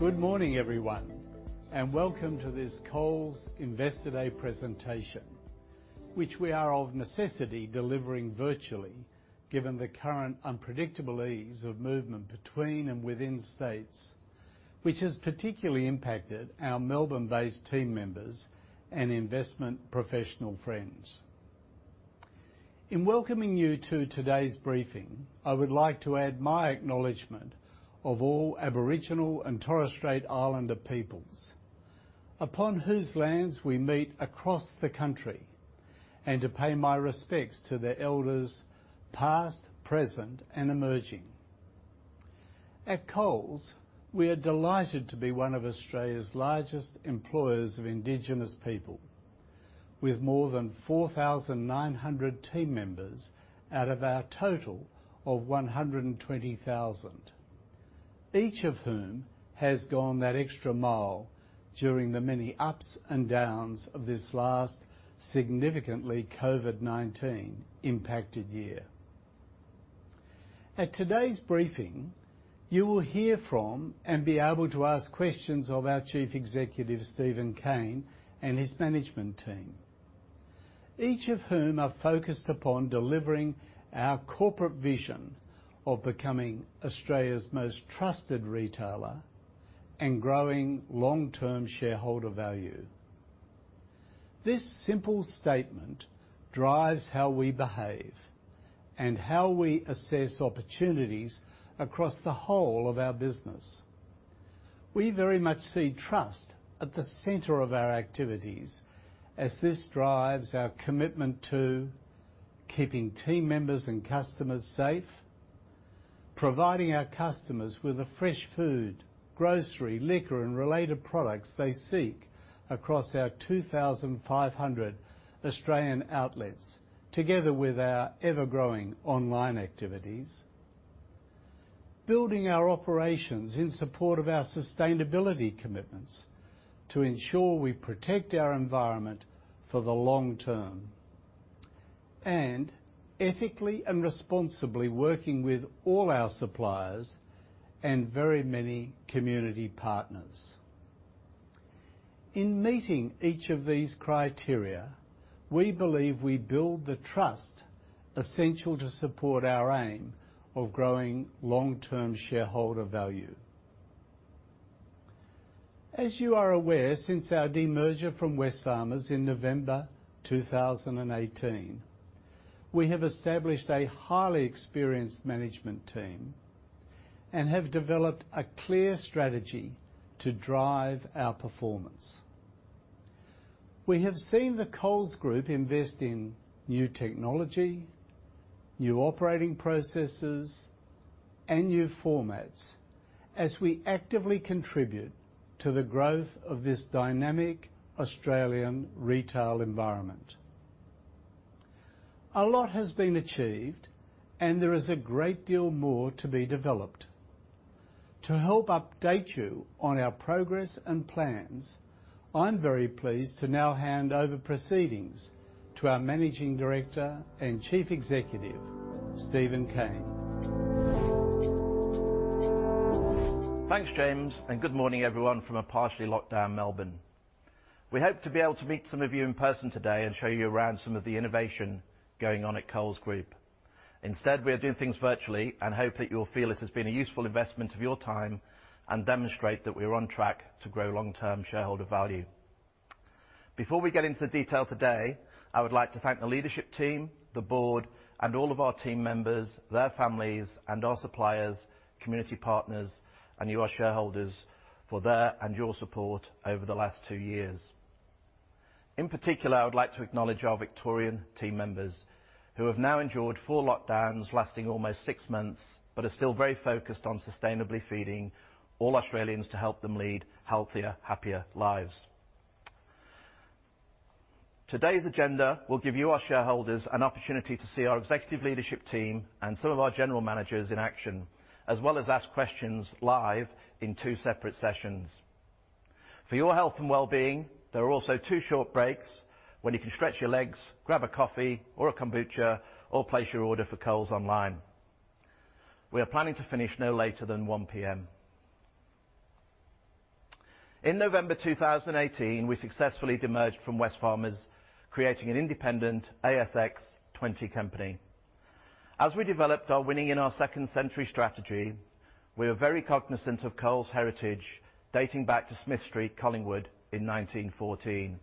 Good morning, everyone, and welcome to this Coles Investor Day presentation, which we are of necessity delivering virtually given the current unpredictable ease of movement between and within states, which has particularly impacted our Melbourne-based team members and investment professional friends. In welcoming you to today's briefing, I would like to add my acknowledgment of all Aboriginal and Torres Strait Islander peoples upon whose lands we meet across the country, and to pay my respects to their elders past, present, and emerging. At Coles, we are delighted to be one of Australia's largest employers of Indigenous people, with more than 4,900 team members out of our total of 120,000, each of whom has gone that extra mile during the many ups and downs of this last significantly COVID-19 impacted year. At today's briefing, you will hear from and be able to ask questions of our Chief Executive, Steven Cain, and his management team, each of whom are focused upon delivering our corporate vision of becoming Australia's most trusted retailer and growing long-term shareholder value. This simple statement drives how we behave and how we assess opportunities across the whole of our business. We very much see trust at the center of our activities as this drives our commitment to keeping team members and customers safe, providing our customers with the fresh food, grocery, liquor, and related products they seek across our 2,500 Australian outlets, together with our ever-growing online activities, building our operations in support of our sustainability commitments to ensure we protect our environment for the long term, and ethically and responsibly working with all our suppliers and very many community partners. In meeting each of these criteria, we believe we build the trust essential to support our aim of growing long-term shareholder value. As you are aware, since our demerger from Wesfarmers in November 2018, we have established a highly experienced management team and have developed a clear strategy to drive our performance. We have seen the Coles Group invest in new technology, new operating processes, and new formats as we actively contribute to the growth of this dynamic Australian retail environment. A lot has been achieved, and there is a great deal more to be developed. To help update you on our progress and plans, I'm very pleased to now hand over proceedings to our Managing Director and Chief Executive, Steven Cain. Thanks, James, and good morning, everyone, from a partially locked-down Melbourne. We hope to be able to meet some of you in person today and show you around some of the innovation going on at Coles Group. Instead, we are doing things virtually and hope that you'll feel it has been a useful investment of your time and demonstrate that we are on track to grow long-term shareholder value. Before we get into the detail today, I would like to thank the leadership team, the board, and all of our team members, their families, and our suppliers, community partners, and you, our shareholders, for their and your support over the last two years. In particular, I would like to acknowledge our Victorian team members who have now endured four lockdowns lasting almost six months but are still very focused on sustainably feeding all Australians to help them lead healthier, happier lives. Today's agenda will give you, our shareholders, an opportunity to see our executive leadership team and some of our general managers in action, as well as ask questions live in two separate sessions. For your health and well-being, there are also two short breaks when you can stretch your legs, grab a coffee or a kombucha, or place your order for Coles online. We are planning to finish no later than 1:00 P.M. In November 2018, we successfully demerged from Wesfarmers, creating an independent ASX 20 company. As we developed our Winning in our Second Century strategy, we were very cognizant of Coles' heritage dating back to Smith Street, Collingwood, in 1914.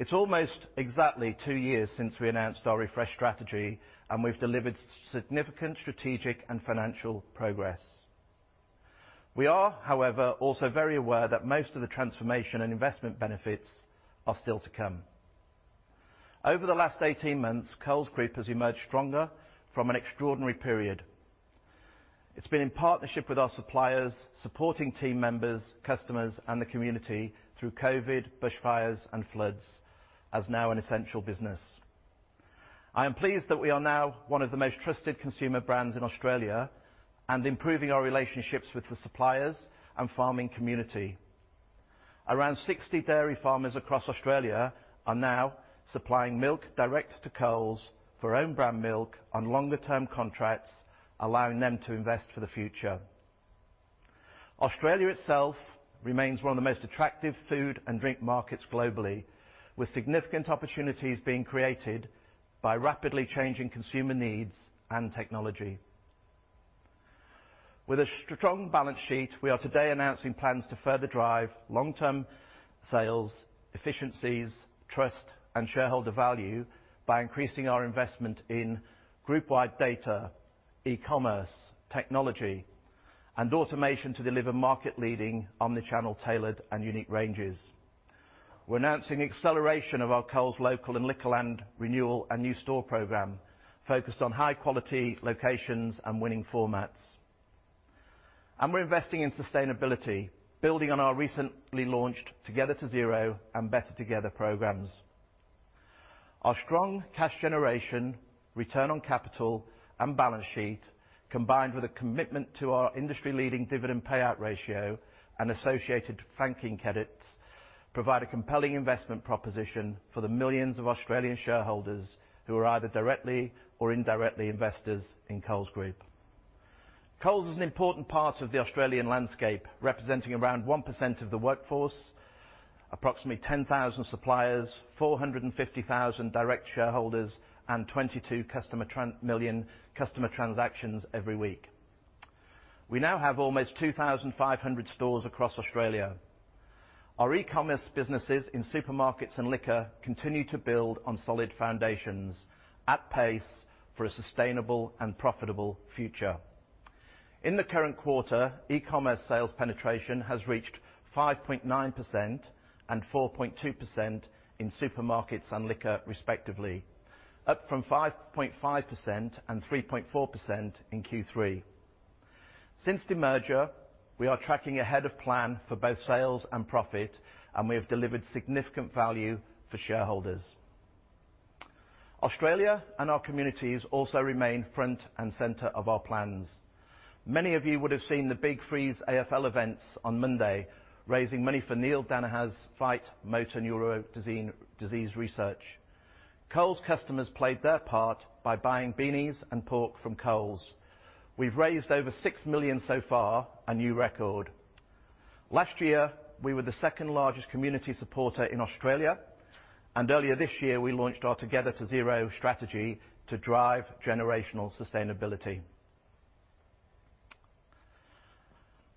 It's almost exactly two years since we announced our refresh strategy, and we've delivered significant strategic and financial progress. We are, however, also very aware that most of the transformation and investment benefits are still to come. Over the last 18 months, Coles Group has emerged stronger from an extraordinary period. It's been in partnership with our suppliers, supporting team members, customers, and the community through COVID, bushfires, and floods as now an essential business. I am pleased that we are now one of the most trusted consumer brands in Australia and improving our relationships with the suppliers and farming community. Around 60 dairy farmers across Australia are now supplying milk direct to Coles for own-brand milk on longer-term contracts, allowing them to invest for the future. Australia itself remains one of the most attractive food and drink markets globally, with significant opportunities being created by rapidly changing consumer needs and technology. With a strong balance sheet, we are today announcing plans to further drive long-term sales, efficiencies, trust, and shareholder value by increasing our investment in group-wide data, e-commerce, technology, and automation to deliver market-leading omnichannel tailored and unique ranges. We're announcing acceleration of our Coles Local and Liquorland Renewal and New Store program focused on high-quality locations and winning formats. And we're investing in sustainability, bu ilding on our recently launched Together to Zero and Better Together programs. Our strong cash generation, return on capital, and balance sheet, combined with a commitment to our industry-leading dividend payout ratio and associated franking credits, provide a compelling investment proposition for the millions of Australian shareholders who are either directly or indirectly investors in Coles Group. Coles is an important part of the Australian landscape, representing around 1% of the workforce, approximately 10,000 suppliers, 450,000 direct shareholders, and 22 million customer transactions every week. We now have almost 2,500 stores across Australia. Our e-commerce businesses in supermarkets and liquor continue to build on solid foundations at pace for a sustainable and profitable future. In the current quarter, e-commerce sales penetration has reached 5.9% and 4.2% in supermarkets and liquor, respectively, up from 5.5% and 3.4% in Q3. Since demerger, we are tracking ahead of plan for both sales and profit, and we have delivered significant value for shareholders. Australia and our communities also remain front and center of our plans. Many of you would have seen the Big Freeze AFL events on Monday, raising money for Neale Daniher's fight, motor neurone disease research. Coles customers played their part by buying beanies and scarves from Coles. We've raised over 6 million so far, a new record. Last year, we were the second-largest community supporter in Australia, and earlier this year, we launched our Together to Zero strategy to drive generational sustainability.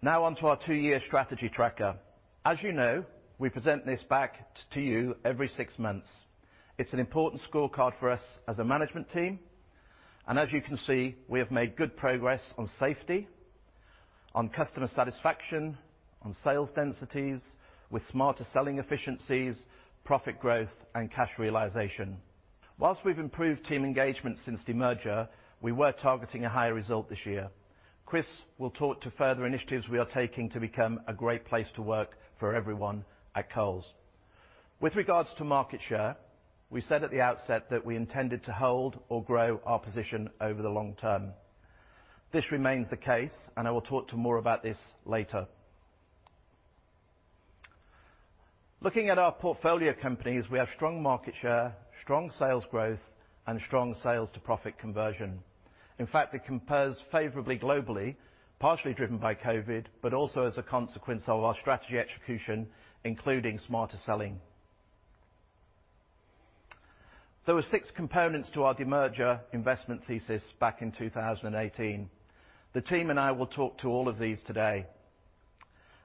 Now on to our two-year strategy tracker. As you know, we present this back to you every six months. It's an important scorecard for us as a management team, and as you can see, we have made good progress on safety, on customer satisfaction, on sales densities, with smarter selling efficiencies, profit growth, and cash realization. While we've improved team engagement since demerger, we were targeting a higher result this year. Kris will talk to further initiatives we are taking to become a great place to work for everyone at Coles. With regards to market share, we said at the outset that we intended to hold or grow our position over the long term. This remains the case, and I will talk to more about this later. Looking at our portfolio companies, we have strong market share, strong sales growth, and strong sales-to-profit conversion. In fact, it compares favorably globally, partially driven by COVID, but also as a consequence of our strategy execution, including smarter selling. There were six components to our demerger investment thesis back in 2018. The team and I will talk to all of these today.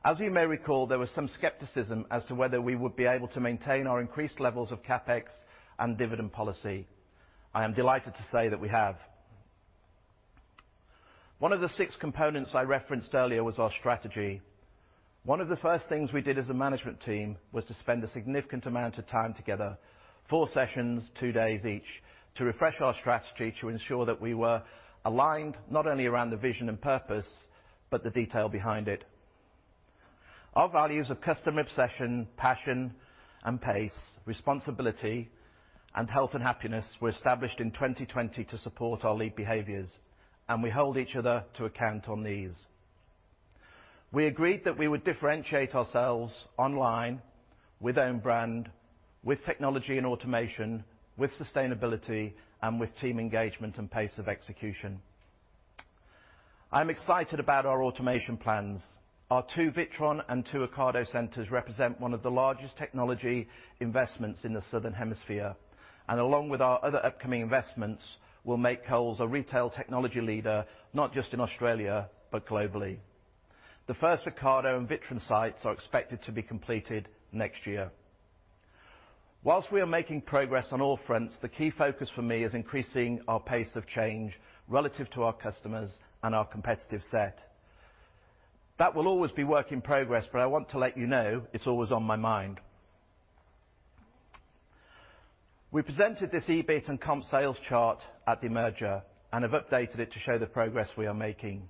As you may recall, there was some skepticism as to whether we would be able to maintain our increased levels of CapEx and dividend policy. I am delighted to say that we have. One of the six components I referenced earlier was our strategy. One of the first things we did as a management team was to spend a significant amount of time together, four sessions, two days each, to refresh our strategy to ensure that we were aligned not only around the vision and purpose but the detail behind it. Our values of customer obsession, passion, and pace, responsibility, and health and happiness were established in 2020 to support our lead behaviors, and we hold each other to account on these. We agreed that we would differentiate ourselves online with own brand, with technology and automation, with sustainability, and with team engagement and pace of execution. I'm excited about our automation plans. Our two Witron and two Ocado centers represent one of the largest technology investments in the Southern Hemisphere, and along with our other upcoming investments, we'll make Coles a retail technology leader not just in Australia but globally. The first Ocado and Witron sites are expected to be completed next year. While we are making progress on all fronts, the key focus for me is increasing our pace of change relative to our customers and our competitive set. That will always be work in progress, but I want to let you know it's always on my mind. We presented this EBIT and comp sales chart at demerger and have updated it to show the progress we are making.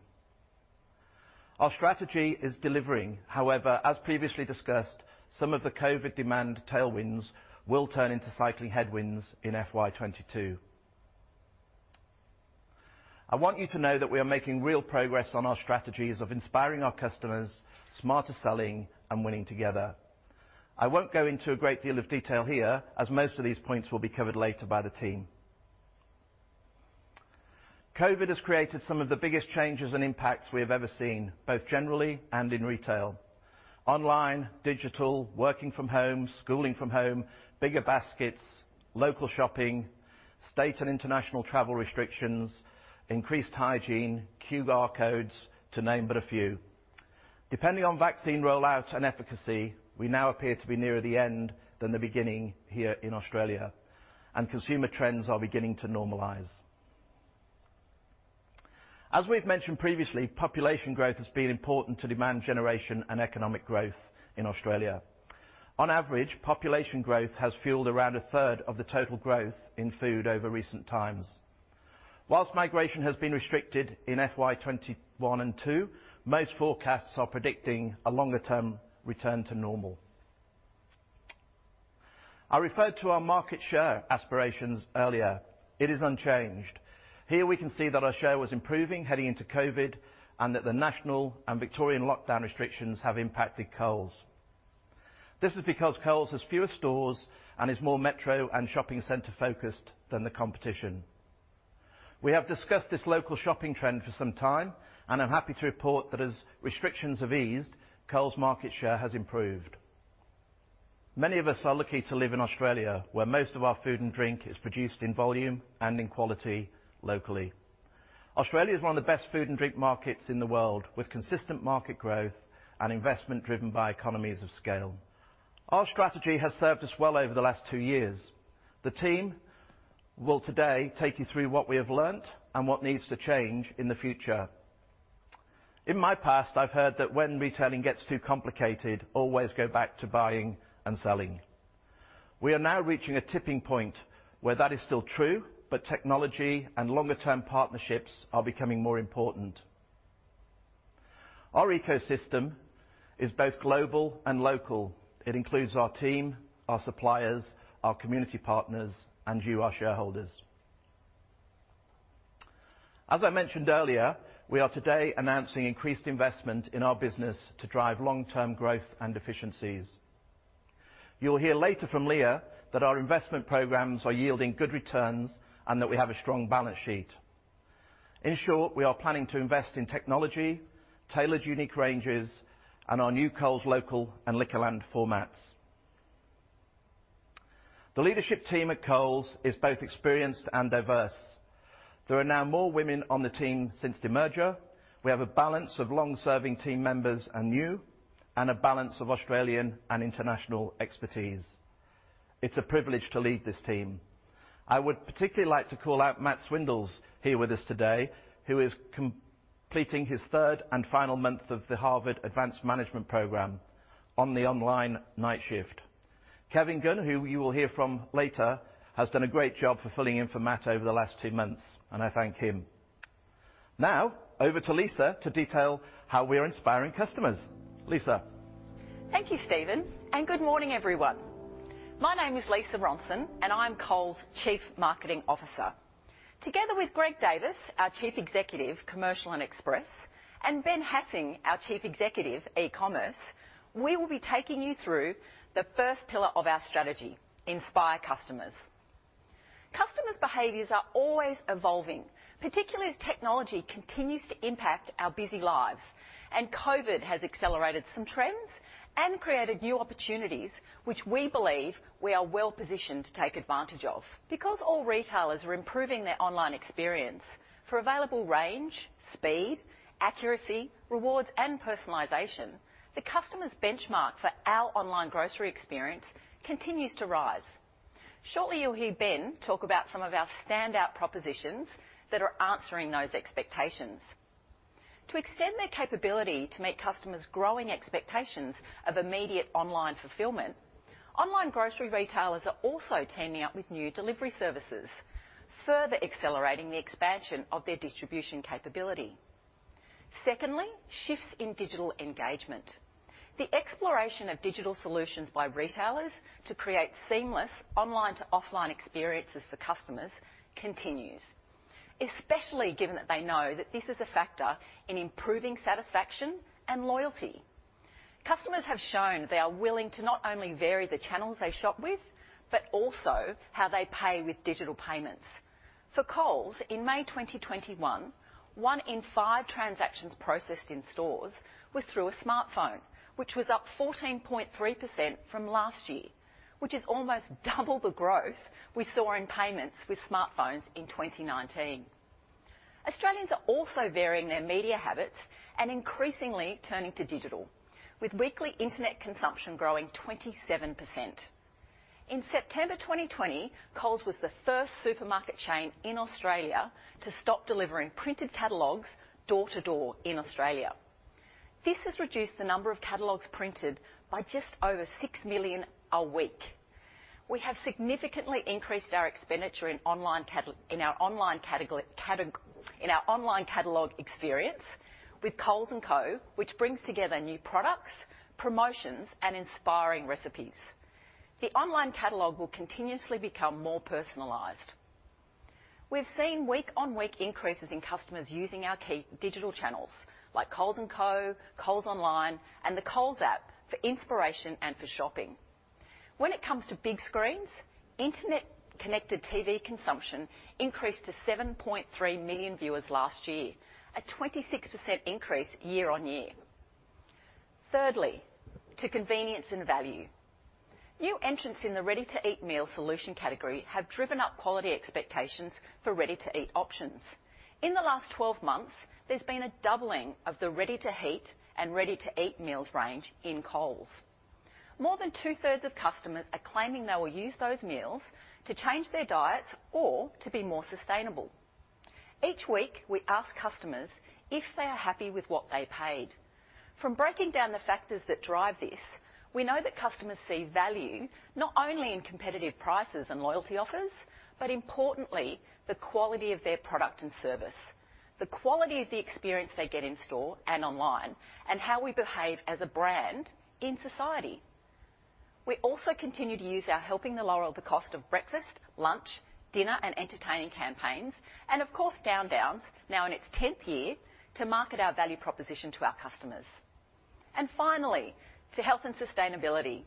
Our strategy is delivering. However, as previously discussed, some of the COVID demand tailwinds will turn into cycling headwinds in FY22. I want you to know that we are making real progress on our strategies of inspiring our customers, Smarter Selling, and Winning Together. I won't go into a great deal of detail here as most of these points will be covered later by the team. COVID has created some of the biggest changes and impacts we have ever seen, both generally and in retail: online, digital, working from home, schooling from home, bigger baskets, local shopping, state and international travel restrictions, increased hygiene, QR codes, to name but a few. Depending on vaccine rollout and efficacy, we now appear to be nearer the end than the beginning here in Australia, and consumer trends are beginning to normalize. As we've mentioned previously, population growth has been important to demand generation and economic growth in Australia. On average, population growth has fueled around a third of the total growth in food over recent times. While migration has been restricted in FY21 and FY22, most forecasts are predicting a longer-term return to normal. I referred to our market share aspirations earlier. It is unchanged. Here we can see that our share was improving heading into COVID and that the national and Victorian lockdown restrictions have impacted Coles. This is because Coles has fewer stores and is more metro and shopping center-focused than the competition. We have discussed this local shopping trend for some time and I'm happy to report that as restrictions have eased, Coles market share has improved. Many of us are lucky to live in Australia, where most of our food and drink is produced in volume and in quality locally. Australia is one of the best food and drink markets in the world with consistent market growth and investment driven by economies of scale. Our strategy has served us well over the last two years. The team will today take you through what we have learned and what needs to change in the future. In my past, I've heard that when retailing gets too complicated, always go back to buying and selling. We are now reaching a tipping point where that is still true, but technology and longer-term partnerships are becoming more important. Our ecosystem is both global and local. It includes our team, our suppliers, our community partners, and you, our shareholders. As I mentioned earlier, we are today announcing increased investment in our business to drive long-term growth and efficiencies. You'll hear later from Leah that our investment programs are yielding good returns and that we have a strong balance sheet. In short, we are planning to invest in technology, tailored unique ranges, and our new Coles Local and Liquorland formats. The leadership team at Coles is both experienced and diverse. There are now more women on the team since demerger. We have a balance of long-serving team members and new, and a balance of Australian and international expertise. It's a privilege to lead this team. I would particularly like to call out Matt Swindells here with us today, who is completing his third and final month of the Harvard Advanced Management Program on the online night shift. Kevin Gunn, who you will hear from later, has done a great job fulfilling in for Matt over the last two months, and I thank him. Now, over to Lisa to detail how we are inspiring customers. Lisa. Thank you, Steven, and good morning, everyone. My name is Lisa Ronson, and I am Coles' Chief Marketing Officer. Together with Greg Davis, our Chief Executive, Commercial and Express, and Ben Hassing, our Chief Executive, E-commerce, we will be taking you through the first pillar of our strategy, inspire customers. Customers' behaviors are always evolving, particularly as technology continues to impact our busy lives, and COVID has accelerated some trends and created new opportunities, which we believe we are well-positioned to take advantage of. Because all retailers are improving their online experience for available range, speed, accuracy, rewards, and personalization, the customers' benchmark for our online grocery experience continues to rise. Shortly, you'll hear Ben talk about some of our standout propositions that are answering those expectations. To extend their capability to meet customers' growing expectations of immediate online fulfillment, online grocery retailers are also teaming up with new delivery services, further accelerating the expansion of their distribution capability. Secondly, shifts in digital engagement. The exploration of digital solutions by retailers to create seamless online-to-offline experiences for customers continues, especially given that they know that this is a factor in improving satisfaction and loyalty. Customers have shown they are willing to not only vary the channels they shop with, but also how they pay with digital payments. For Coles, in May 2021, one in five transactions processed in stores was through a smartphone, which was up 14.3% from last year, which is almost double the growth we saw in payments with smartphones in 2019. Australians are also varying their media habits and increasingly turning to digital, with weekly internet consumption growing 27%. In September 2020, Coles was the first supermarket chain in Australia to stop delivering printed catalogs door-to-door in Australia. This has reduced the number of catalogs printed by just over 6 million a week. We have significantly increased our expenditure in our online catalog experience with Coles & Co, which brings together new products, promotions, and inspiring recipes. The online catalog will continuously become more personalized. We've seen week-on-week increases in customers using our key digital channels like Coles & Co, Coles Online, and the Coles app for inspiration and for shopping. When it comes to big screens, internet-connected TV consumption increased to 7.3 million viewers last year, a 26% increase year-on-year. Thirdly, to convenience and value. New entrants in the ready-to-eat meal solution category have driven up quality expectations for ready-to-eat options. In the last 12 months, there's been a doubling of the ready-to-heat and ready-to-eat meals range in Coles. More than two-thirds of customers are claiming they will use those meals to change their diets or to be more sustainable. Each week, we ask customers if they are happy with what they paid. From breaking down the factors that drive this, we know that customers see value not only in competitive prices and loyalty offers, but importantly, the quality of their product and service, the quality of the experience they get in store and online, and how we behave as a brand in society. We also continue to use our Half Price Breakfast, Lunch, Dinner, and Entertaining campaigns, and of course, Down Down, now in its 10th year, to market our value proposition to our customers. Finally, to health and sustainability.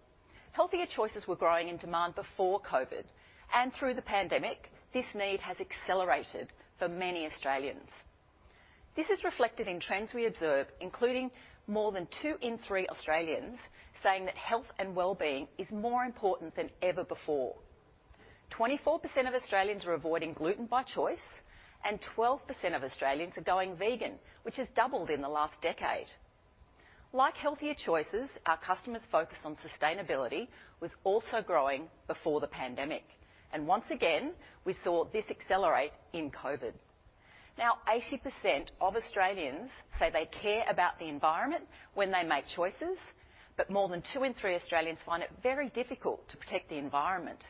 Healthier choices were growing in demand before COVID, and through the pandemic, this need has accelerated for many Australians. This is reflected in trends we observe, including more than two in three Australians saying that health and well-being is more important than ever before. 24% of Australians are avoiding gluten by choice, and 12% of Australians are going vegan, which has doubled in the last decade. Like healthier choices, our customers' focus on sustainability was also growing before the pandemic, and once again, we saw this accelerate in COVID. Now, 80% of Australians say they care about the environment when they make choices, but more than two in three Australians find it very difficult to protect the environment.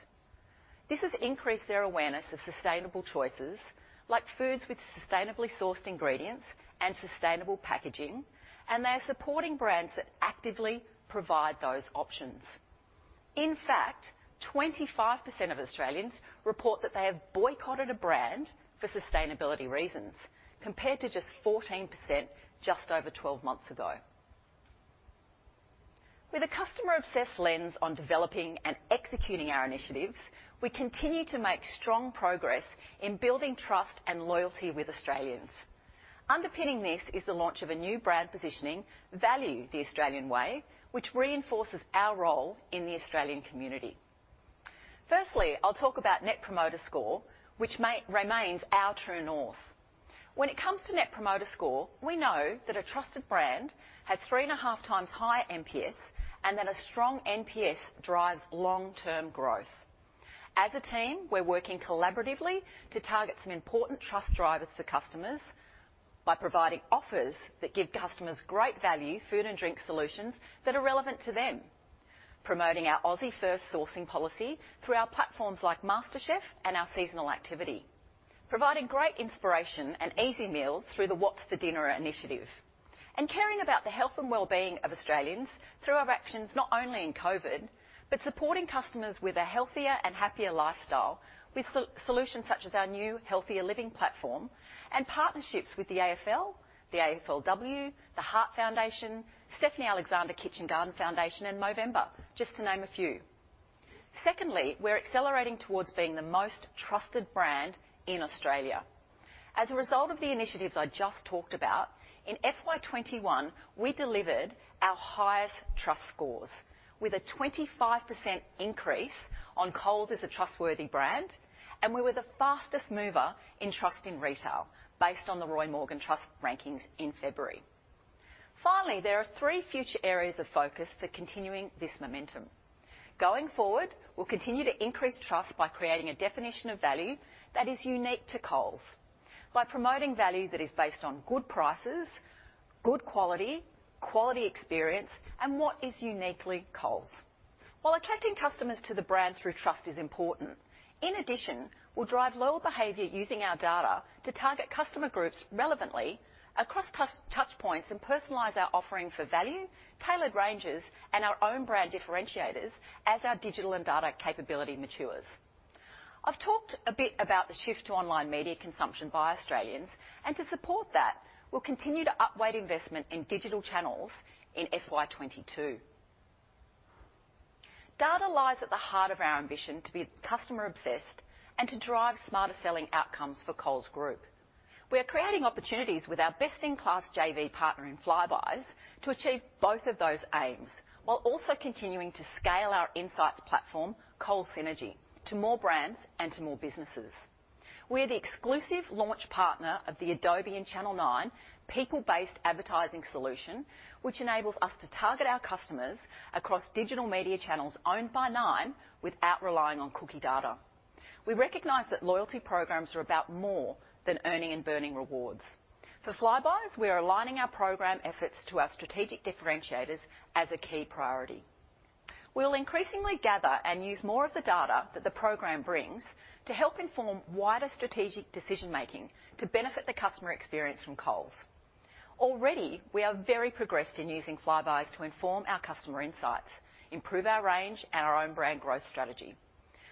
This has increased their awareness of sustainable choices like foods with sustainably sourced ingredients and sustainable packaging, and they are supporting brands that actively provide those options. In fact, 25% of Australians report that they have boycotted a brand for sustainability reasons, compared to just 14% just over 12 months ago. With a customer-obsessed lens on developing and executing our initiatives, we continue to make strong progress in building trust and loyalty with Australians. Underpinning this is the launch of a new brand positioning, Value the Australian Way, which reinforces our role in the Australian community. First, I'll talk about Net Promoter Score, which remains our true north. When it comes to Net Promoter Score, we know that a trusted brand has three and a half times higher NPS and that a strong NPS drives long-term growth. As a team, we're working collaboratively to target some important trust drivers for customers by providing offers that give customers great value food and drink solutions that are relevant to them, promoting our Aussie-first sourcing policy through our platforms like MasterChef and our seasonal activity, providing great inspiration and easy meals through the What's for Dinner initiative, and caring about the health and well-being of Australians through our actions not only in COVID, but supporting customers with a healthier and happier lifestyle with solutions such as our new Healthier Living platform and partnerships with the AFL, the AFLW, the Heart Foundation, Stephanie Alexander Kitchen Garden Foundation, and Movember, just to name a few. Secondly, we're accelerating towards being the most trusted brand in Australia. As a result of the initiatives I just talked about, in FY21, we delivered our highest trust scores with a 25% increase on Coles as a trustworthy brand, and we were the fastest mover in trust in retail based on the Roy Morgan Trust rankings in February. Finally, there are three future areas of focus for continuing this momentum. Going forward, we'll continue to increase trust by creating a definition of value that is unique to Coles, by promoting value that is based on good prices, good quality, quality experience, and what is uniquely Coles. While attracting customers to the brand through trust is important, in addition, we'll drive loyal behavior using our data to target customer groups relevantly across touchpoints and personalize our offering for value, tailored ranges, and our own brand differentiators as our digital and data capability matures. I've talked a bit about the shift to online media consumption by Australians, and to support that, we'll continue to upweight investment in digital channels in FY22. Data lies at the heart of our ambition to be customer-obsessed and to drive smarter selling outcomes for Coles Group. We are creating opportunities with our best-in-class JV partner in Flybuys to achieve both of those aims while also continuing to scale our insights platform, Coles Synergy, to more brands and to more businesses. We are the exclusive launch partner of the Adobe and Channel 9 people-based advertising solution, which enables us to target our customers across digital media channels owned by Nine without relying on cookie data. We recognize that loyalty programs are about more than earning and burning rewards. For Flybuys, we are aligning our program efforts to our strategic differentiators as a key priority. We will increasingly gather and use more of the data that the program brings to help inform wider strategic decision-making to benefit the customer experience from Coles. Already, we are very progressed in using Flybuys to inform our customer insights, improve our range, and our own brand growth strategy.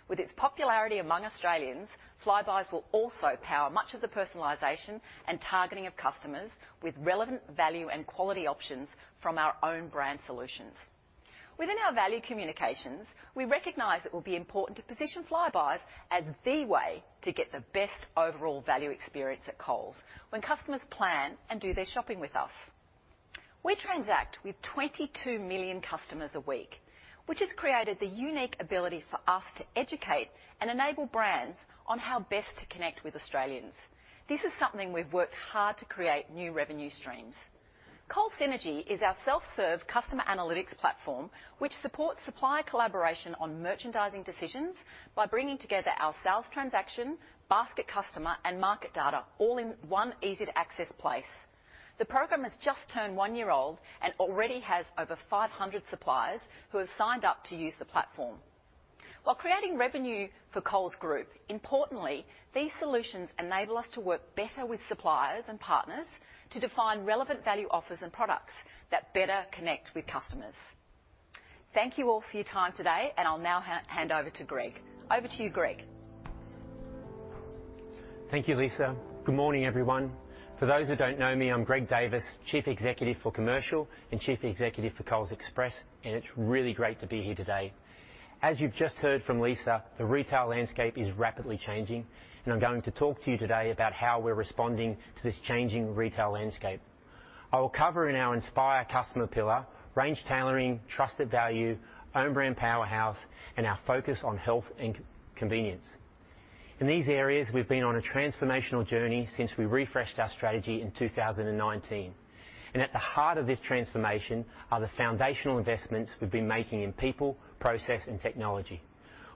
With its popularity among Australians, Flybuys will also power much of the personalization and targeting of customers with relevant value and quality options from our own brand solutions. Within our value communications, we recognize it will be important to position Flybuys as the way to get the best overall value experience at Coles when customers plan and do their shopping with us. We transact with 22 million customers a week, which has created the unique ability for us to educate and enable brands on how best to connect with Australians. This is something we've worked hard to create new revenue streams. Coles Synergy is our self-serve customer analytics platform, which supports supplier collaboration on merchandising decisions by bringing together our sales transaction, basket customer, and market data all in one easy-to-access place. The program has just turned one year old and already has over 500 suppliers who have signed up to use the platform. While creating revenue for Coles Group, importantly, these solutions enable us to work better with suppliers and partners to define relevant value offers and products that better connect with customers. Thank you all for your time today, and I'll now hand over to Greg. Over to you, Greg. Thank you, Lisa. Good morning, everyone. For those who don't know me, I'm Greg Davis, Chief Executive, Commercial and Chief Executive, Coles Express, and it's really great to be here today. As you've just heard from Lisa, the retail landscape is rapidly changing, and I'm going to talk to you today about how we're responding to this changing retail landscape. I will cover in our Inspire customer pillar, range tailoring, trusted value, own brand powerhouse, and our focus on health and convenience. In these areas, we've been on a transformational journey since we refreshed our strategy in 2019, and at the heart of this transformation are the foundational investments we've been making in people, process, and technology.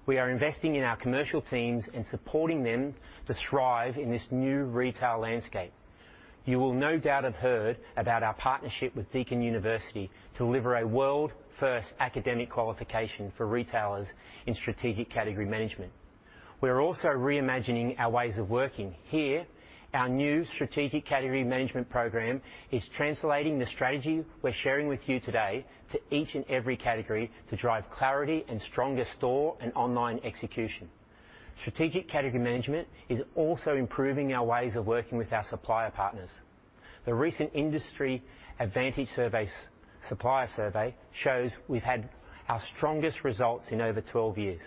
We are investing in our commercial teams and supporting them to thrive in this new retail landscape. You will no doubt have heard about our partnership with Deakin University to deliver a world-first academic qualification for retailers in strategic category management. We are also reimagining our ways of working here. Our new strategic category management program is translating the strategy we're sharing with you today to each and every category to drive clarity and stronger store and online execution. Strategic category management is also improving our ways of working with our supplier partners. The recent industry advantage supplier survey shows we've had our strongest results in over 12 years.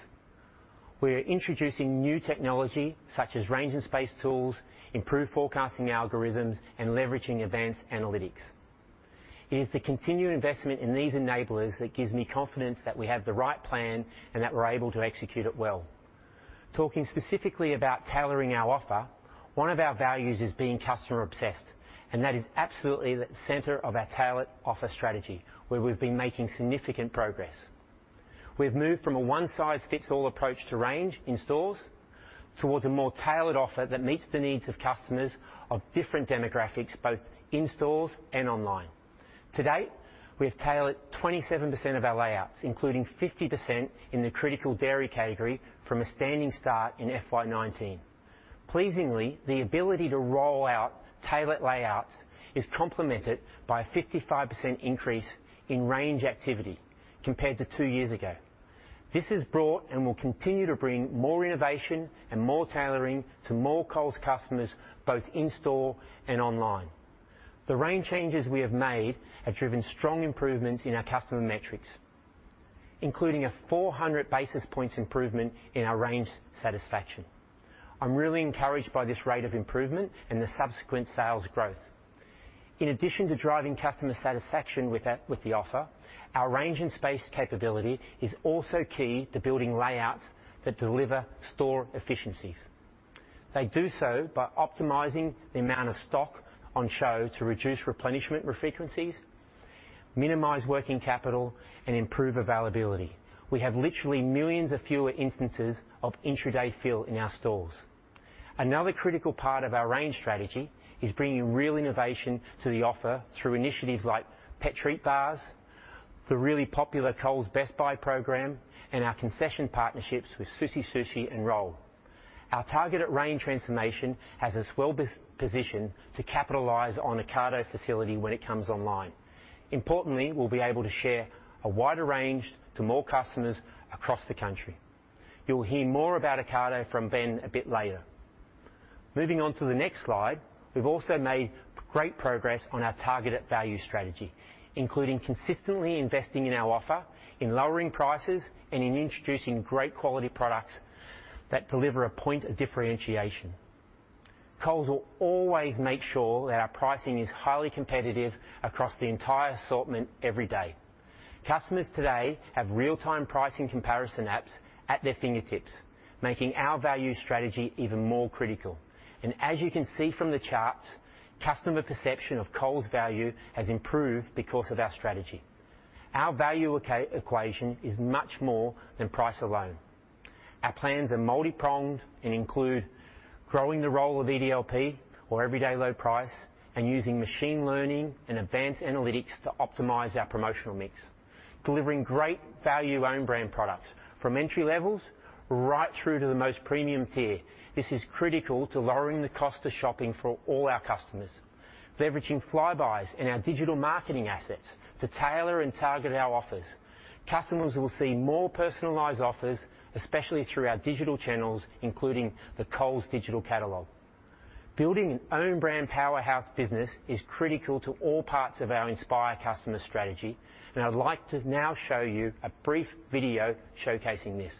We are introducing new technology such as range and space tools, improved forecasting algorithms, and leveraging advanced analytics. It is the continued investment in these enablers that gives me confidence that we have the right plan and that we're able to execute it well. Talking specifically about tailoring our offer, one of our values is being customer-obsessed, and that is absolutely the center of our tailored offer strategy, where we've been making significant progress. We've moved from a one-size-fits-all approach to range in stores towards a more tailored offer that meets the needs of customers of different demographics, both in stores and online. To date, we have tailored 27% of our layouts, including 50% in the critical dairy category, from a standing start in FY19. Pleasingly, the ability to roll out tailored layouts is complemented by a 55% increase in range activity compared to two years ago. This has brought and will continue to bring more innovation and more tailoring to more Coles customers, both in store and online. The range changes we have made have driven strong improvements in our customer metrics, including a 400 basis points improvement in our range satisfaction. I'm really encouraged by this rate of improvement and the subsequent sales growth. In addition to driving customer satisfaction with the offer, our range and space capability is also key to building layouts that deliver store efficiencies. They do so by optimizing the amount of stock on show to reduce replenishment frequencies, minimize working capital, and improve availability. We have literally millions of fewer instances of intraday fill in our stores. Another critical part of our range strategy is bringing real innovation to the offer through initiatives like pet treat bars, the really popular Coles Best Buys program, and our concession partnerships with Sushi Sushi and Roll'd. Our target at range transformation has us well positioned to capitalize on an Ocado facility when it comes online. Importantly, we'll be able to share a wider range to more customers across the country. You'll hear more about Ocado from Ben a bit later. Moving on to the next slide, we've also made great progress on our targeted value strategy, including consistently investing in our offer, in lowering prices, and in introducing great quality products that deliver a point of differentiation. Coles will always make sure that our pricing is highly competitive across the entire assortment every day. Customers today have real-time pricing comparison apps at their fingertips, making our value strategy even more critical, and as you can see from the charts, customer perception of Coles value has improved because of our strategy. Our value equation is much more than price alone. Our plans are multi-pronged and include growing the role of EDLP or everyday low price and using machine learning and advanced analytics to optimize our promotional mix, delivering great value own brand products from entry levels right through to the most premium tier. This is critical to lowering the cost of shopping for all our customers, leveraging Flybuys and our digital marketing assets to tailor and target our offers. Customers will see more personalized offers, especially through our digital channels, including the Coles Digital Catalog. Building an own brand powerhouse business is critical to all parts of our Inspire customer strategy, and I'd like to now show you a brief video showcasing this.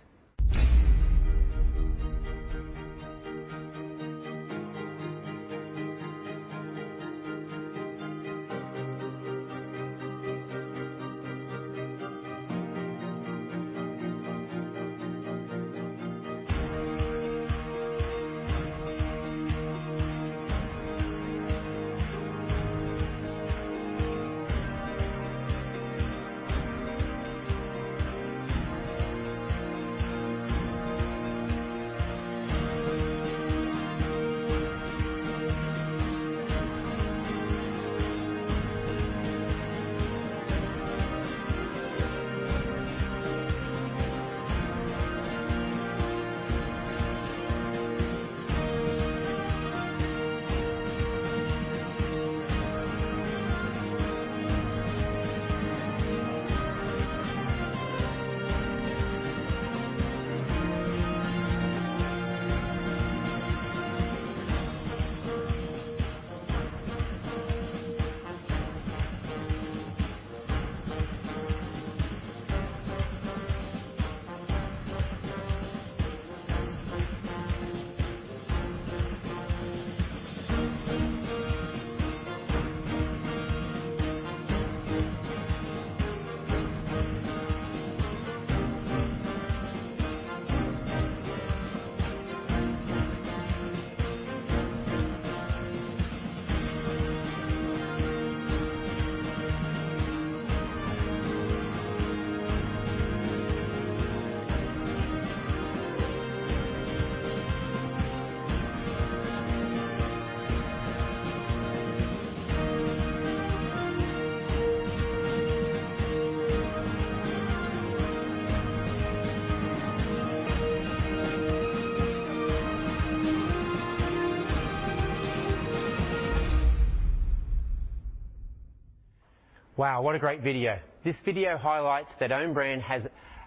Wow, what a great video. This video highlights that own brand has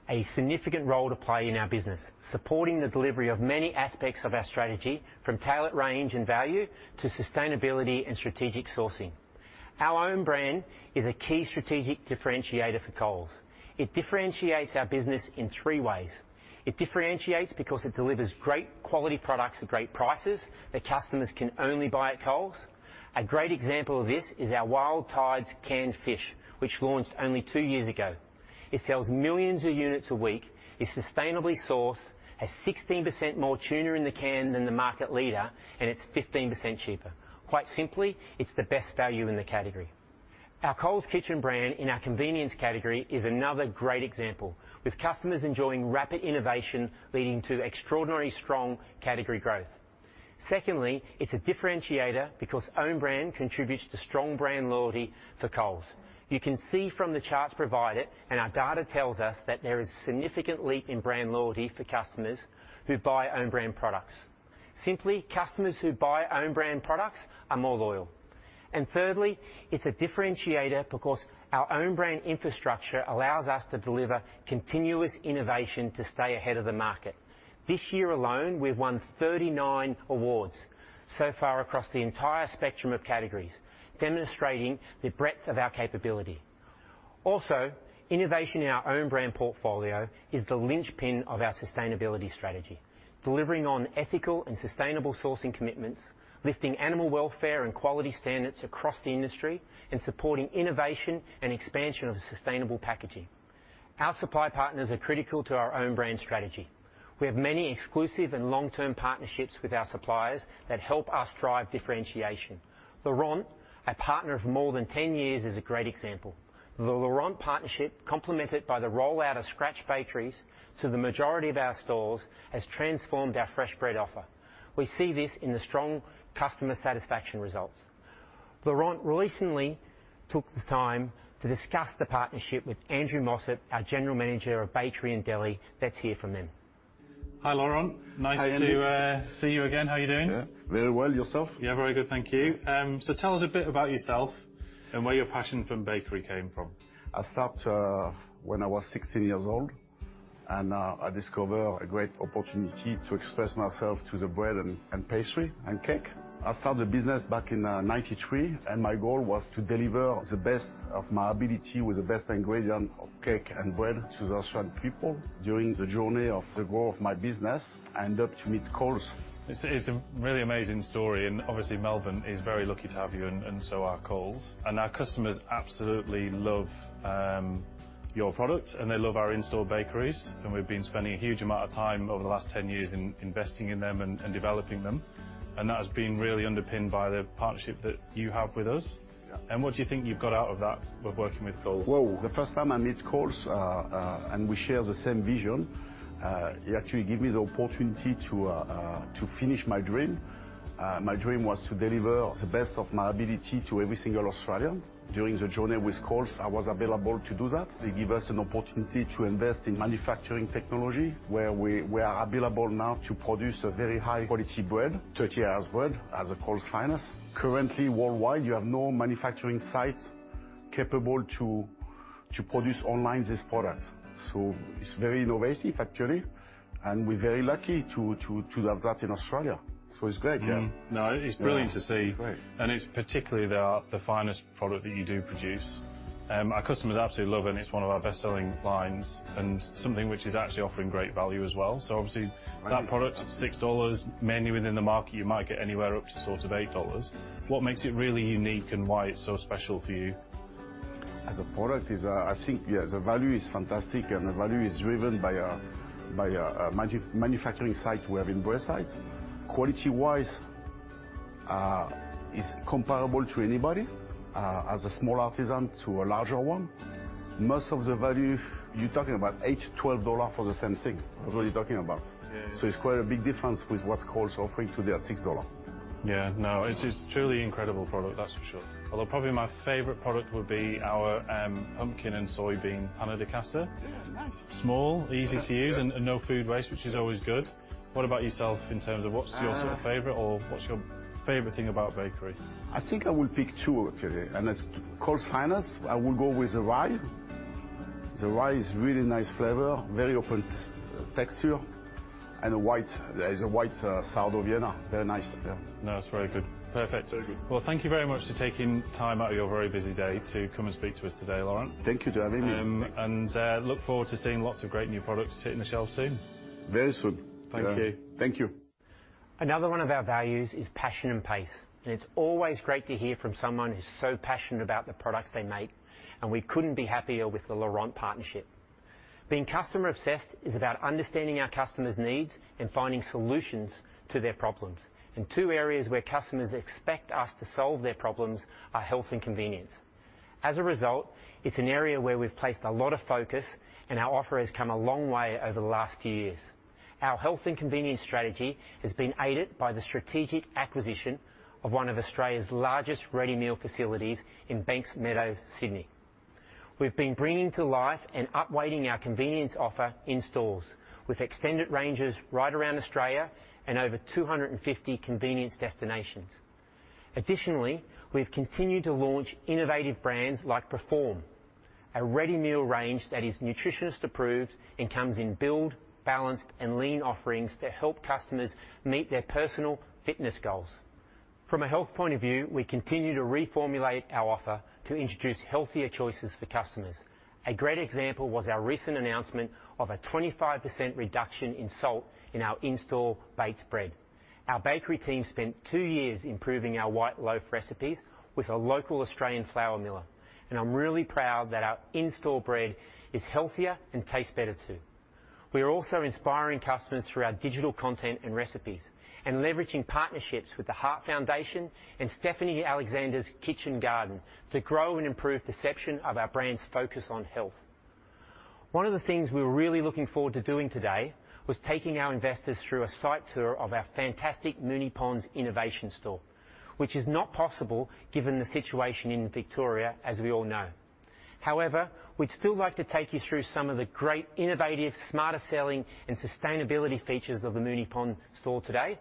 a significant role to play in our business, supporting the delivery of many aspects of our strategy, from tailored range and value to sustainability and strategic sourcing. Our own brand is a key strategic differentiator for Coles. It differentiates our business in three ways. It differentiates because it delivers great quality products at great prices that customers can only buy at Coles. A great example of this is our Wild Tides canned fish, which launched only two years ago. It sells millions of units a week, is sustainably sourced, has 16% more tuna in the can than the market leader, and it's 15% cheaper. Quite simply, it's the best value in the category. Our Coles Kitchen brand in our convenience category is another great example, with customers enjoying rapid innovation leading to extraordinarily strong category growth. Secondly, it's a differentiator because own brand contributes to strong brand loyalty for Coles. You can see from the charts provided, and our data tells us that there is a significant leap in brand loyalty for customers who buy own brand products. Simply, customers who buy own brand products are more loyal. And thirdly, it's a differentiator because our own brand infrastructure allows us to deliver continuous innovation to stay ahead of the market. This year alone, we've won 39 awards so far across the entire spectrum of categories, demonstrating the breadth of our capability. Also, innovation in our own brand portfolio is the linchpin of our sustainability strategy, delivering on ethical and sustainable sourcing commitments, lifting animal welfare and quality standards across the industry, and supporting innovation and expansion of sustainable packaging. Our supply partners are critical to our own brand strategy. We have many exclusive and long-term partnerships with our suppliers that help us drive differentiation. Laurent, a partner of more than 10 years, is a great example. The Laurent partnership, complemented by the rollout of scratch bakeries to the majority of our stores, has transformed our fresh bread offer. We see this in the strong customer satisfaction results. Laurent recently took the time to discuss the partnership with Andrew Mossop, our General Manager of Bakery and Deli. Let's hear from them. Hi Laurent. Nice to see you again. How are you doing? Very well. Yourself? Yeah, very good. Thank you. So tell us a bit about yourself and where your passion for bakery came from? I started when I was 16 years old, and I discovered a great opportunity to express myself through the bread and pastry and cake. I started the business back in 1993, and my goal was to deliver the best of my ability with the best ingredient of cake and bread to the Australian people. During the journey of the growth of my business, I ended up to meet Coles. It's a really amazing story. And obviously, Melbourne is very lucky to have you, and so are Coles. And our customers absolutely love your products, and they love our in-store bakeries. And we've been spending a huge amount of time over the last 10 years investing in them and developing them. And that has been really underpinned by the partnership that you have with us. And what do you think you've got out of that with working with Coles? The first time I met Coles, and we share the same vision, it actually gave me the opportunity to finish my dream. My dream was to deliver the best of my ability to every single Australian. During the journey with Coles, I was available to do that. It gave us an opportunity to invest in manufacturing technology, where we are available now to produce a very high-quality bread, 30 hours bread, as a Coles franchise. Currently, worldwide, you have no manufacturing sites capable to produce online this product. So it's very innovative, actually, and we're very lucky to have that in Australia. So it's great, yeah. No, it's brilliant to see. It's great. And it's particularly the finest product that you do produce. Our customers absolutely love it, and it's one of our best-selling lines and something which is actually offering great value as well. So obviously, that product, 6 dollars, mainly within the market, you might get anywhere up to sort of 8 dollars. What makes it really unique and why it's so special for you? As a product, I think, yeah, the value is fantastic, and the value is driven by a manufacturing site we have in Brussels. Quality-wise, it's comparable to anybody, as a small artisan to a larger one. Most of the value, you're talking about 8, 12 dollars for the same thing. That's what you're talking about. So it's quite a big difference with what Coles is offering today at 6 dollars. Yeah, no, it's a truly incredible product, that's for sure. Although probably my favorite product would be our pumpkin and soybean panna di cucina. Yeah, nice. Small, easy to use, and no food waste, which is always good. What about yourself in terms of what's your sort of favorite or what's your favorite thing about bakery? I think I will pick two, actually. And as Coles finance, I will go with the rye. The rye is a really nice flavor, very open texture, and a white sourdough Vienna, very nice. No, it's very good. Perfect. Very good. Thank you very much for taking time out of your very busy day to come and speak to us today, Laurent. Thank you for having me. Look forward to seeing lots of great new products hitting the shelves soon. Very soon. Thank you. Thank you. Another one of our values is passion and pace, and it's always great to hear from someone who's so passionate about the products they make, and we couldn't be happier with the Laurent partnership. Being customer-obsessed is about understanding our customers' needs and finding solutions to their problems, and two areas where customers expect us to solve their problems are health and convenience. As a result, it's an area where we've placed a lot of focus, and our offer has come a long way over the last few years. Our health and convenience strategy has been aided by the strategic acquisition of one of Australia's largest ready meal facilities in Banksmeadow, Sydney. We've been bringing to life and upgrading our convenience offer in stores with extended ranges right around Australia and over 250 convenience destinations. Additionally, we've continued to launch innovative brands like Perform, a ready meal range that is nutritionist-approved and comes in build, balanced, and lean offerings to help customers meet their personal fitness goals. From a health point of view, we continue to reformulate our offer to introduce healthier choices for customers. A great example was our recent announcement of a 25% reduction in salt in our in-store baked bread. Our bakery team spent two years improving our white loaf recipes with a local Australian flour miller. And I'm really proud that our in-store bread is healthier and tastes better too. We are also inspiring customers through our digital content and recipes and leveraging partnerships with the Heart Foundation and Stephanie Alexander's Kitchen Garden to grow and improve the perception of our brand's focus on health. One of the things we were really looking forward to doing today was taking our investors through a site tour of our fantastic Moonee Ponds innovation store, which is not possible given the situation in Victoria, as we all know. However, we'd still like to take you through some of the great innovative, Smarter Selling, and sustainability features of the Moonee Ponds store today.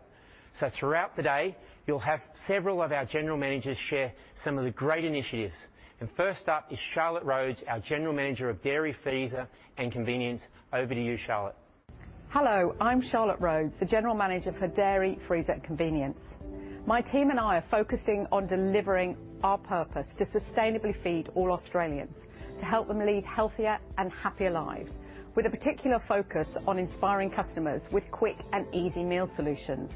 So throughout the day, you'll have several of our general managers share some of the great initiatives. And first up is Charlotte Rhodes, our General Manager of Dairy, Freezer, and Convenience. Over to you, Charlotte. Hello, I'm Charlotte Rhodes, the General Manager for Dairy, Freezer, and Convenience. My team and I are focusing on delivering our purpose to sustainably feed all Australians to help them lead healthier and happier lives, with a particular focus on inspiring customers with quick and easy meal solutions.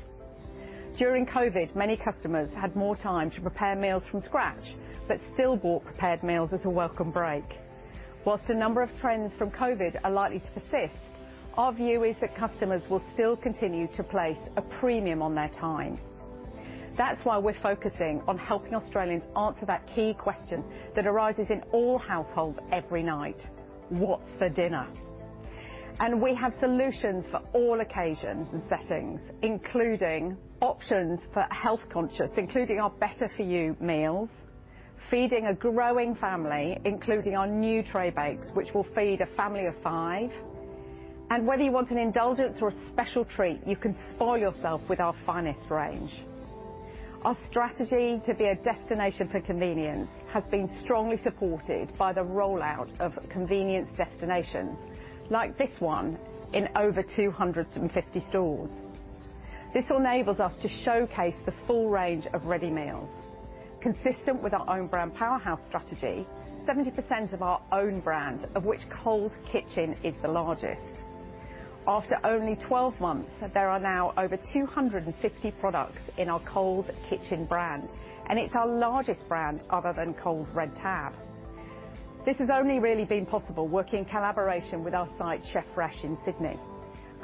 During COVID, many customers had more time to prepare meals from scratch but still bought prepared meals as a welcome break. While a number of trends from COVID are likely to persist, our view is that customers will still continue to place a premium on their time. That's why we're focusing on helping Australians answer that key question that arises in all households every night: What's for Dinner? We have solutions for all occasions and settings, including options for health-conscious, including our Better For You meals, feeding a growing family, including our new tray bakes, which will feed a family of five. And whether you want an indulgence or a special treat, you can spoil yourself with our finest range. Our strategy to be a destination for convenience has been strongly supported by the rollout of convenience destinations like this one in over 250 stores. This enables us to showcase the full range of ready meals. Consistent with our own brand powerhouse strategy, 70% of our own brand, of which Coles Kitchen is the largest. After only 12 months, there are now over 250 products in our Coles Kitchen brand, and it's our largest brand other than Coles Red Tab. This has only really been possible working in collaboration with our site, Chef Fresh in Sydney.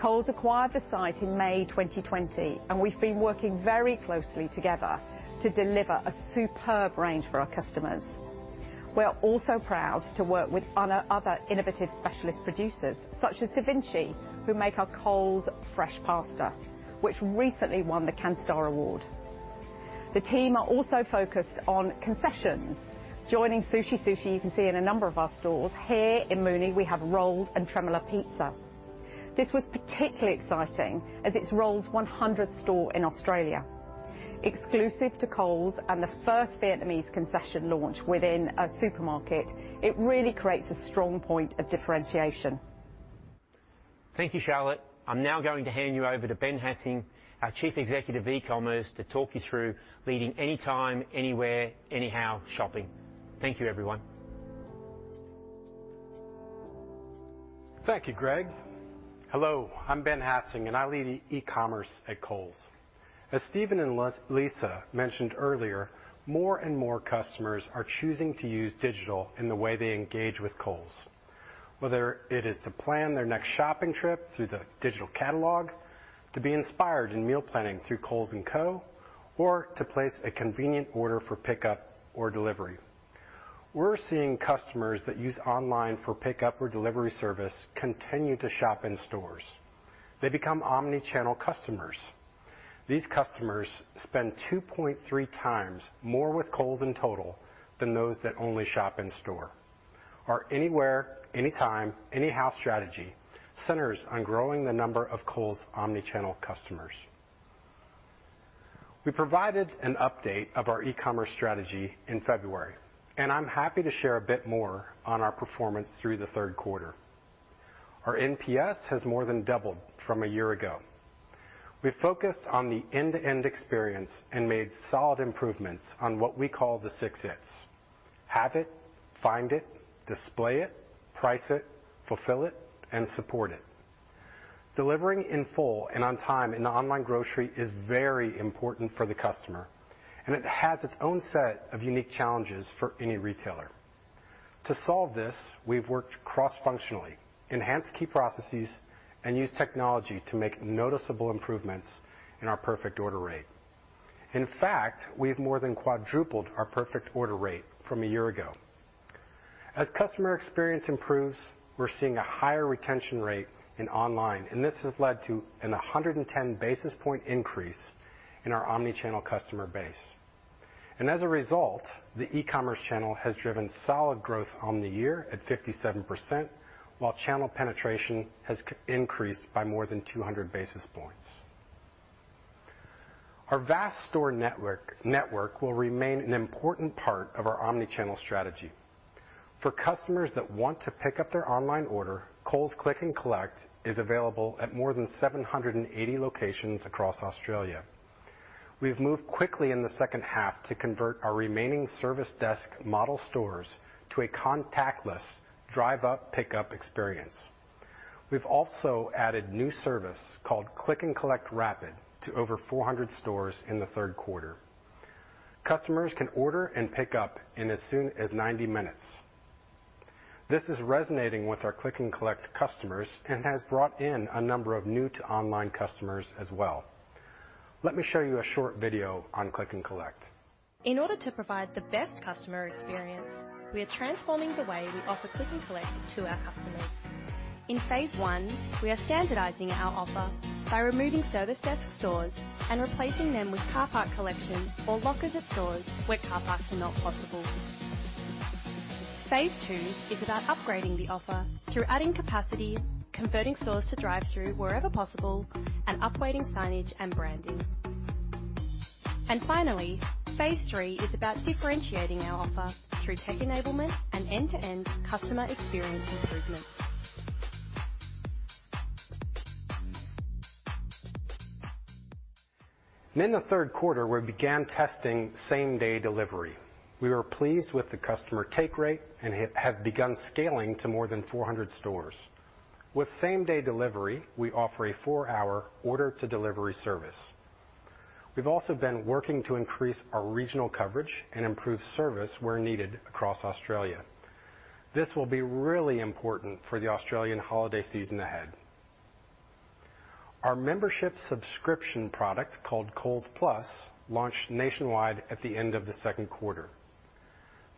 Coles acquired the site in May 2020, and we've been working very closely together to deliver a superb range for our customers. We're also proud to work with other innovative specialist producers, such as Da Vinci, who make our Coles fresh pasta, which recently won the Canstar award. The team are also focused on concessions. Joining Sushi Sushi you can see in a number of our stores here in Moonee, we have Roll'd and Tremolo Pizza. This was particularly exciting as it's Roll'd's 100th store in Australia. Exclusive to Coles and the first Vietnamese concession launch within a supermarket, it really creates a strong point of differentiation. Thank you, Charlotte. I'm now going to hand you over to Ben Hassing, our Chief Executive, E-commerce, to talk you through leading anytime, anywhere, anyhow shopping. Thank you, everyone. Thank you, Greg. Hello, I'm Ben Hassing, and I lead e-commerce at Coles. As Steven and Lisa mentioned earlier, more and more customers are choosing to use digital in the way they engage with Coles, whether it is to plan their next shopping trip through the digital catalog, to be inspired in meal planning through Coles & Co, or to place a convenient order for pickup or delivery. We're seeing customers that use online for pickup or delivery service continue to shop in stores. They become omnichannel customers. These customers spend 2.3 times more with Coles in total than those that only shop in store. Our Anywhere, Anytime, Anyhow strategy centers on growing the number of Coles omnichannel customers. We provided an update of our e-commerce strategy in February, and I'm happy to share a bit more on our performance through the third quarter. Our NPS has more than doubled from a year ago. We focused on the end-to-end experience and made solid improvements on what we call the six hits: Have it, find it, display it, price it, fulfill it, and support it. Delivering in full and on time in online grocery is very important for the customer, and it has its own set of unique challenges for any retailer. To solve this, we've worked cross-functionally, enhanced key processes, and used technology to make noticeable improvements in our perfect order rate. In fact, we've more than quadrupled our perfect order rate from a year ago. As customer experience improves, we're seeing a higher retention rate in online, and this has led to a 110 basis point increase in our omnichannel customer base. As a result, the e-commerce channel has driven solid growth on the year at 57%, while channel penetration has increased by more than 200 basis points. Our vast store network will remain an important part of our omnichannel strategy. For customers that want to pick up their online order, Coles Click & Collect is available at more than 780 locations across Australia. We've moved quickly in the second half to convert our remaining service desk model stores to a contactless drive-up pickup experience. We've also added new service called Click & Collect Rapid to over 400 stores in the third quarter. Customers can order and pick up in as soon as 90 minutes. This is resonating with our Click & Collect customers and has brought in a number of new-to-online customers as well. Let me show you a short video on Click & Collect. In order to provide the best customer experience, we are transforming the way we offer Click & Collect to our customers. In phase one, we are standardizing our offer by removing service desk stores and replacing them with car park collection or lockers at stores where car parks are not possible. Phase two is about upgrading the offer through adding capacity, converting stores to drive-through wherever possible, and upgrading signage and branding. And finally, phase three is about differentiating our offer through tech enablement and end-to-end customer experience improvements. In the third quarter, we began testing same-day delivery. We were pleased with the customer take rate and have begun scaling to more than 400 stores. With same-day delivery, we offer a four-hour order-to-delivery service. We've also been working to increase our regional coverage and improve service where needed across Australia. This will be really important for the Australian holiday season ahead. Our membership subscription product called Coles Plus launched nationwide at the end of the second quarter.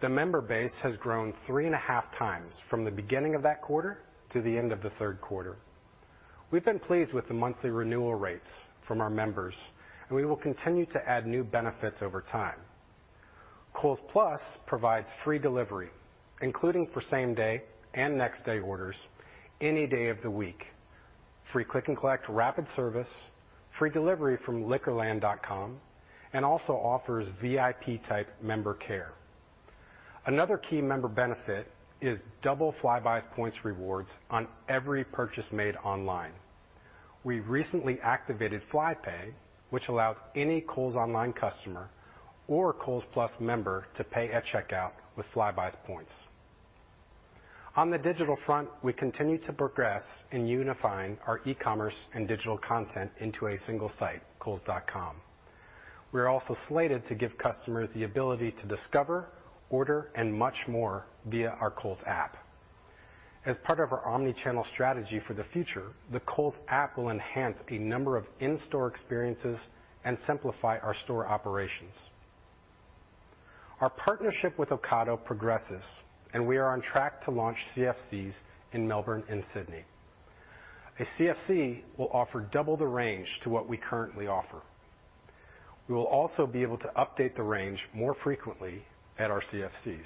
The member base has grown three and a half times from the beginning of that quarter to the end of the third quarter. We've been pleased with the monthly renewal rates from our members, and we will continue to add new benefits over time. Coles Plus provides free delivery, including for same-day and next-day orders any day of the week, free Click & Collect Rapid Service, free delivery from Liquorland.com, and also offers VIP-type member care. Another key member benefit is double Flybuys' points rewards on every purchase made online. We recently activated Flypay, which allows any Coles online customer or Coles Plus member to pay at checkout with Flybuys' points. On the digital front, we continue to progress in unifying our e-commerce and digital content into a single site, Coles.com. We are also slated to give customers the ability to discover, order, and much more via our Coles app. As part of our omnichannel strategy for the future, the Coles app will enhance a number of in-store experiences and simplify our store operations. Our partnership with Ocado progresses, and we are on track to launch CFCs in Melbourne and Sydney. A CFC will offer double the range to what we currently offer. We will also be able to update the range more frequently at our CFCs.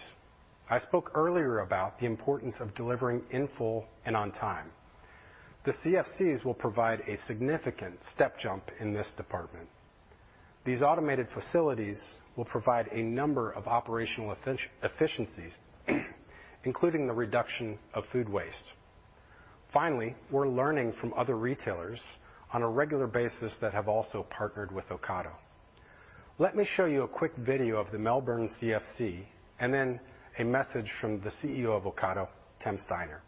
I spoke earlier about the importance of delivering in full and on time. The CFCs will provide a significant step jump in this department. These automated facilities will provide a number of operational efficiencies, including the reduction of food waste. Finally, we're learning from other retailers on a regular basis that have also partnered with Ocado. Let me show you a quick video of the Melbourne CFC and then a message from the CEO of Ocado, Tim Steiner.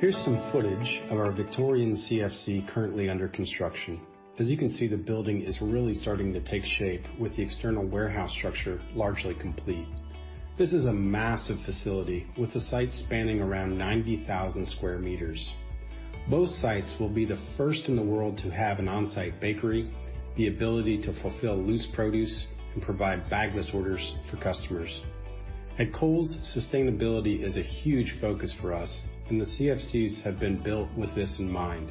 Here's some footage of our Victorian CFC currently under construction. As you can see, the building is really starting to take shape with the external warehouse structure largely complete. This is a massive facility with a site spanning around 90,000 sq m. Both sites will be the first in the world to have an on-site bakery, the ability to fulfill loose produce, and provide bagless orders for customers. At Coles, sustainability is a huge focus for us, and the CFCs have been built with this in mind.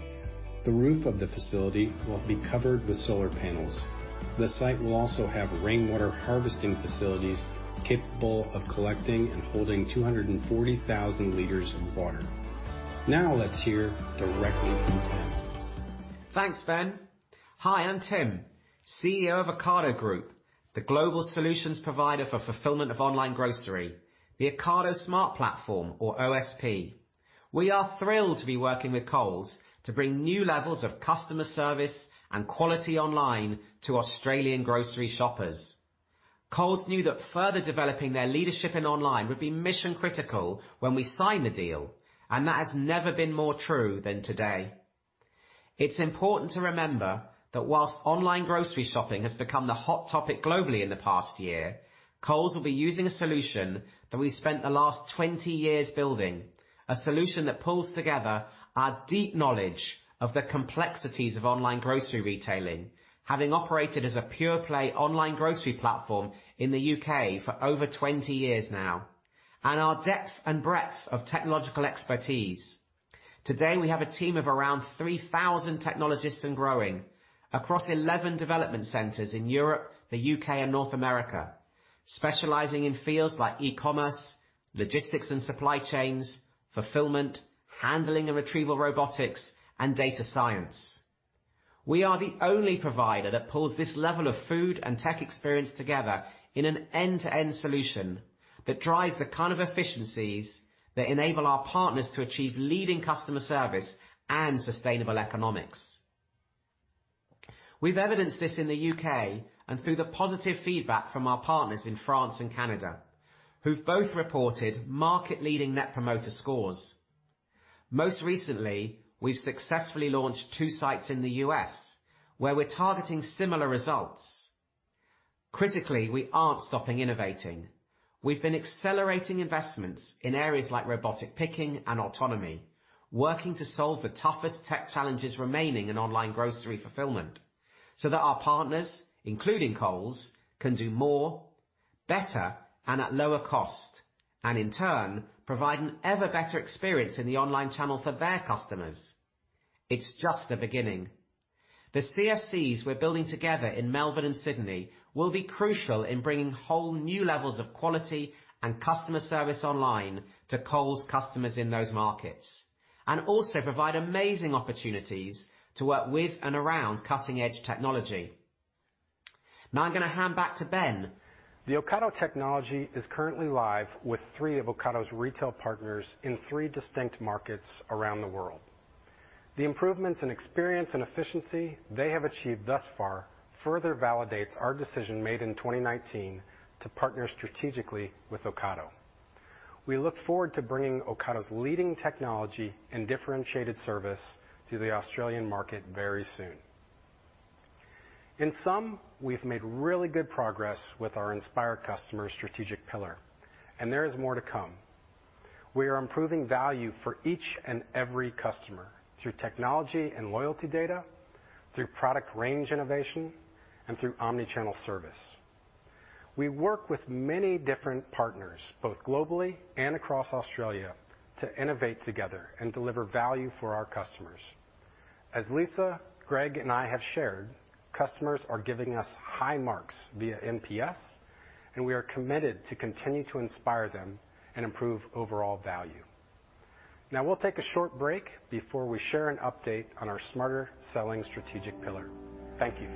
The roof of the facility will be covered with solar panels. The site will also have rainwater harvesting facilities capable of collecting and holding 240,000 liters of water. Now let's hear directly from Tim. Thanks, Ben. Hi, I'm Tim, CEO of Ocado Group, the global solutions provider for fulfillment of online grocery, the Ocado Smart Platform, or OSP. We are thrilled to be working with Coles to bring new levels of customer service and quality online to Australian grocery shoppers. Coles knew that further developing their leadership in online would be mission-critical when we sign the deal, and that has never been more true than today. It's important to remember that while online grocery shopping has become the hot topic globally in the past year, Coles will be using a solution that we spent the last 20 years building, a solution that pulls together our deep knowledge of the complexities of online grocery retailing, having operated as a pure-play online grocery platform in the U.K. for over 20 years now, and our depth and breadth of technological expertise. Today, we have a team of around 3,000 technologists and growing across 11 development centers in Europe, the U.K., and North America, specializing in fields like e-commerce, logistics and supply chains, fulfillment, handling and retrieval robotics, and data science. We are the only provider that pulls this level of food and tech experience together in an end-to-end solution that drives the kind of efficiencies that enable our partners to achieve leading customer service and sustainable economics. We've evidenced this in the U.K. and through the positive feedback from our partners in France and Canada, who've both reported market-leading Net Promoter scores. Most recently, we've successfully launched two sites in the U.S. where we're targeting similar results. Critically, we aren't stopping innovating. We've been accelerating investments in areas like robotic picking and autonomy, working to solve the toughest tech challenges remaining in online grocery fulfillment so that our partners, including Coles, can do more, better, and at lower cost, and in turn, provide an ever-better experience in the online channel for their customers. It's just the beginning. The CFCs we're building together in Melbourne and Sydney will be crucial in bringing whole new levels of quality and customer service online to Coles customers in those markets and also provide amazing opportunities to work with and around cutting-edge technology. Now I'm going to hand back to Ben. The Ocado technology is currently live with three of Ocado's retail partners in three distinct markets around the world. The improvements in experience and efficiency they have achieved thus far further validates our decision made in 2019 to partner strategically with Ocado. We look forward to bringing Ocado's leading technology and differentiated service to the Australian market very soon. In sum, we've made really good progress with our Inspire customer strategic pillar, and there is more to come. We are improving value for each and every customer through technology and loyalty data, through product range innovation, and through omnichannel service. We work with many different partners, both globally and across Australia, to innovate together and deliver value for our customers. As Lisa, Greg, and I have shared, customers are giving us high marks via NPS, and we are committed to continue to inspire them and improve overall value. Now we'll take a short break before we share an update on our Smarter Selling strategic pillar. Thank you.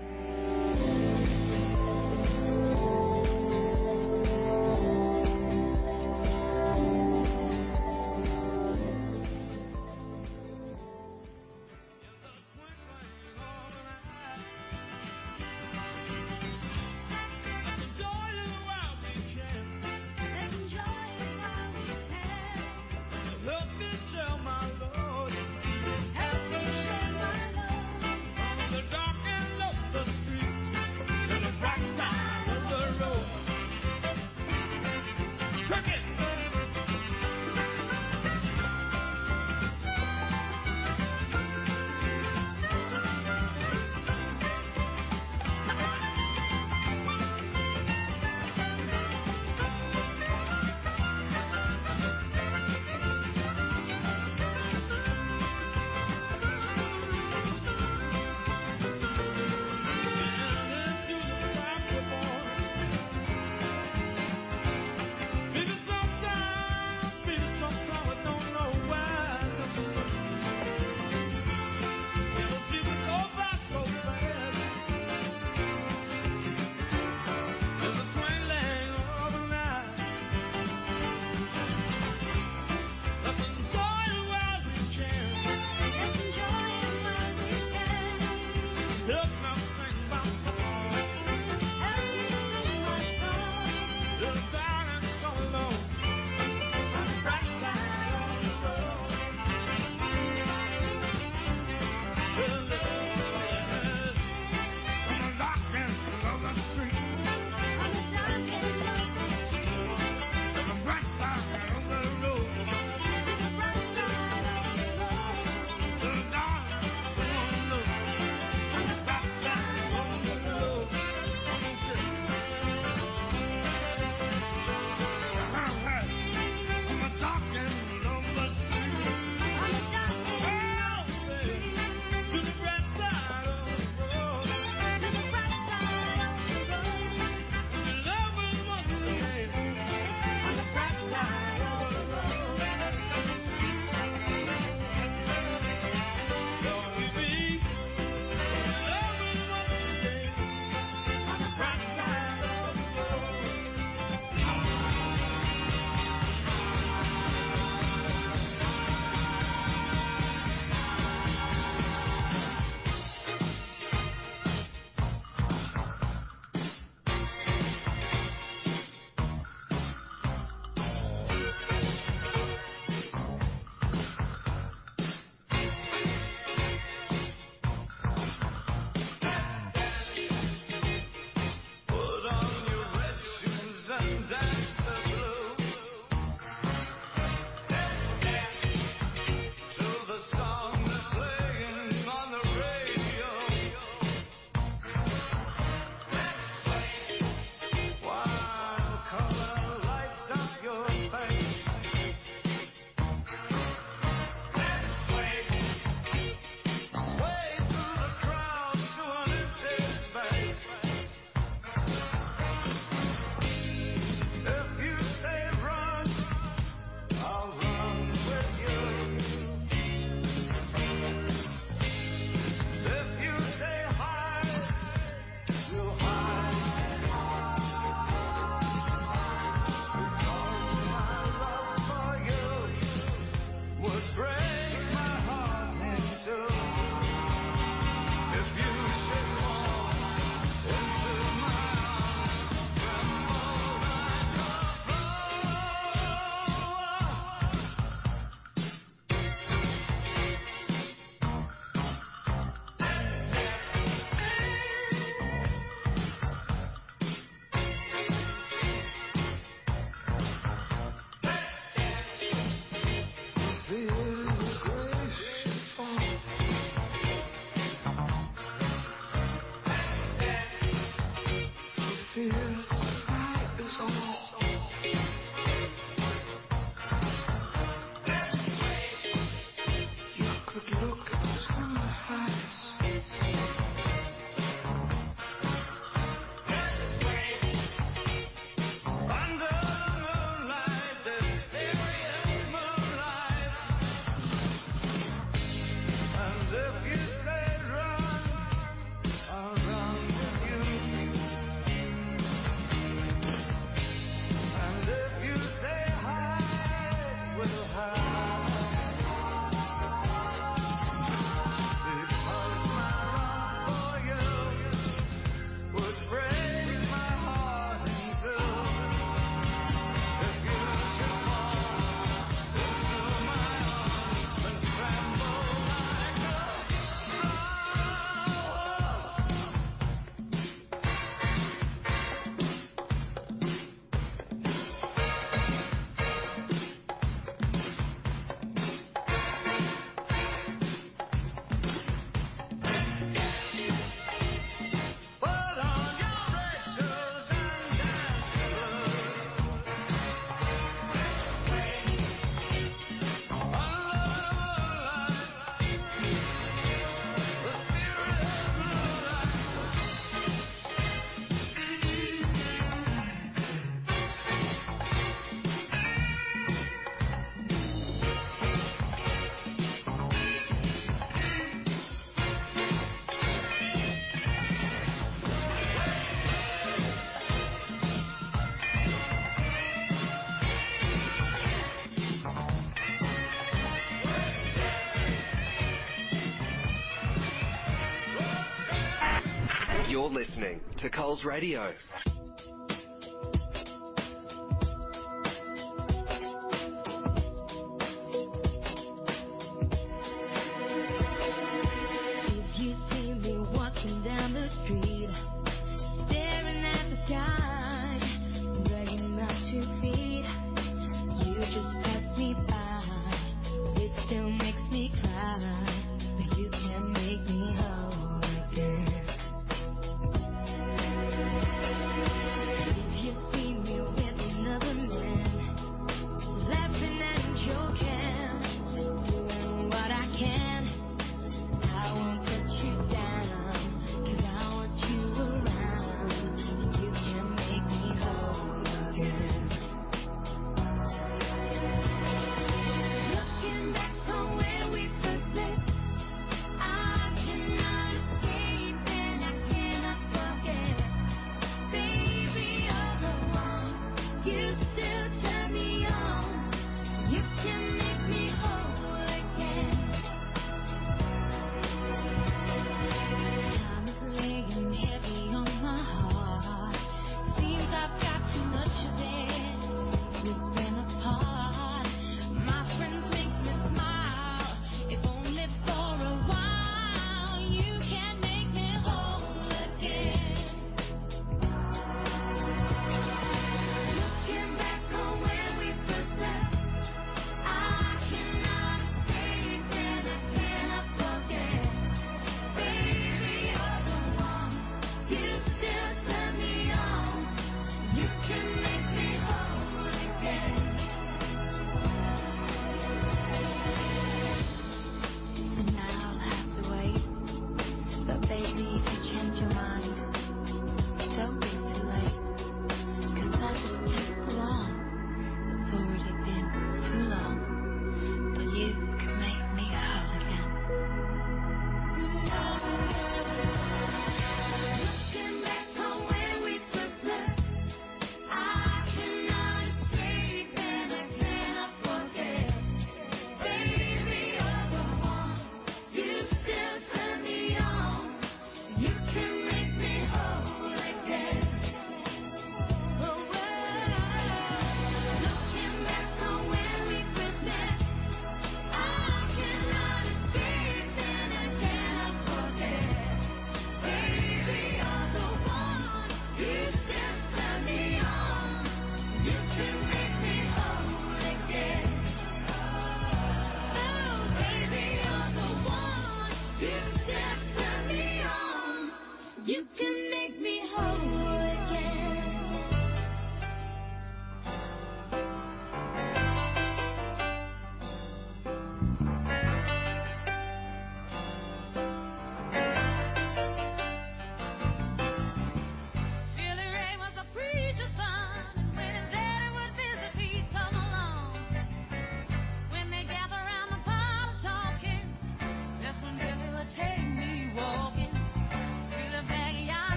Put on your red shoes and dance the blues. Dance, dance to the song that's playing on the radio. While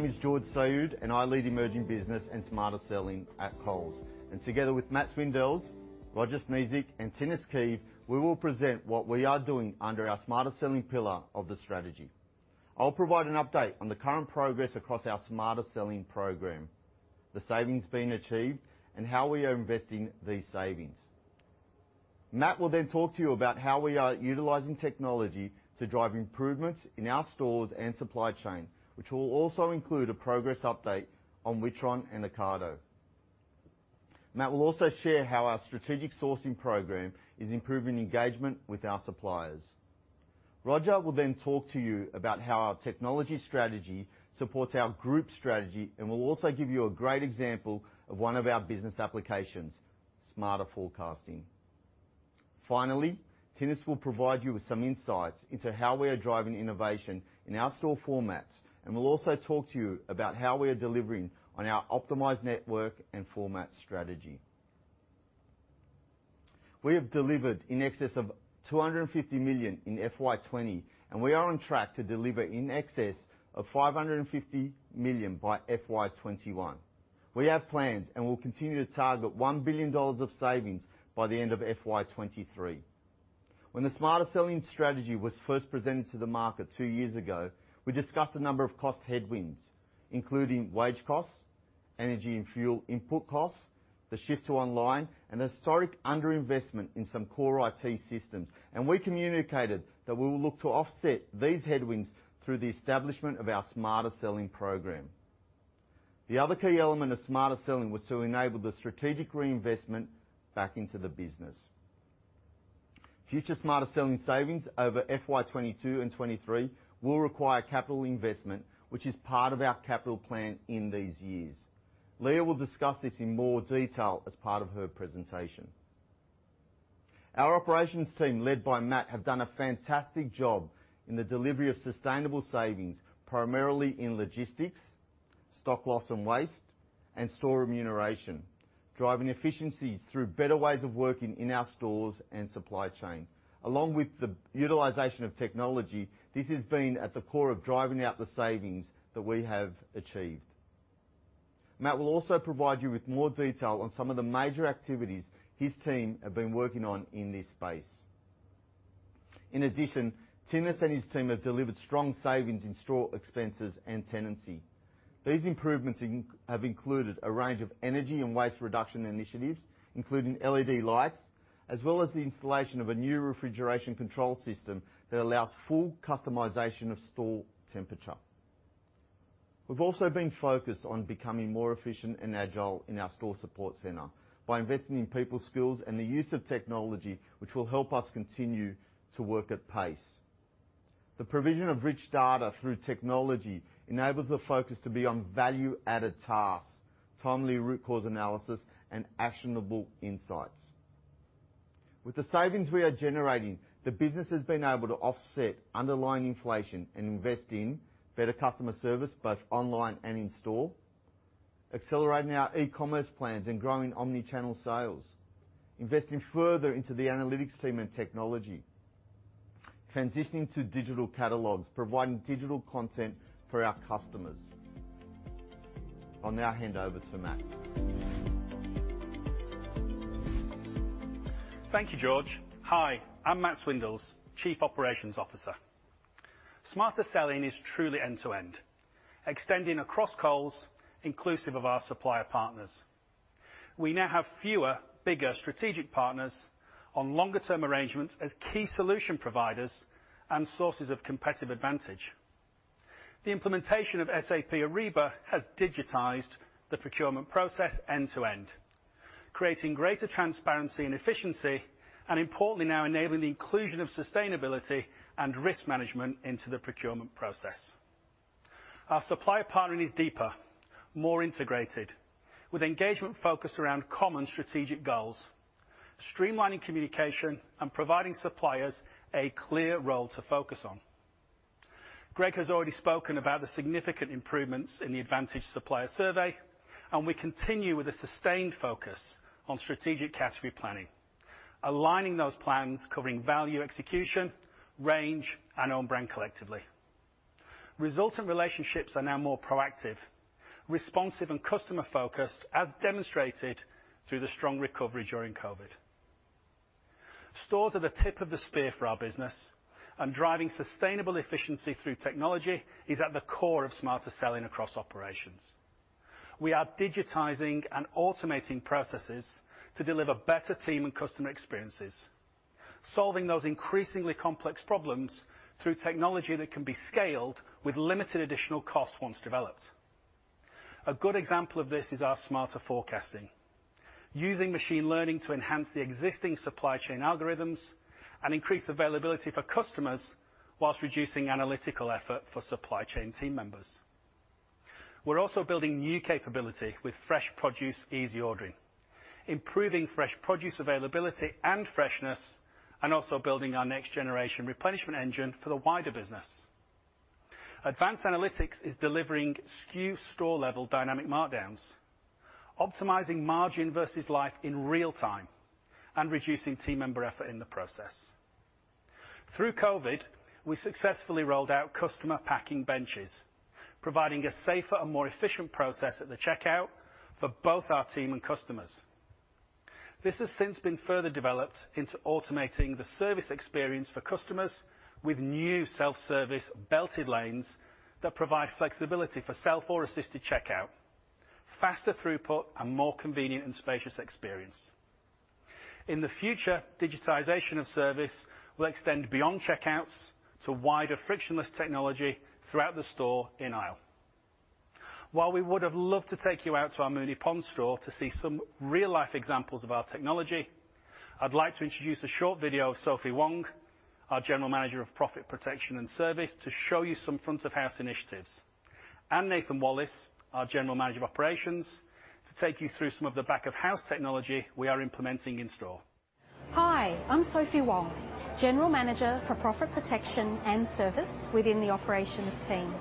the sly. Taking time to make time, telling me that he's all mine. Learning from each other. My name is George Saoud, and I lead emerging businesses and Smarter Selling at Coles. Together with Matt Swindells, Roger Sniezek, and Thinus Keeve, we will present what we are doing under our Smarter Selling pillar of the strategy. I'll provide an update on the current progress across our Smarter Selling program, the savings being achieved, and how we are investing these savings. Matt will then talk to you about how we are utilizing technology to drive improvements in our stores and supply chain, which will also include a progress update on Witron and the Ocado. Matt will also share how our strategic sourcing program is improving engagement with our suppliers. Roger will then talk to you about how our technology strategy supports our group strategy and will also give you a great example of one of our business applications, smarter forecasting. Finally, Thinus will provide you with some insights into how we are driving innovation in our store formats and will also talk to you about how we are delivering on our optimized network and format strategy. We have delivered in excess of 250 million in FY20, and we are on track to deliver in excess of 550 million by FY21. We have plans and will continue to target 1 billion dollars of savings by the end of FY 2023. When the Smarter Selling strategy was first presented to the market two years ago, we discussed a number of cost headwinds, including wage costs, energy and fuel input costs, the shift to online, and the historic underinvestment in some core IT systems. And we communicated that we will look to offset these headwinds through the establishment of our Smarter Selling program. The other key element of Smarter Selling was to enable the strategic reinvestment back into the business. Future Smarter Selling savings over FY 2022 and 2023 will require capital investment, which is part of our capital plan in these years. Leah will discuss this in more detail as part of her presentation. Our operations team, led by Matt, have done a fantastic job in the delivery of sustainable savings, primarily in logistics, stock loss and waste, and store remuneration, driving efficiencies through better ways of working in our stores and supply chain. Along with the utilization of technology, this has been at the core of driving out the savings that we have achieved. Matt will also provide you with more detail on some of the major activities his team have been working on in this space. In addition, Thinus and his team have delivered strong savings in store expenses and tenancy. These improvements have included a range of energy and waste reduction initiatives, including LED lights, as well as the installation of a new refrigeration control system that allows full customization of store temperature. We've also been focused on becoming more efficient and agile in our store support center by investing in people skills and the use of technology, which will help us continue to work at pace. The provision of rich data through technology enables the focus to be on value-added tasks, timely root cause analysis, and actionable insights. With the savings we are generating, the business has been able to offset underlying inflation and invest in better customer service, both online and in store, accelerating our e-commerce plans and growing omnichannel sales, investing further into the analytics team and technology, transitioning to digital catalogs, providing digital content for our customers. I'll now hand over to Matt. Thank you, George. Hi, I'm Matt Swindells, Chief Operations Officer. Smarter Selling is truly end-to-end, extending across Coles, inclusive of our supplier partners. We now have fewer bigger strategic partners on longer-term arrangements as key solution providers and sources of competitive advantage. The implementation of SAP Ariba has digitized the procurement process end-to-end, creating greater transparency and efficiency, and importantly, now enabling the inclusion of sustainability and risk management into the procurement process. Our supplier partnering is deeper, more integrated, with engagement focused around common strategic goals, streamlining communication, and providing suppliers a clear role to focus on. Greg has already spoken about the significant improvements in the advantage supplier survey, and we continue with a sustained focus on strategic category planning, aligning those plans covering value execution, range, and on-brand collectively. Resultant relationships are now more proactive, responsive, and customer-focused, as demonstrated through the strong recovery during COVID. Stores are the tip of the spear for our business, and driving sustainable efficiency through technology is at the core of smarter selling across operations. We are digitizing and automating processes to deliver better team and customer experiences, solving those increasingly complex problems through technology that can be scaled with limited additional costs once developed. A good example of this is our smarter forecasting, using machine learning to enhance the existing supply chain algorithms and increase availability for customers while reducing analytical effort for supply chain team members. We're also building new capability with fresh produce easy ordering, improving fresh produce availability and freshness, and also building our next-generation replenishment engine for the wider business. Advanced analytics is delivering SKU store-level dynamic markdowns, optimizing margin versus life in real time, and reducing team member effort in the process. Through COVID, we successfully rolled out customer packing benches, providing a safer and more efficient process at the checkout for both our team and customers. This has since been further developed into automating the service experience for customers with new self-service belted lanes that provide flexibility for self or assisted checkout, faster throughput, and more convenient and spacious experience. In the future, digitization of service will extend beyond checkouts to wider frictionless technology throughout the store in aisle. While we would have loved to take you out to our Moonee Ponds store to see some real-life examples of our technology, I'd like to introduce a short video of Sophie Wong, our General Manager of Profit Protection and Service, to show you some front-of-house initiatives, and Nathan Wallace, our General Manager of Operations, to take you through some of the back-of-house technology we are implementing in store. Hi, I'm Sophie Wong, General Manager for Profit Protection and Service within the operations team.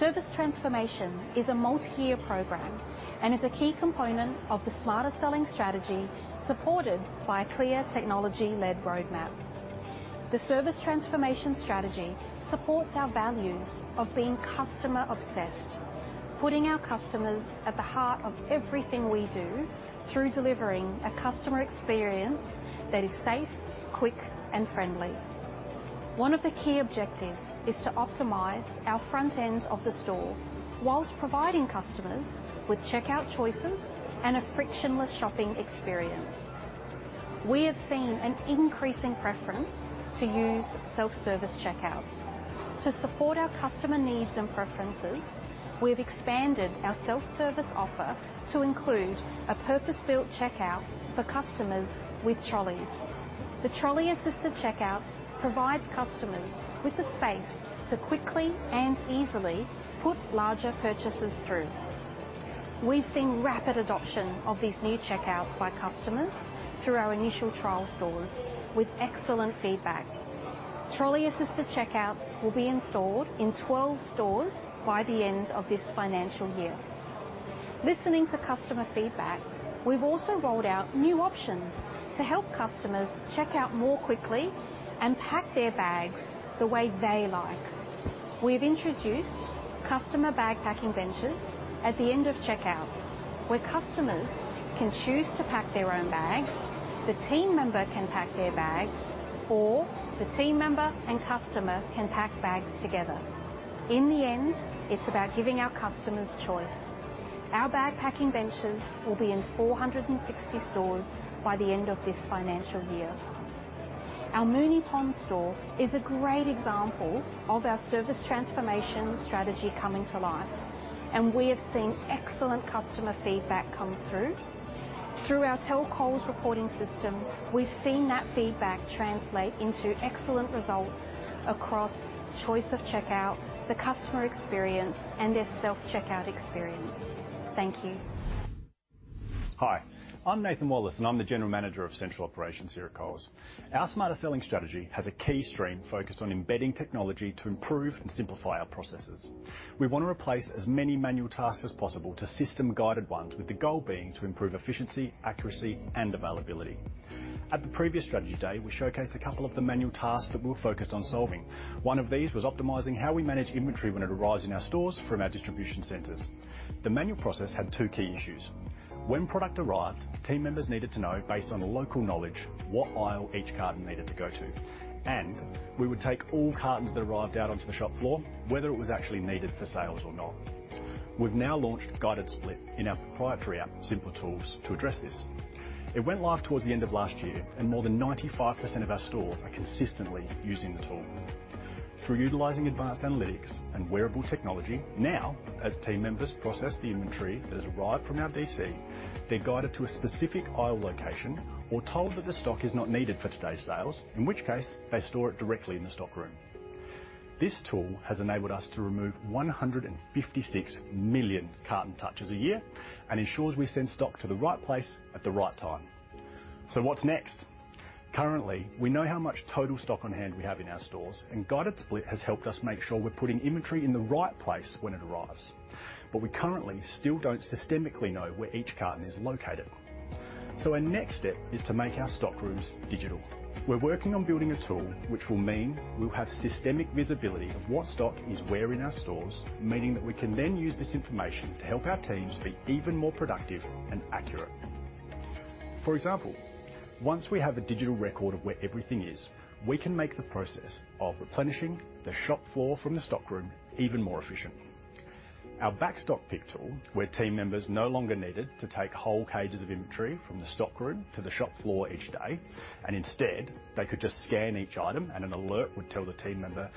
Service transformation is a multi-year program and is a key component of the Smarter Selling strategy supported by a clear technology-led roadmap. The service transformation strategy supports our values of being customer-obsessed, putting our customers at the heart of everything we do through delivering a customer experience that is safe, quick, and friendly. One of the key objectives is to optimize our front end of the store while providing customers with checkout choices and a frictionless shopping experience. We have seen an increasing preference to use self-service checkouts. To support our customer needs and preferences, we have expanded our self-service offer to include a purpose-built checkout for customers with trolleys. The trolley-assisted checkouts provide customers with the space to quickly and easily put larger purchases through. We've seen rapid adoption of these new checkouts by customers through our initial trial stores with excellent feedback. Trolley-assisted checkouts will be installed in 12 stores by the end of this financial year. Listening to customer feedback, we've also rolled out new options to help customers checkout more quickly and pack their bags the way they like. We've introduced customer bag packing benches at the end of checkouts, where customers can choose to pack their own bags, the team member can pack their bags, or the team member and customer can pack bags together. In the end, it's about giving our customers choice. Our bag packing benches will be in 460 stores by the end of this financial year. Our Moonee Ponds store is a great example of our service transformation strategy coming to life, and we have seen excellent customer feedback come through. Through our telcos reporting system, we've seen that feedback translate into excellent results across choice of checkout, the customer experience, and their self-checkout experience. Thank you. Hi, I'm Nathan Wallace, and I'm the General Manager of Central Operations here at Coles. Our smarter selling strategy has a key stream focused on embedding technology to improve and simplify our processes. We want to replace as many manual tasks as possible to system-guided ones, with the goal being to improve efficiency, accuracy, and availability. At the previous strategy day, we showcased a couple of the manual tasks that we were focused on solving. One of these was optimizing how we manage inventory when it arrives in our stores from our distribution centers. The manual process had two key issues. When product arrived, team members needed to know, based on local knowledge, what aisle each carton needed to go to, and we would take all cartons that arrived out onto the shop floor, whether it was actually needed for sales or not. We've now launched guided split in our proprietary app, Simpler Tools, to address this. It went live toward the end of last year, and more than 95% of our stores are consistently using the tool. Through utilizing advanced analytics and wearable technology, now, as team members process the inventory that has arrived from our DC, they're guided to a specific aisle location or told that the stock is not needed for today's sales, in which case they store it directly in the stock room. This tool has enabled us to remove 156 million carton touches a year and ensures we send stock to the right place at the right time. So what's next? Currently, we know how much total stock on hand we have in our stores, and guided split has helped us make sure we're putting inventory in the right place when it arrives, but we currently still don't systemically know where each carton is located. So our next step is to make our stock rooms digital. We're working on building a tool which will mean we'll have systemic visibility of what stock is where in our stores, meaning that we can then use this information to help our teams be even more productive and accurate. For example, once we have a digital record of where everything is, we can make the process of replenishing the shop floor from the stock room even more efficient. Our backstock pick tool, where team members no longer needed to take whole cages of inventory from the stock room to the shop floor each day, and instead, they could just scan each item, and an alert would tell the team member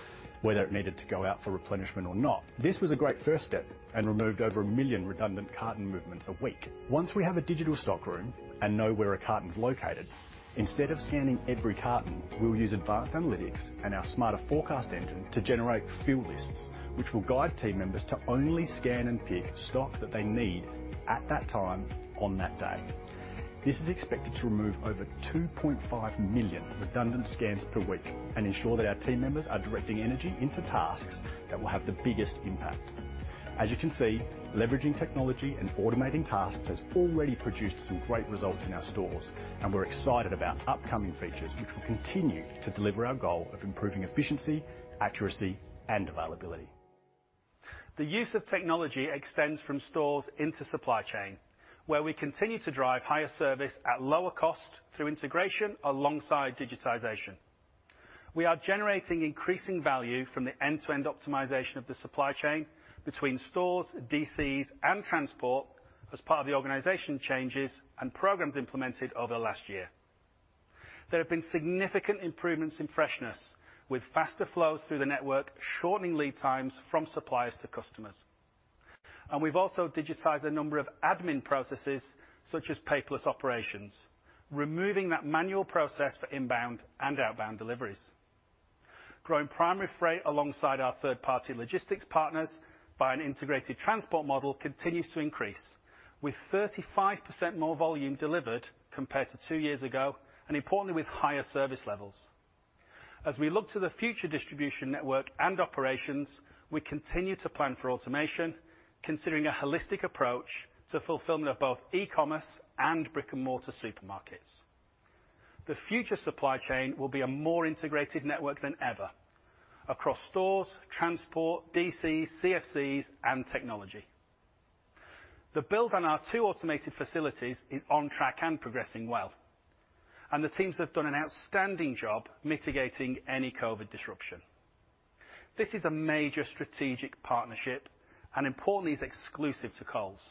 whether it needed to go out for replenishment or not. This was a great first step and removed over a million redundant carton movements a week. Once we have a digital stock room and know where a carton's located, instead of scanning every carton, we'll use advanced analytics and our smarter forecast engine to generate few lists, which will guide team members to only scan and pick stock that they need at that time on that day. This is expected to remove over 2.5 million redundant scans per week and ensure that our team members are directing energy into tasks that will have the biggest impact. As you can see, leveraging technology and automating tasks has already produced some great results in our stores, and we're excited about upcoming features which will continue to deliver our goal of improving efficiency, accuracy, and availability. The use of technology extends from stores into supply chain, where we continue to drive higher service at lower cost through integration alongside digitization. We are generating increasing value from the end-to-end optimization of the supply chain between stores, DCs, and transport as part of the organization changes and programs implemented over the last year. There have been significant improvements in freshness, with faster flows through the network shortening lead times from suppliers to customers. And we've also digitized a number of admin processes such as paperless operations, removing that manual process for inbound and outbound deliveries. Growing primary freight alongside our third-party logistics partners by an integrated transport model continues to increase, with 35% more volume delivered compared to two years ago, and importantly, with higher service levels. As we look to the future distribution network and operations, we continue to plan for automation, considering a holistic approach to fulfillment of both e-commerce and brick-and-mortar supermarkets. The future supply chain will be a more integrated network than ever across stores, transport, DCs, and CFCs, and technology. The build on our two automated facilities is on track and progressing well, and the teams have done an outstanding job mitigating any COVID disruption. This is a major strategic partnership, and importantly, it's exclusive to Coles.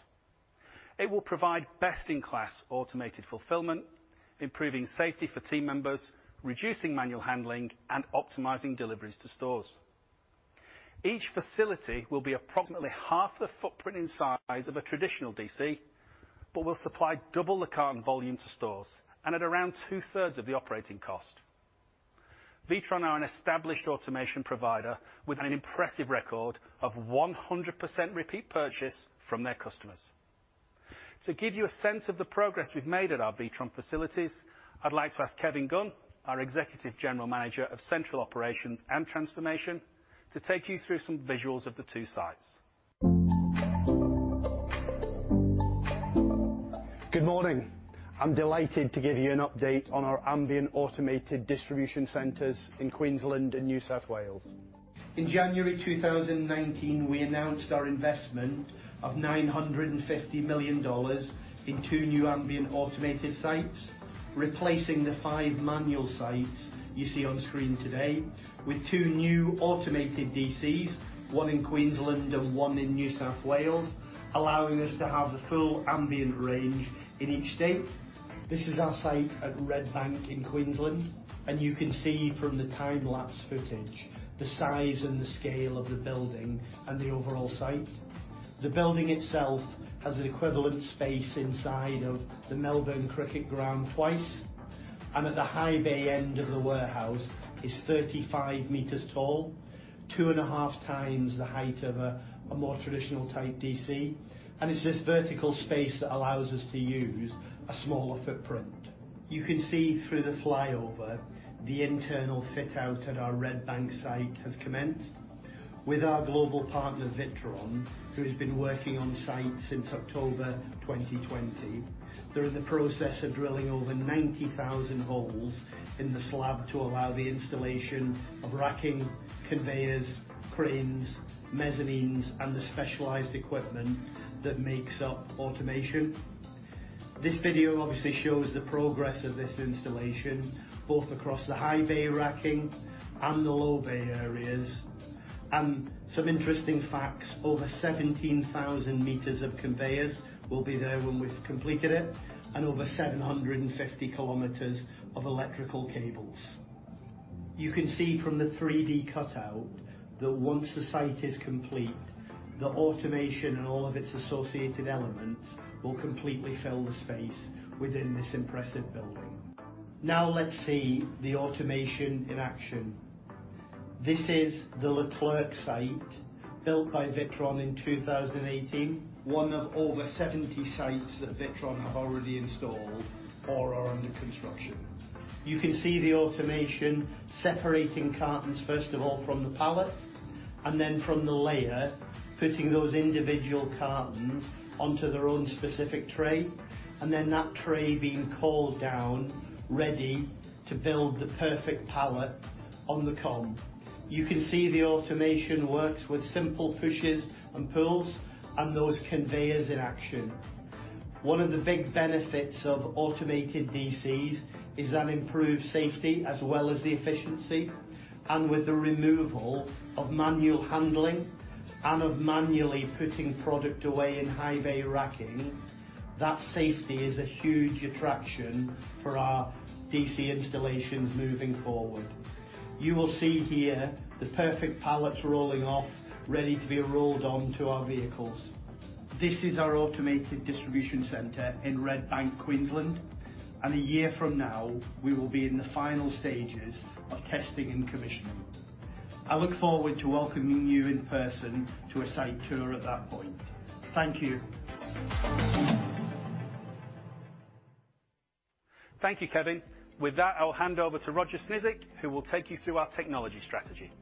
It will provide best-in-class automated fulfillment, improving safety for team members, reducing manual handling, and optimizing deliveries to stores. Each facility will be approximately half the footprint in size of a traditional DC, but will supply double the carton volume to stores and at around two-thirds of the operating cost. Witron are an established automation provider with an impressive record of 100% repeat purchase from their customers. To give you a sense of the progress we've made at our Witron facilities, I'd like to ask Kevin Gunn, our Executive General Manager of Central Operations and Transformation, to take you through some visuals of the two sites. Good morning. I'm delighted to give you an update on our ambient automated distribution centers in Queensland and New South Wales. In January 2019, we announced our investment of 950 million dollars in two new ambient automated sites, replacing the five manual sites you see on screen today with two new automated DCs, one in Queensland and one in New South Wales, allowing us to have the full ambient range in each state. This is our site at Redbank in Queensland, and you can see from the time-lapse footage the size and the scale of the building and the overall site. The building itself has an equivalent space inside of the Melbourne Cricket Ground twice, and at the high bay end of the warehouse, it's 35 meters tall, two and a half times the height of a more traditional type DC, and it's this vertical space that allows us to use a smaller footprint. You can see through the flyover the internal fit-out at our Redbank site has commenced with our global partner, Witron, who has been working on site since October 2020. They're in the process of drilling over 90,000 holes in the slab to allow the installation of racking, conveyors, cranes, mezzanines, and the specialized equipment that makes up automation. This video obviously shows the progress of this installation, both across the high bay racking and the low bay areas, and some interesting facts: over 17,000 meters of conveyors will be there when we've completed it, and over 750 kilometers of electrical cables. You can see from the 3D cutout that once the site is complete, the automation and all of its associated elements will completely fill the space within this impressive building. Now let's see the automation in action. This is the Leclerc site built by Witron in 2018, one of over 70 sites that Witron have already installed or are under construction. You can see the automation separating cartons, first of all, from the pallet, and then from the layer, putting those individual cartons onto their own specific tray, and then that tray being coiled down, ready to build the perfect pallet on the comb. You can see the automation works with simple pushes and pulls and those conveyors in action. One of the big benefits of automated DCs is that it improves safety as well as the efficiency, and with the removal of manual handling and of manually putting product away in high bay racking, that safety is a huge attraction for our DC installations moving forward. You will see here the perfect pallets rolling off, ready to be rolled onto our vehicles. This is our automated distribution center in Redbank, Queensland, and a year from now, we will be in the final stages of testing and commissioning. I look forward to welcoming you in person to a site tour at that point. Thank you. Thank you, Kevin. With that, I'll hand over to Roger Sniezek, who will take you through our technology strategy.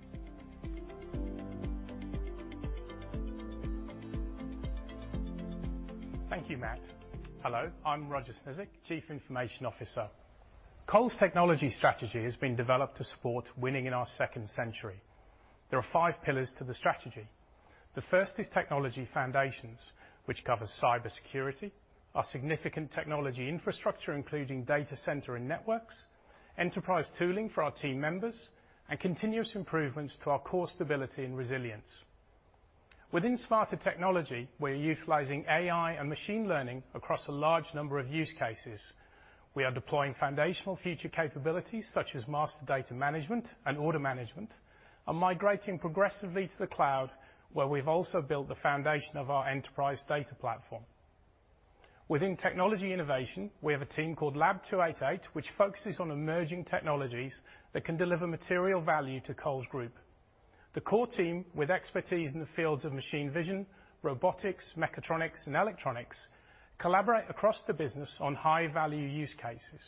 Thank you, Matt. Hello, I'm Roger Sniezek, Chief Information Officer. Coles' technology strategy has been developed to support winning in our second century. There are five pillars to the strategy. The first is technology foundations, which covers cybersecurity, our significant technology infrastructure, including data center and networks, enterprise tooling for our team members, and continuous improvements to our core stability and resilience. Within smarter technology, we're utilizing AI and machine learning across a large number of use cases. We are deploying foundational future capabilities such as master data management and order management and migrating progressively to the cloud, where we've also built the foundation of our enterprise data platform. Within technology innovation, we have a team called Lab 288, which focuses on emerging technologies that can deliver material value to Coles Group. The core team, with expertise in the fields of machine vision, robotics, mechatronics, and electronics, collaborate across the business on high-value use cases.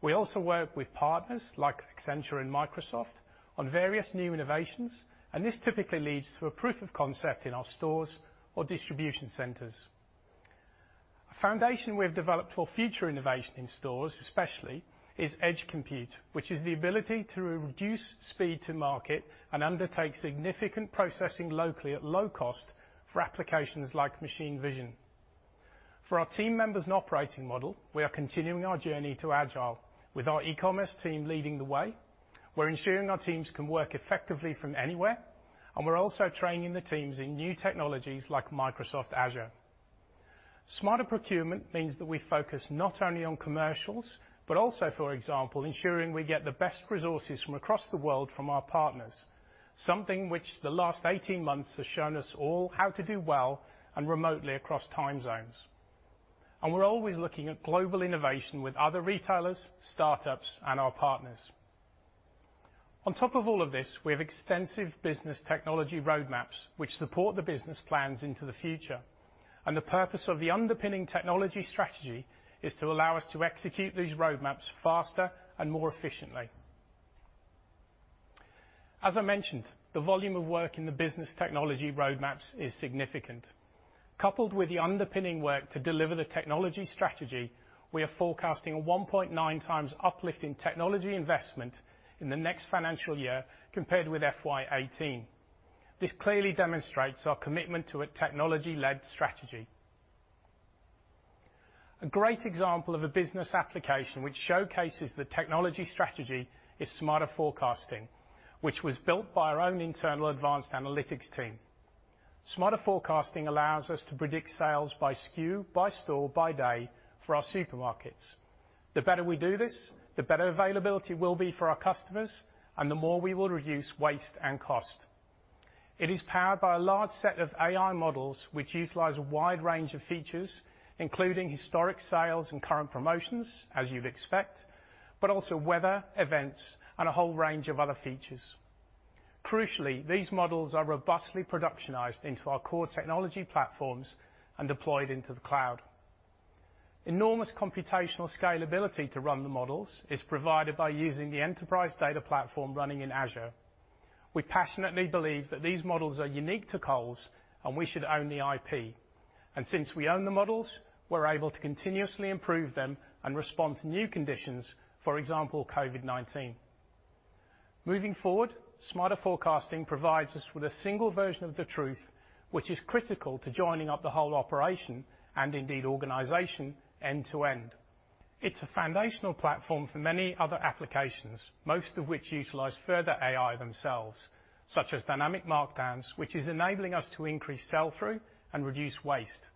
We also work with partners like Accenture and Microsoft on various new innovations, and this typically leads to a proof of concept in our stores or distribution centers. A foundation we have developed for future innovation in stores, especially, is edge compute, which is the ability to reduce speed to market and undertake significant processing locally at low cost for applications like machine vision. For our team members and operating model, we are continuing our journey to agile, with our e-commerce team leading the way. We're ensuring our teams can work effectively from anywhere, and we're also training the teams in new technologies like Microsoft Azure. Smarter procurement means that we focus not only on commercials but also, for example, ensuring we get the best resources from across the world from our partners, something which the last 18 months has shown us all how to do well and remotely across time zones, and we're always looking at global innovation with other retailers, startups, and our partners. On top of all of this, we have extensive business technology roadmaps which support the business plans into the future, and the purpose of the underpinning technology strategy is to allow us to execute these roadmaps faster and more efficiently. As I mentioned, the volume of work in the business technology roadmaps is significant. Coupled with the underpinning work to deliver the technology strategy, we are forecasting a 1.9 times uplift in technology investment in the next financial year compared with FY18. This clearly demonstrates our commitment to a technology-led strategy. A great example of a business application which showcases the technology strategy is smarter forecasting, which was built by our own internal advanced analytics team. Smarter forecasting allows us to predict sales by SKU, by store, by day for our supermarkets. The better we do this, the better availability will be for our customers, and the more we will reduce waste and cost. It is powered by a large set of AI models which utilize a wide range of features, including historic sales and current promotions, as you'd expect, but also weather, events, and a whole range of other features. Crucially, these models are robustly productionized into our core technology platforms and deployed into the cloud. Enormous computational scalability to run the models is provided by using the enterprise data platform running in Azure. We passionately believe that these models are unique to Coles, and we should own the IP, and since we own the models, we're able to continuously improve them and respond to new conditions, for example, COVID-19. Moving forward, smarter forecasting provides us with a single version of the truth, which is critical to joining up the whole operation and indeed organization end to end. It's a foundational platform for many other applications, most of which utilize further AI themselves, such as dynamic markdowns, which is enabling us to increase sell-through and reduce waste.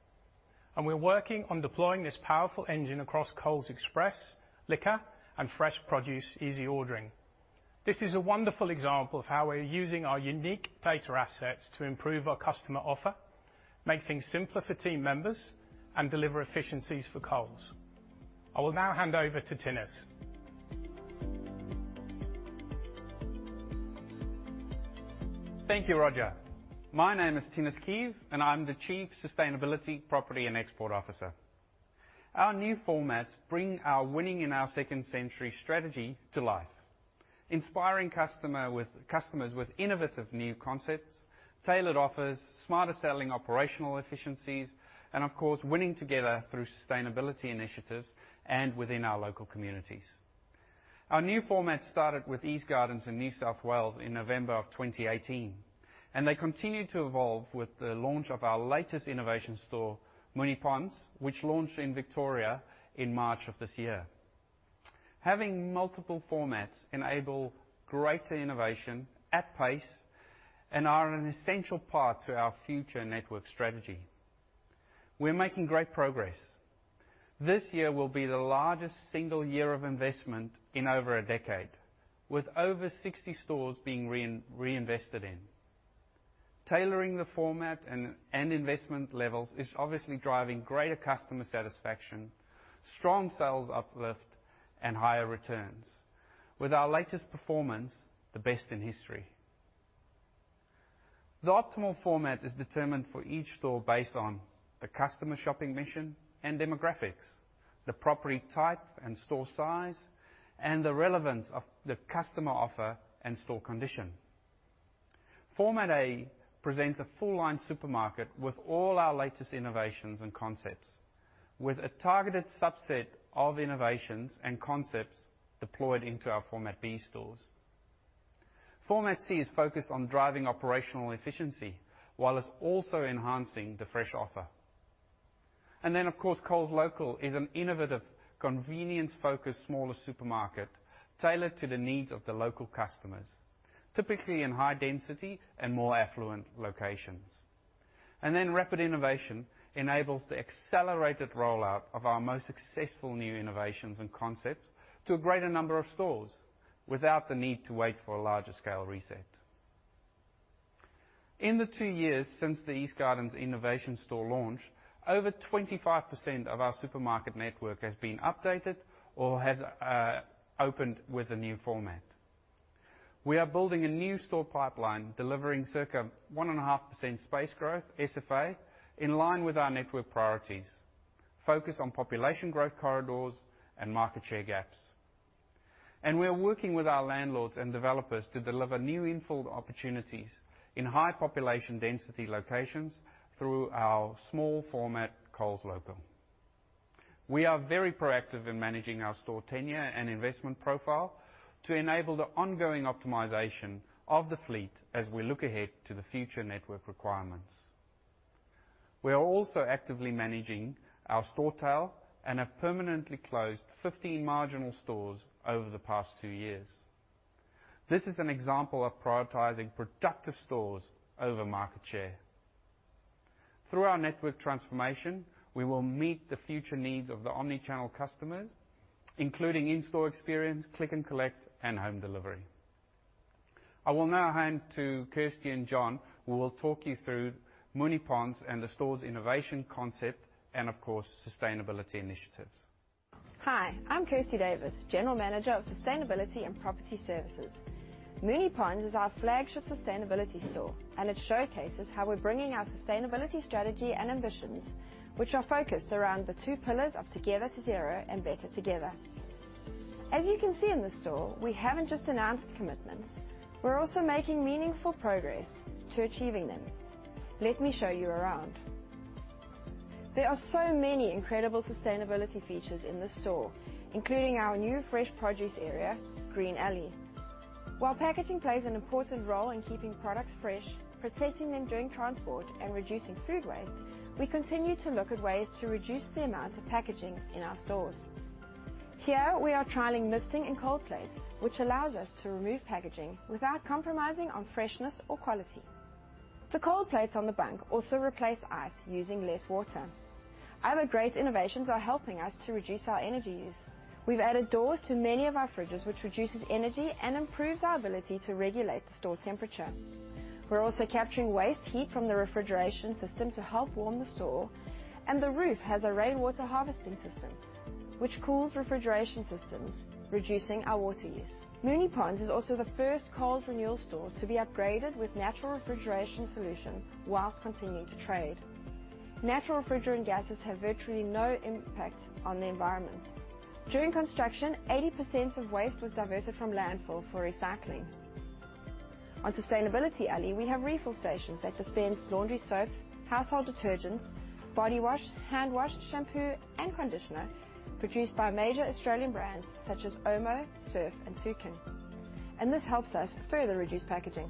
And we're working on deploying this powerful engine across Coles Express, Liquor, and Fresh Produce Easy Ordering. This is a wonderful example of how we're using our unique data assets to improve our customer offer, make things simpler for team members, and deliver efficiencies for Coles. I will now hand over to Thinus. Thank you, Roger. My name is Thinus Keeve, and I'm the Chief Sustainability, Property, and Export Officer. Our new formats bring our winning in our second century strategy to life, inspiring customers with innovative new concepts, tailored offers, smarter selling operational efficiencies, and, of course, winning together through sustainability initiatives and within our local communities. Our new format started with Eastgardens in New South Wales in November of 2018, and they continue to evolve with the launch of our latest innovation store, Moonee Ponds, which launched in Victoria in March of this year. Having multiple formats enables greater innovation at pace and is an essential part of our future network strategy. We're making great progress. This year will be the largest single year of investment in over a decade, with over 60 stores being reinvested in. Tailoring the format and investment levels is obviously driving greater customer satisfaction, strong sales uplift, and higher returns, with our latest performance the best in history. The optimal format is determined for each store based on the customer shopping mission and demographics, the property type and store size, and the relevance of the customer offer and store condition. Format A presents a full-line supermarket with all our latest innovations and concepts, with a targeted subset of innovations and concepts deployed into our Format B stores. Format C is focused on driving operational efficiency while also enhancing the fresh offer. Then, of course, Coles Local is an innovative, convenience-focused smaller supermarket tailored to the needs of the local customers, typically in high-density and more affluent locations. Then Rapid Innovation enables the accelerated rollout of our most successful new innovations and concepts to a greater number of stores without the need to wait for a larger-scale reset. In the two years since the Eastgardens Innovation Store launch, over 25% of our supermarket network has been updated or has opened with a new format. We are building a new store pipeline, delivering circa 1.5% space growth (SFA) in line with our network priorities, focused on population growth corridors and market share gaps. And we are working with our landlords and developers to deliver new infill opportunities in high population density locations through our small format Coles Local. We are very proactive in managing our store tenure and investment profile to enable the ongoing optimization of the fleet as we look ahead to the future network requirements. We are also actively managing our store tail and have permanently closed 15 marginal stores over the past two years. This is an example of prioritizing productive stores over market share. Through our network transformation, we will meet the future needs of the omnichannel customers, including in-store experience, Click & Collect, and home delivery. I will now hand to Kirsty and John, who will talk you through Moonee Ponds and the store's innovation concept and, of course, sustainability initiatives. Hi, I'm Kirsty Davis, General Manager of Sustainability and Property Services. Moonee Ponds is our flagship sustainability store, and it showcases how we're bringing our sustainability strategy and ambitions, which are focused around the two pillars of Together to Zero and Better Together. As you can see in the store, we haven't just announced commitments; we're also making meaningful progress to achieving them. Let me show you around. There are so many incredible sustainability features in the store, including our new Fresh Produce area, Green Alley. While packaging plays an important role in keeping products fresh, protecting them during transport, and reducing food waste, we continue to look at ways to reduce the amount of packaging in our stores. Here, we are trialing misting and cold plates, which allows us to remove packaging without compromising on freshness or quality. The cold plates on the bank also replace ice using less water. Other great innovations are helping us to reduce our energy use. We've added doors to many of our fridges, which reduces energy and improves our ability to regulate the store temperature. We're also capturing waste heat from the refrigeration system to help warm the store, and the roof has a rainwater harvesting system, which cools refrigeration systems, reducing our water use. Moonee Ponds is also the first Coles Renewal store to be upgraded with natural refrigeration solution while continuing to trade. Natural refrigerant gases have virtually no impact on the environment. During construction, 80% of waste was diverted from landfill for recycling. On Sustainability Alley, we have refill stations that dispense laundry soaps, household detergents, body wash, hand wash, shampoo, and conditioner produced by major Australian brands such as OMO, Surf, and Sukin. This helps us further reduce packaging.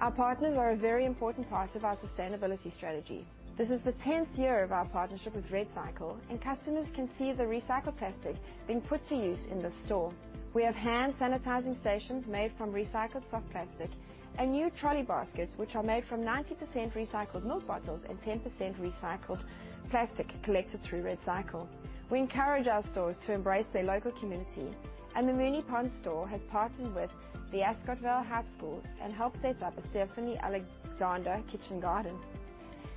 Our partners are a very important part of our sustainability strategy. This is the 10th year of our partnership with REDcycle, and customers can see the recycled plastic being put to use in this store. We have hand sanitizing stations made from recycled soft plastic and new trolley baskets, which are made from 90% recycled milk bottles and 10% recycled plastic collected through REDcycle. We encourage our stores to embrace their local community, and the Moonee Ponds store has partnered with the Ascot Vale High School and helped set up a Stephanie Alexander Kitchen Garden.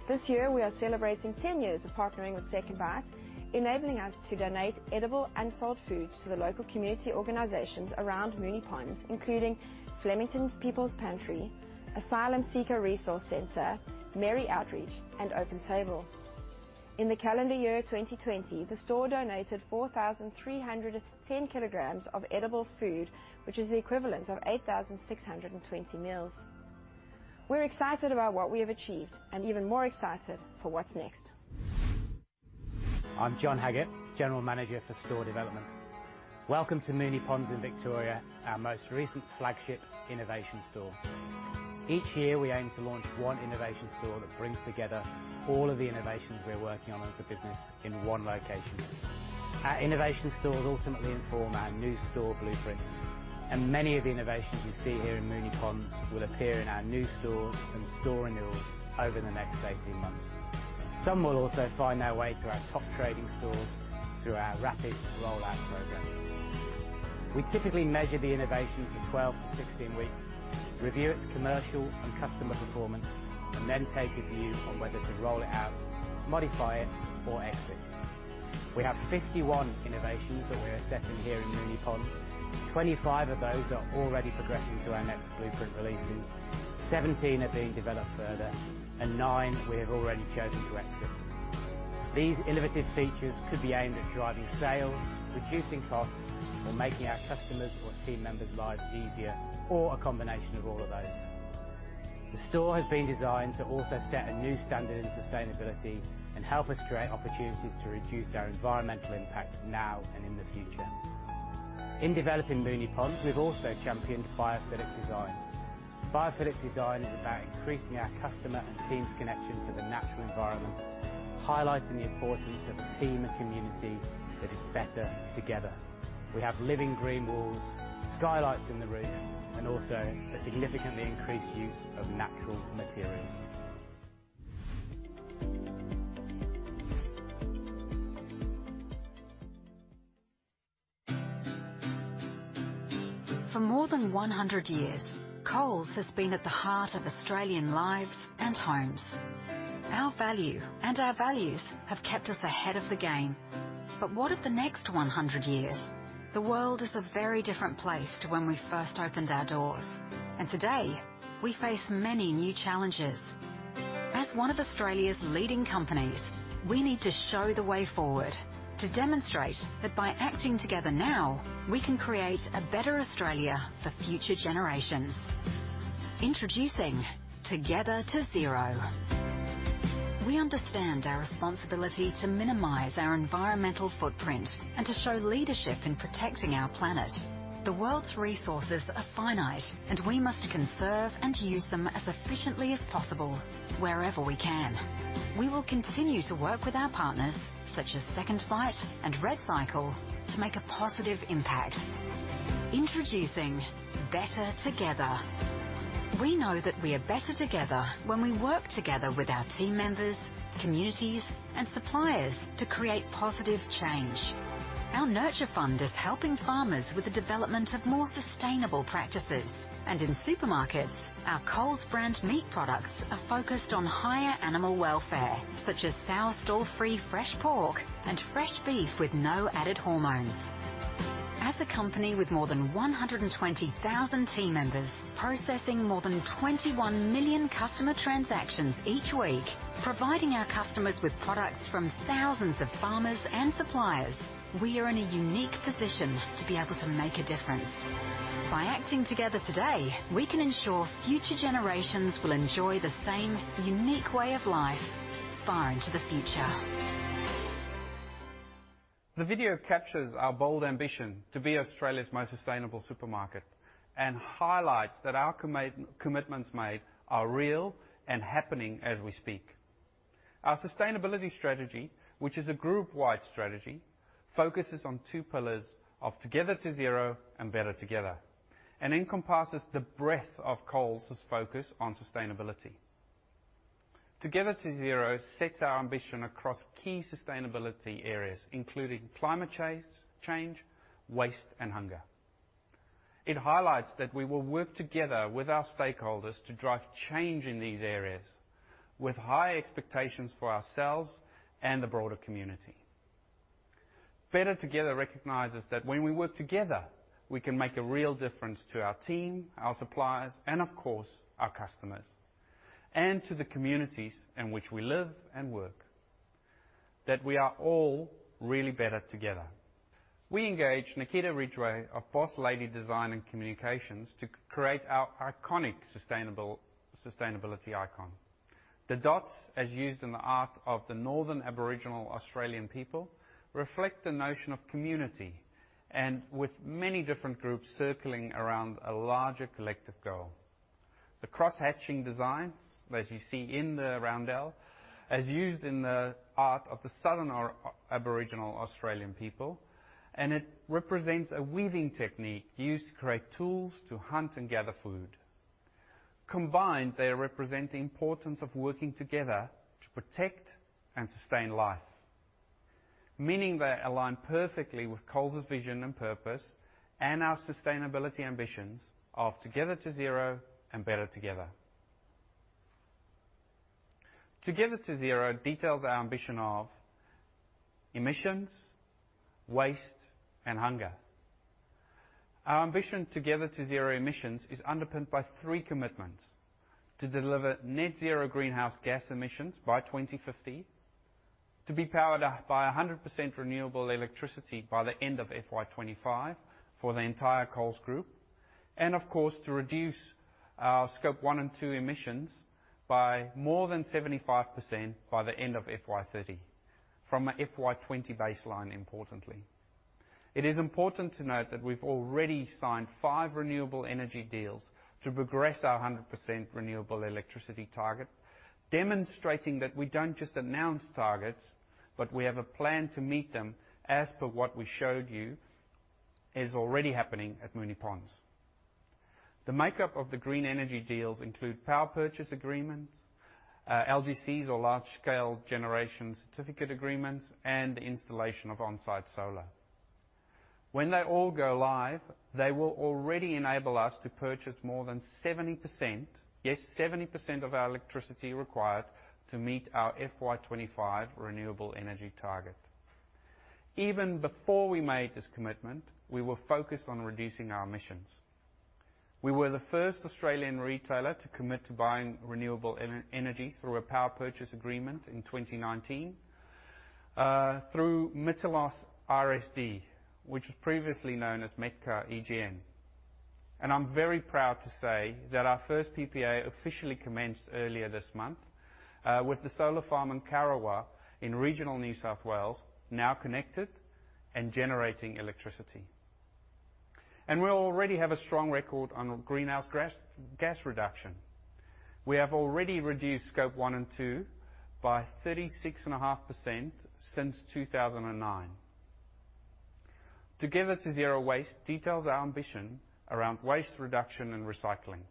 This year, we are celebrating 10 years of partnering with SecondBite, enabling us to donate edible and sold foods to the local community organizations around Moonee Ponds, including Flemington's People's Pantry, Asylum Seeker Resource Center, Mary Outreach, and Open Table. In the calendar year 2020, the store donated 4,310 kilograms of edible food, which is the equivalent of 8,620 meals. We're excited about what we have achieved and even more excited for what's next. I'm John Haggert, General Manager for Store Development. Welcome to Moonee Ponds in Victoria, our most recent flagship innovation store. Each year, we aim to launch one innovation store that brings together all of the innovations we're working on as a business in one location. Our innovation stores ultimately inform our new store blueprint, and many of the innovations you see here in Moonee Ponds will appear in our new stores and store renewals over the next 18 months. Some will also find their way to our top trading stores through our rapid rollout program. We typically measure the innovation for 12 to 16 weeks, review its commercial and customer performance, and then take a view on whether to roll it out, modify it, or exit. We have 51 innovations that we're assessing here in Moonee Ponds. 25 of those are already progressing to our next blueprint releases. 17 are being developed further, and nine we have already chosen to exit. These innovative features could be aimed at driving sales, reducing costs, or making our customers' or team members' lives easier, or a combination of all of those. The store has been designed to also set a new standard in sustainability and help us create opportunities to reduce our environmental impact now and in the future. In developing Moonee Ponds, we've also championed biophilic design. Biophilic design is about increasing our customer and team's connection to the natural environment, highlighting the importance of a team and community that is Better Together. We have living green walls, skylights in the roof, and also a significantly increased use of natural materials. For more than 100 years, Coles has been at the heart of Australian lives and homes. Our value and our values have kept us ahead of the game. But what of the next 100 years? The world is a very different place to when we first opened our doors, and today, we face many new challenges. As one of Australia's leading companies, we need to show the way forward to demonstrate that by acting together now, we can create a better Australia for future generations. Introducing Together to Zero. We understand our responsibility to minimize our environmental footprint and to show leadership in protecting our planet. The world's resources are finite, and we must conserve and use them as efficiently as possible wherever we can. We will continue to work with our partners, such as SecondBite and REDcycle, to make a positive impact. Introducing Better Together. We know that we are better together when we work together with our team members, communities, and suppliers to create positive change. Our Nurture Fund is helping farmers with the development of more sustainable practices. In supermarkets, our Coles brand meat products are focused on higher animal welfare, such as sow stall-free fresh pork and fresh beef with no added hormones. As a company with more than 120,000 team members processing more than 21 million customer transactions each week, providing our customers with products from thousands of farmers and suppliers, we are in a unique position to be able to make a difference. By acting together today, we can ensure future generations will enjoy the same unique way of life far into the future. The video captures our bold ambition to be Australia's most sustainable supermarket and highlights that our commitments are real and happening as we speak. Our sustainability strategy, which is a group-wide strategy, focuses on two pillars of Together to Zero and Better Together and encompasses the breadth of Coles's focus on sustainability. Together to Zero sets our ambition across key sustainability areas, including climate change, waste, and hunger. It highlights that we will work together with our stakeholders to drive change in these areas with high expectations for ourselves and the broader community. Better Together recognizes that when we work together, we can make a real difference to our team, our suppliers, and, of course, our customers, and to the communities in which we live and work, that we are all really better together. We engaged Nikita Ridgeway of Boss Lady Design and Communications to create our iconic sustainability icon. The dots, as used in the art of the Northern Aboriginal Australian people, reflect the notion of community and with many different groups circling around a larger collective goal. The cross-hatching designs, as you see in the roundel, are used in the art of the Southern Aboriginal Australian people, and it represents a weaving technique used to create tools to hunt and gather food. Combined, they represent the importance of working together to protect and sustain life, meaning they align perfectly with Coles's vision and purpose and our sustainability ambitions of Together to Zero and Better Together. Together to Zero details our ambition of emissions, waste, and hunger. Our ambition, Together to Zero emissions, is underpinned by three commitments: to deliver net zero greenhouse gas emissions by 2050, to be powered by 100% renewable electricity by the end of FY25 for the entire Coles Group, and, of course, to reduce our Scope 1 and 2 emissions by more than 75% by the end of FY30 from an FY20 baseline, importantly. It is important to note that we've already signed five renewable energy deals to progress our 100% renewable electricity target, demonstrating that we don't just announce targets, but we have a plan to meet them as per what we showed you is already happening at Moonee Ponds. The makeup of the green energy deals includes power purchase agreements, LGCs or Large-scale Generation Certificate agreements, and the installation of on-site solar. When they all go live, they will already enable us to purchase more than 70%, yes, 70% of our electricity required to meet our FY25 renewable energy target. Even before we made this commitment, we were focused on reducing our emissions. We were the first Australian retailer to commit to buying renewable energy through a power purchase agreement in 2019 through MYTILINEOS, which was previously known as METKA EGN. I'm very proud to say that our first PPA officially commenced earlier this month with the solar farm in Corowa in regional New South Wales, now connected and generating electricity. We already have a strong record on greenhouse gas reduction. We have already reduced Scope 1 and 2 by 36.5% since 2009. Together to Zero waste details our ambition around waste reduction and recycling.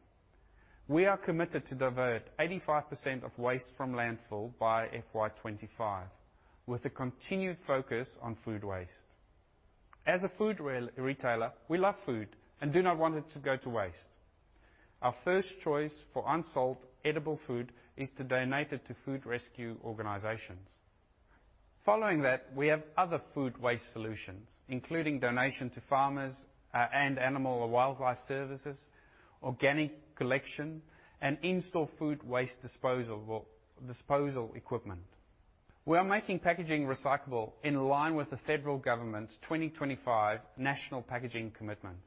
We are committed to divert 85% of waste from landfill by FY25, with a continued focus on food waste. As a food retailer, we love food and do not want it to go to waste. Our first choice for unsold edible food is to donate it to food rescue organizations. Following that, we have other food waste solutions, including donation to farmers and animal or wildlife services, organic collection, and in-store food waste disposal equipment. We are making packaging recyclable in line with the federal government's 2025 national packaging commitments.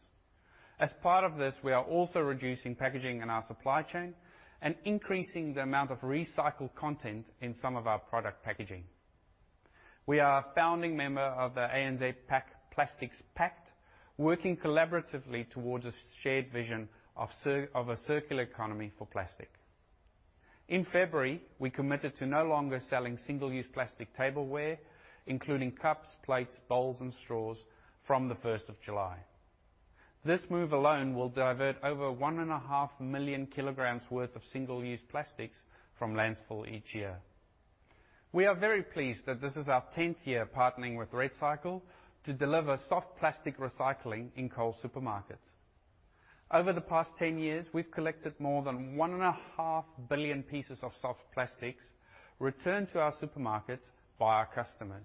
As part of this, we are also reducing packaging in our supply chain and increasing the amount of recycled content in some of our product packaging. We are a founding member of the ANZ Plastics Pact, working collaboratively towards a shared vision of a circular economy for plastic. In February, we committed to no longer selling single-use plastic tableware, including cups, plates, bowls, and straws, from the 1st of July. This move alone will divert over 1.5 million kilograms worth of single-use plastics from landfill each year. We are very pleased that this is our 10th year partnering with REDcycle to deliver soft plastic recycling in Coles supermarkets. Over the past 10 years, we've collected more than 1.5 billion pieces of soft plastics returned to our supermarkets by our customers.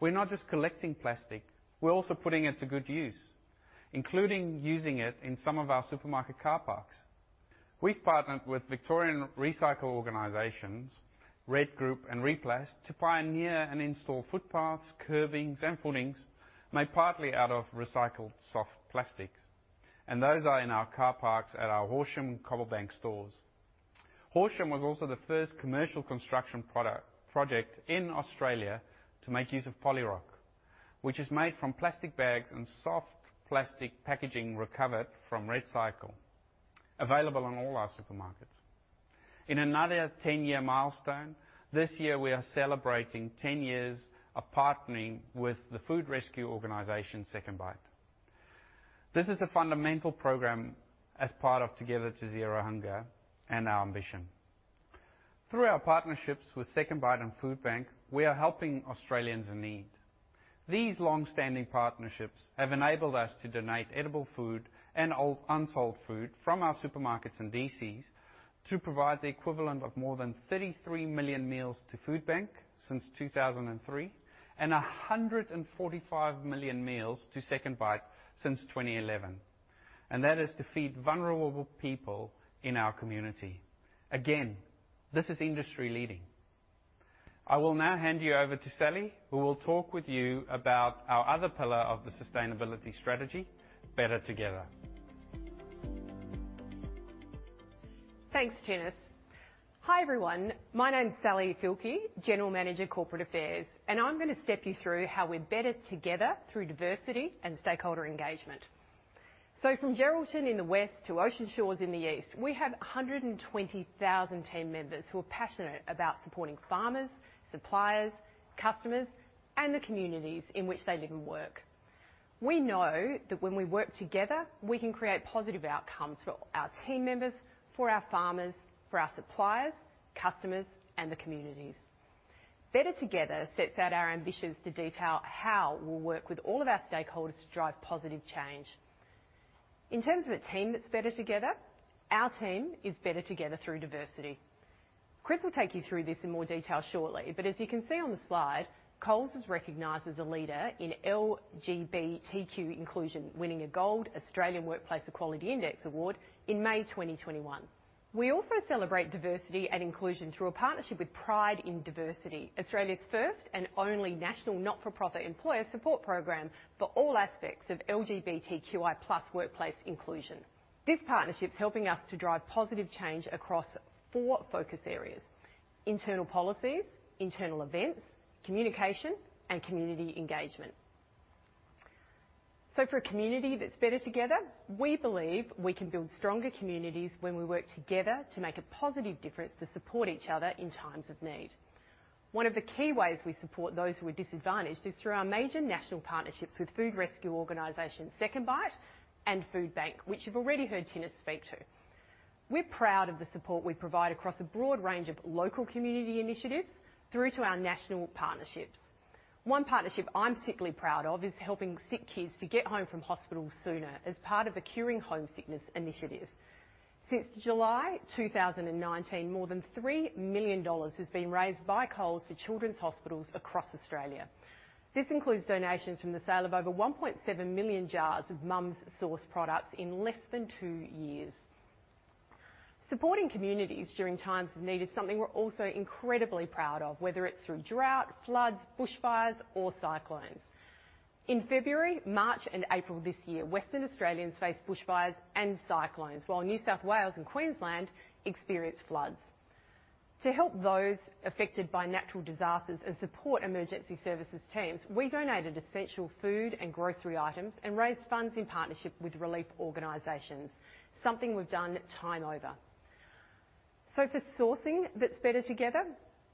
We're not just collecting plastic; we're also putting it to good use, including using it in some of our supermarket car parks. We've partnered with Victorian recycling organizations, RED Group and Replas, to pioneer and install footpaths, curbings, and footings made partly out of recycled soft plastics, and those are in our car parks at our Horsham and Cobblebank stores. Horsham was also the first commercial construction project in Australia to make use of Polyrok, which is made from plastic bags and soft plastic packaging recovered from REDcycle, available in all our supermarkets. In another 10-year milestone, this year, we are celebrating 10 years of partnering with the food rescue organization SecondBite. This is a fundamental program as part of Together to Zero hunger and our ambition. Through our partnerships with SecondBite and Foodbank, we are helping Australians in need. These long-standing partnerships have enabled us to donate edible food and unsold food from our supermarkets and DCs to provide the equivalent of more than 33 million meals to Foodbank since 2003 and 145 million meals to SecondBite since 2011. That is to feed vulnerable people in our community. Again, this is industry-leading. I will now hand you over to Sally, who will talk with you about our other pillar of the sustainability strategy, Better Together. Thanks, Thinus. Hi everyone. My name's Sally Fielke, General Manager, Corporate Affairs, and I'm going to step you through how we're better together through diversity and stakeholder engagement. From Geraldton in the west to Ocean Shores in the east, we have 120,000 team members who are passionate about supporting farmers, suppliers, customers, and the communities in which they live and work. We know that when we work together, we can create positive outcomes for our team members, for our farmers, for our suppliers, customers, and the communities. Better Together sets out our ambitions to detail how we'll work with all of our stakeholders to drive positive change. In terms of a team that's better together, our team is better together through diversity. Kris will take you through this in more detail shortly, but as you can see on the slide, Coles is recognized as a leader in LGBTQ inclusion, winning a Gold Australian Workplace Equality Index award in May 2021. We also celebrate diversity and inclusion through a partnership with Pride in Diversity, Australia's first and only national not-for-profit employer support program for all aspects of LGBTQI+ workplace inclusion. This partnership is helping us to drive positive change across four focus areas: internal policies, internal events, communication, and community engagement. For a community that's better together, we believe we can build stronger communities when we work together to make a positive difference to support each other in times of need. One of the key ways we support those who are disadvantaged is through our major national partnerships with food rescue organizations SecondBite and Foodbank, which you've already heard Thinus speak to. We're proud of the support we provide across a broad range of local community initiatives through to our national partnerships. One partnership I'm particularly proud of is helping sick kids to get home from hospital sooner as part of the Curing Homesickness Initiative. Since July 2019, more than 3 million dollars has been raised by Coles for children's hospitals across Australia. This includes donations from the sale of over 1.7 million jars of Mum's Sause products in less than two years. Supporting communities during times of need is something we're also incredibly proud of, whether it's through drought, floods, bushfires, or cyclones. In February, March, and April this year, Western Australians faced bushfires and cyclones, while New South Wales and Queensland experienced floods. To help those affected by natural disasters and support emergency services teams, we donated essential food and grocery items and raised funds in partnership with relief organizations, something we've done time over, so for sourcing that's Better Together,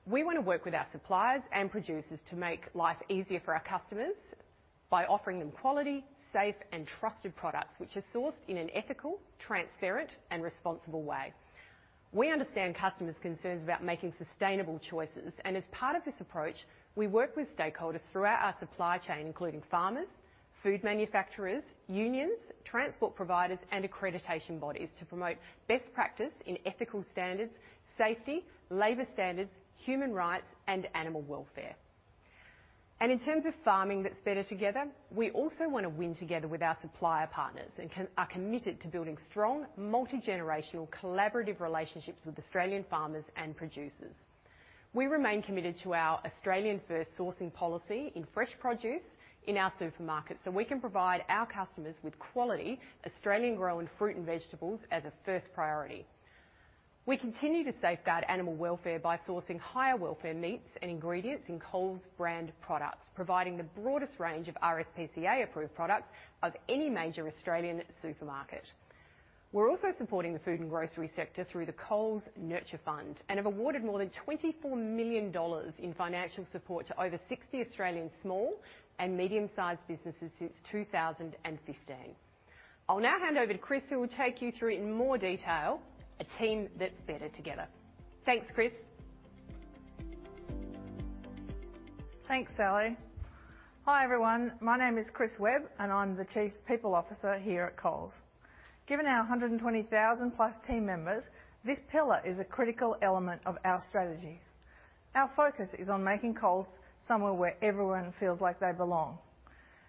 we want to work with our suppliers and producers to make life easier for our customers by offering them quality, safe, and trusted products, which are sourced in an ethical, transparent, and responsible way. We understand customers' concerns about making sustainable choices, and as part of this approach, we work with stakeholders throughout our supply chain, including farmers, food manufacturers, unions, transport providers, and accreditation bodies to promote best practice in ethical standards, safety, labor standards, human rights, and animal welfare, and in terms of farming that's Better Together, we also want to win together with our supplier partners and are committed to building strong, multi-generational, collaborative relationships with Australian farmers and producers. We remain committed to our Australian-first sourcing policy in fresh produce in our supermarkets so we can provide our customers with quality, Australian-grown fruit and vegetables as a first priority. We continue to safeguard animal welfare by sourcing higher welfare meats and ingredients in Coles brand products, providing the broadest range of RSPCA-approved products of any major Australian supermarket. We're also supporting the food and grocery sector through the Coles Nurture Fund and have awarded more than 24 million dollars in financial support to over 60 Australian small and medium-sized businesses since 2015. I'll now hand over to Kris, who will take you through, in more detail, a team that's better together. Thanks, Kris. Thanks, Sally. Hi everyone. My name is Kris Webb, and I'm the Chief People Officer here at Coles. Given our 120,000-plus team members, this pillar is a critical element of our strategy. Our focus is on making Coles somewhere where everyone feels like they belong,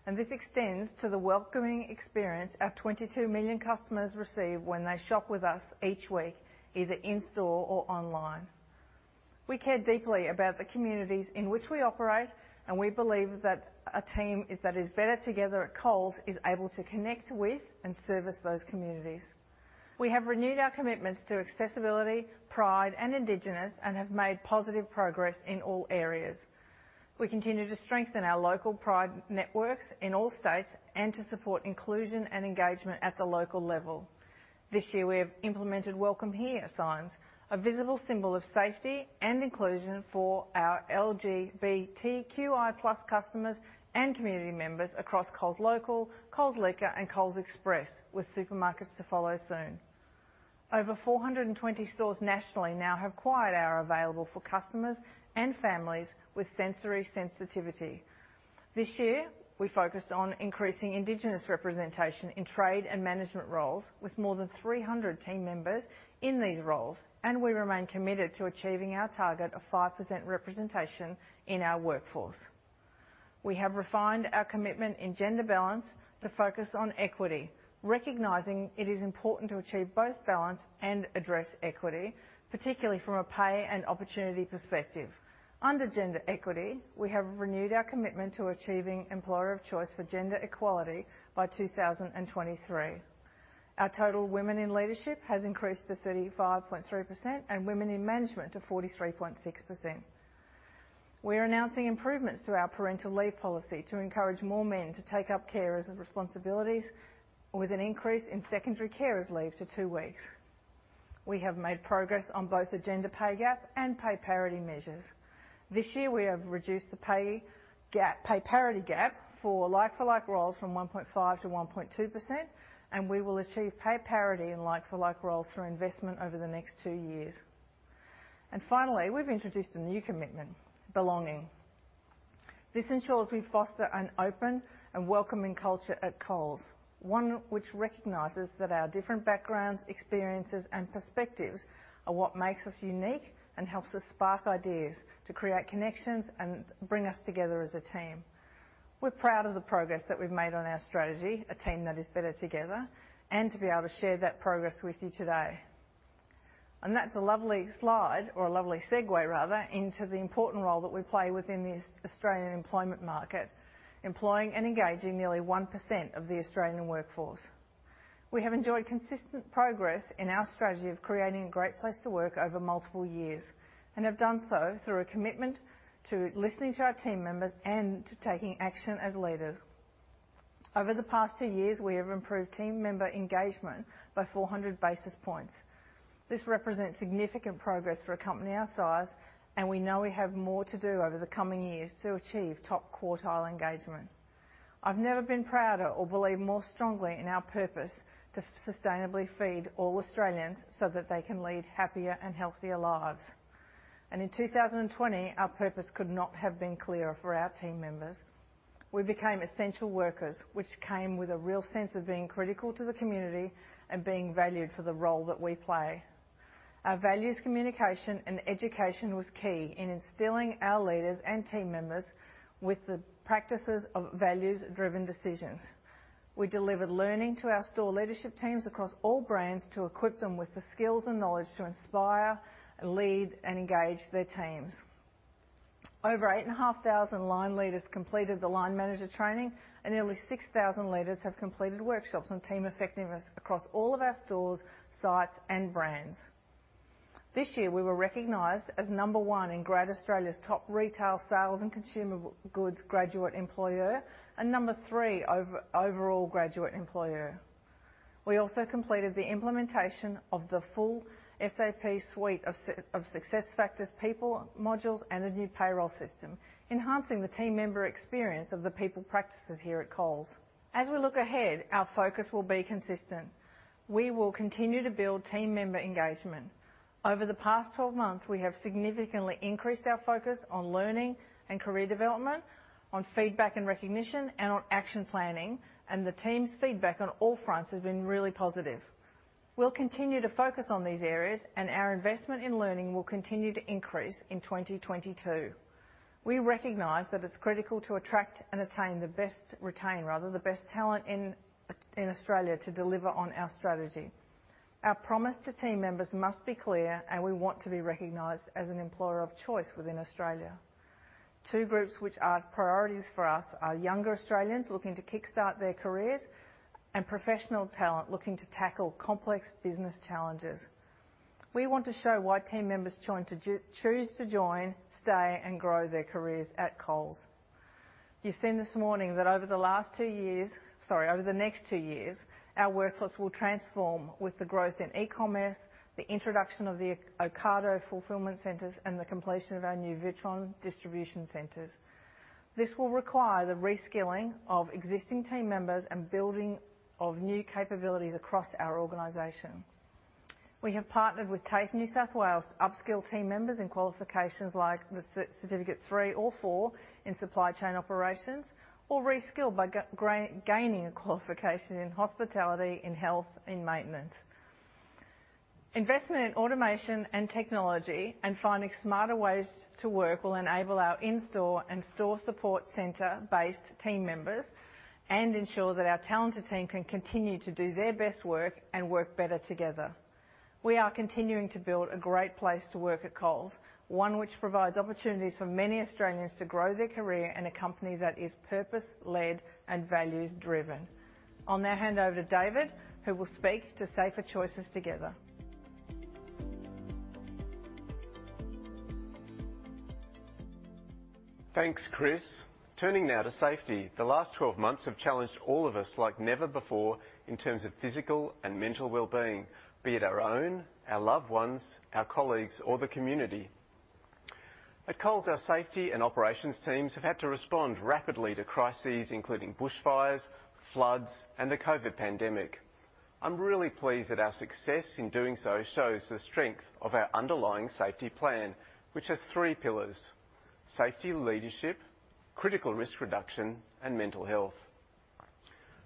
and this extends to the welcoming experience our 22 million customers receive when they shop with us each week, either in store or online. We care deeply about the communities in which we operate, and we believe that a team that is better together at Coles is able to connect with and service those communities. We have renewed our commitments to accessibility, pride, and Indigenous, and have made positive progress in all areas. We continue to strengthen our local pride networks in all states and to support inclusion and engagement at the local level. This year, we have implemented Welcome Here signs, a visible symbol of safety and inclusion for our LGBTQI+ customers and community members across Coles Local, Coles Liquor, and Coles Express, with supermarkets to follow soon. Over 420 stores nationally now have a quiet hour available for customers and families with sensory sensitivity. This year, we focused on increasing Indigenous representation in trade and management roles, with more than 300 team members in these roles, and we remain committed to achieving our target of 5% representation in our workforce. We have refined our commitment in gender balance to focus on equity, recognizing it is important to achieve both balance and address equity, particularly from a pay and opportunity perspective. Under gender equity, we have renewed our commitment to achieving employer of choice for gender equality by 2023. Our total women in leadership has increased to 35.3% and women in management to 43.6%. We are announcing improvements to our parental leave policy to encourage more men to take up carers' responsibilities, with an increase in secondary carers' leave to two weeks. We have made progress on both the gender pay gap and pay parity measures. This year, we have reduced the pay gap, pay parity gap for like-for-like roles from 1.5%-1.2%, and we will achieve pay parity in like-for-like roles through investment over the next two years. Finally, we've introduced a new commitment, Belonging. This ensures we foster an open and welcoming culture at Coles, one which recognizes that our different backgrounds, experiences, and perspectives are what makes us unique and helps us spark ideas to create connections and bring us together as a team. We're proud of the progress that we've made on our strategy, a team that is Better Together, and to be able to share that progress with you today. That's a lovely slide, or a lovely segue, rather, into the important role that we play within the Australian employment market, employing and engaging nearly 1% of the Australian workforce. We have enjoyed consistent progress in our strategy of creating a great place to work over multiple years and have done so through a commitment to listening to our team members and to taking action as leaders. Over the past two years, we have improved team member engagement by 400 basis points. This represents significant progress for a company our size, and we know we have more to do over the coming years to achieve top quartile engagement. I've never been prouder or believe more strongly in our purpose to sustainably feed all Australians so that they can lead happier and healthier lives. And in 2020, our purpose could not have been clearer for our team members. We became essential workers, which came with a real sense of being critical to the community and being valued for the role that we play. Our values, communication, and education were key in instilling our leaders and team members with the practices of values-driven decisions. We delivered learning to our store leadership teams across all brands to equip them with the skills and knowledge to inspire, lead, and engage their teams. Over 8,500 line leaders completed the line manager training, and nearly 6,000 leaders have completed workshops on team effectiveness across all of our stores, sites, and brands. This year, we were recognized as number one in Great Place to Work Australia's top retail sales and consumer goods graduate employer and number three overall graduate employer. We also completed the implementation of the full SAP SuccessFactors people modules, and a new payroll system, enhancing the team member experience of the people practices here at Coles. As we look ahead, our focus will be consistent. We will continue to build team member engagement. Over the past 12 months, we have significantly increased our focus on learning and career development, on feedback and recognition, and on action planning, and the team's feedback on all fronts has been really positive. We'll continue to focus on these areas, and our investment in learning will continue to increase in 2022. We recognize that it's critical to attract the best talent in Australia to deliver on our strategy. Our promise to team members must be clear, and we want to be recognized as an employer of choice within Australia. Two groups which are priorities for us are younger Australians looking to kickstart their careers and professional talent looking to tackle complex business challenges. We want to show why team members choose to join, stay, and grow their careers at Coles. You've seen this morning that over the last two years, sorry, over the next two years, our workforce will transform with the growth in e-commerce, the introduction of the Ocado Fulfillment Centers, and the completion of our new Witron Distribution Centers. This will require the reskilling of existing team members and building of new capabilities across our organization. We have partnered with TAFE New South Wales to upskill team members in qualifications like the Certificate III or IV in supply chain operations or reskill by gaining a qualification in hospitality, in health, in maintenance. Investment in automation and technology and finding smarter ways to work will enable our in-store and store support center-based team members and ensure that our talented team can continue to do their best work and work better together. We are continuing to build a great place to work at Coles, one which provides opportunities for many Australians to grow their career in a company that is purpose-led and values-driven. I'll now hand over to David, who will speak to safer choices together. Thanks, Kris. Turning now to safety, the last 12 months have challenged all of us like never before in terms of physical and mental well-being, be it our own, our loved ones, our colleagues, or the community. At Coles, our safety and operations teams have had to respond rapidly to crises, including bushfires, floods, and the COVID pandemic. I'm really pleased that our success in doing so shows the strength of our underlying safety plan, which has three pillars: safety leadership, critical risk reduction, and mental health.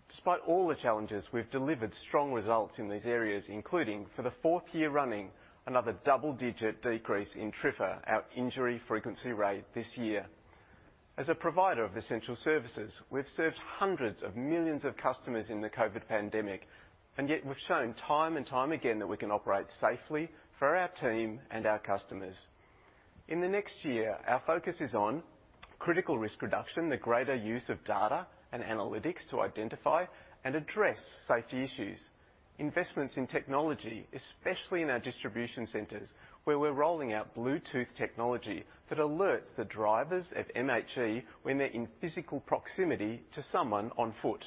Despite all the challenges, we've delivered strong results in these areas, including, for the fourth year running, another double-digit decrease in TRIFR, our injury frequency rate, this year. As a provider of essential services, we've served hundreds of millions of customers in the COVID pandemic, and yet we've shown time and time again that we can operate safely for our team and our customers. In the next year, our focus is on critical risk reduction, the greater use of data and analytics to identify and address safety issues, investments in technology, especially in our distribution centers, where we're rolling out Bluetooth technology that alerts the drivers of MHE when they're in physical proximity to someone on foot.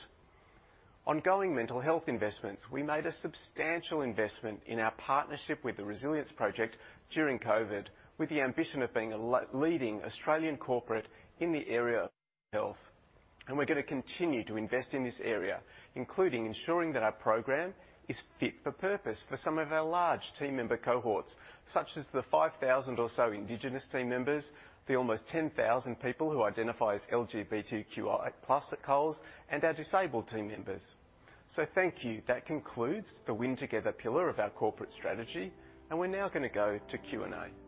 Ongoing mental health investments. We made a substantial investment in our partnership with the Resilience Project during COVID, with the ambition of being a leading Australian corporate in the area of health. And we're going to continue to invest in this area, including ensuring that our program is fit for purpose for some of our large team member cohorts, such as the 5,000 or so Indigenous team members, the almost 10,000 people who identify as LGBTQI+ at Coles, and our disabled team members. So thank you. That concludes the Win Together pillar of our corporate strategy, and we're now going to go to Q&A. I feel like going back home right now while the mangoes are ripe. Grandpa's van is starting to blew. At a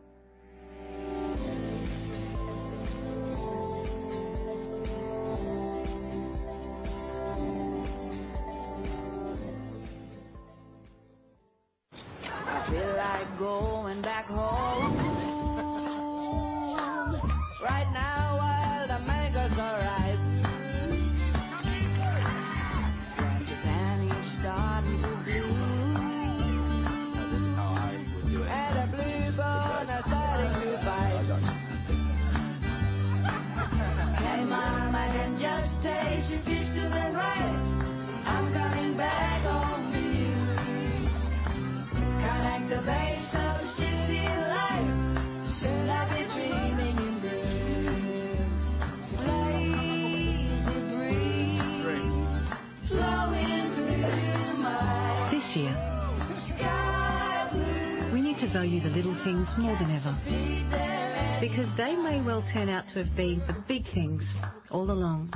bluebird, I'm starting to bite. Hey, Mama, then just take a piece of that rice. I'm coming back home to you. Connect the base of the city life. Should I be dreaming in blue? Sways a breeze flowing through my. This year, we need to value the little things more than ever because they may well turn out to have been the big things all along.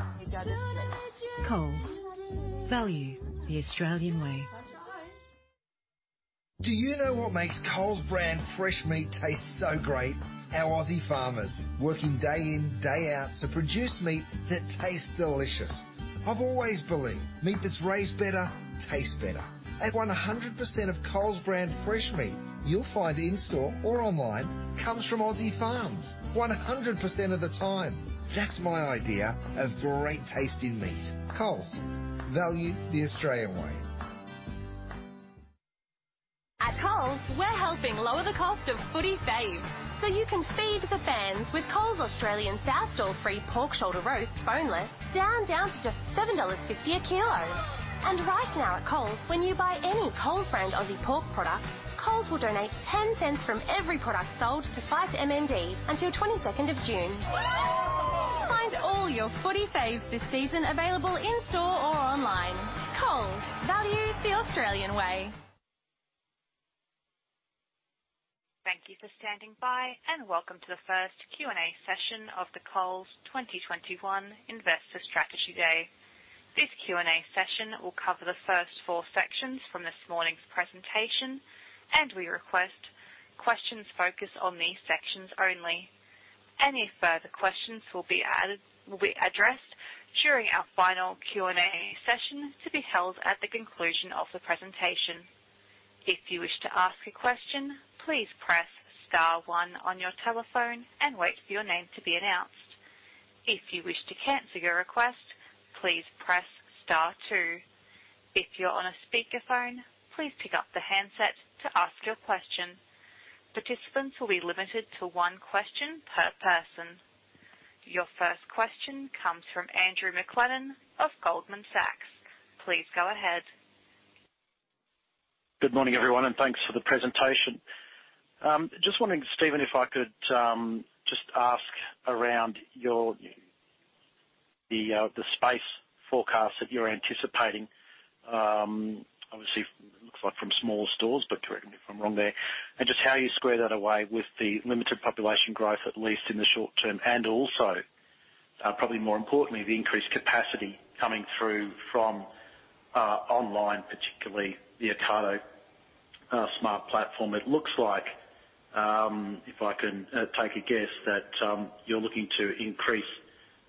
Coles, value the Australian way. Do you know what makes Coles brand fresh meat taste so great? Our Aussie farmers, working day in, day out to produce meat that tastes delicious. I've always believed meat that's raised better tastes better. At 100% of Coles brand fresh meat you'll find in store or online comes from Aussie farms, 100% of the time. That's my idea of great tasting meat. Coles, value the Australian way. At Coles, we're helping lower the cost of foodie faves so you can feed the fans with Coles Australian Sourced Free Range Pork Shoulder Roast Boneless, down, down to just 7.50 dollars a kilo. Right now at Coles, when you buy any Coles brand Aussie pork product, Coles will donate 10 cents from every product sold to fight MND until 22nd of June. Find all your foodie faves this season available in store or online. Coles, value the Australian way. Thank you for standing by, and welcome to the first Q&A session of the Coles 2021 Investor Strategy Day. This Q&A session will cover the first four sections from this morning's presentation, and we request questions focused on these sections only. Any further questions will be addressed during our final Q&A session to be held at the conclusion of the presentation. If you wish to ask a question, please press Star 1 on your telephone and wait for your name to be announced. If you wish to cancel your request, please press Star 2. If you're on a speakerphone, please pick up the handset to ask your question. Participants will be limited to one question per person. Your first question comes from Andrew McLennan of Goldman Sachs. Please go ahead. Good morning, everyone, and thanks for the presentation. Just wondering, Steven, if I could just ask around the space forecast that you're anticipating. Obviously, it looks like from small stores, but correct me if I'm wrong there, and just how you square that away with the limited population growth, at least in the short term, and also, probably more importantly, the increased capacity coming through from online, particularly the Ocado Smart Platform. It looks like, if I can take a guess, that you're looking to increase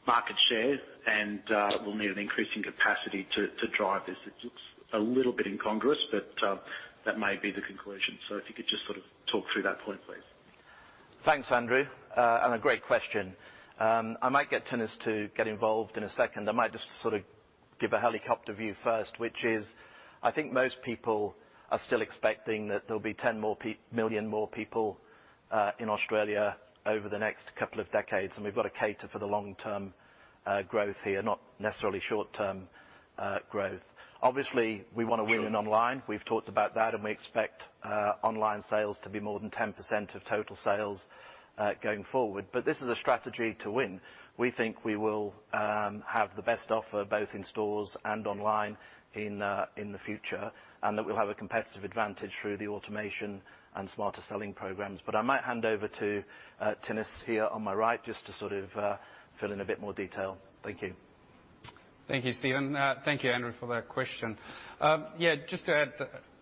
market share and will need an increase in capacity to drive this. It looks a little bit incongruous, but that may be the conclusion. So if you could just sort of talk through that point, please. Thanks, Andrew. And a great question. I might get Thinus to get involved in a second. I might just sort of give a helicopter view first, which is I think most people are still expecting that there'll be 10 million more people in Australia over the next couple of decades, and we've got to cater for the long-term growth here, not necessarily short-term growth. Obviously, we want to win online. We've talked about that, and we expect online sales to be more than 10% of total sales going forward. But this is a strategy to win. We think we will have the best offer both in stores and online in the future, and that we'll have a competitive advantage through the automation and Smarter Selling programs. But I might hand over to Thinus here on my right just to sort of fill in a bit more detail. Thank you. Thank you, Steven. Thank you, Andrew, for that question. Yeah, just to add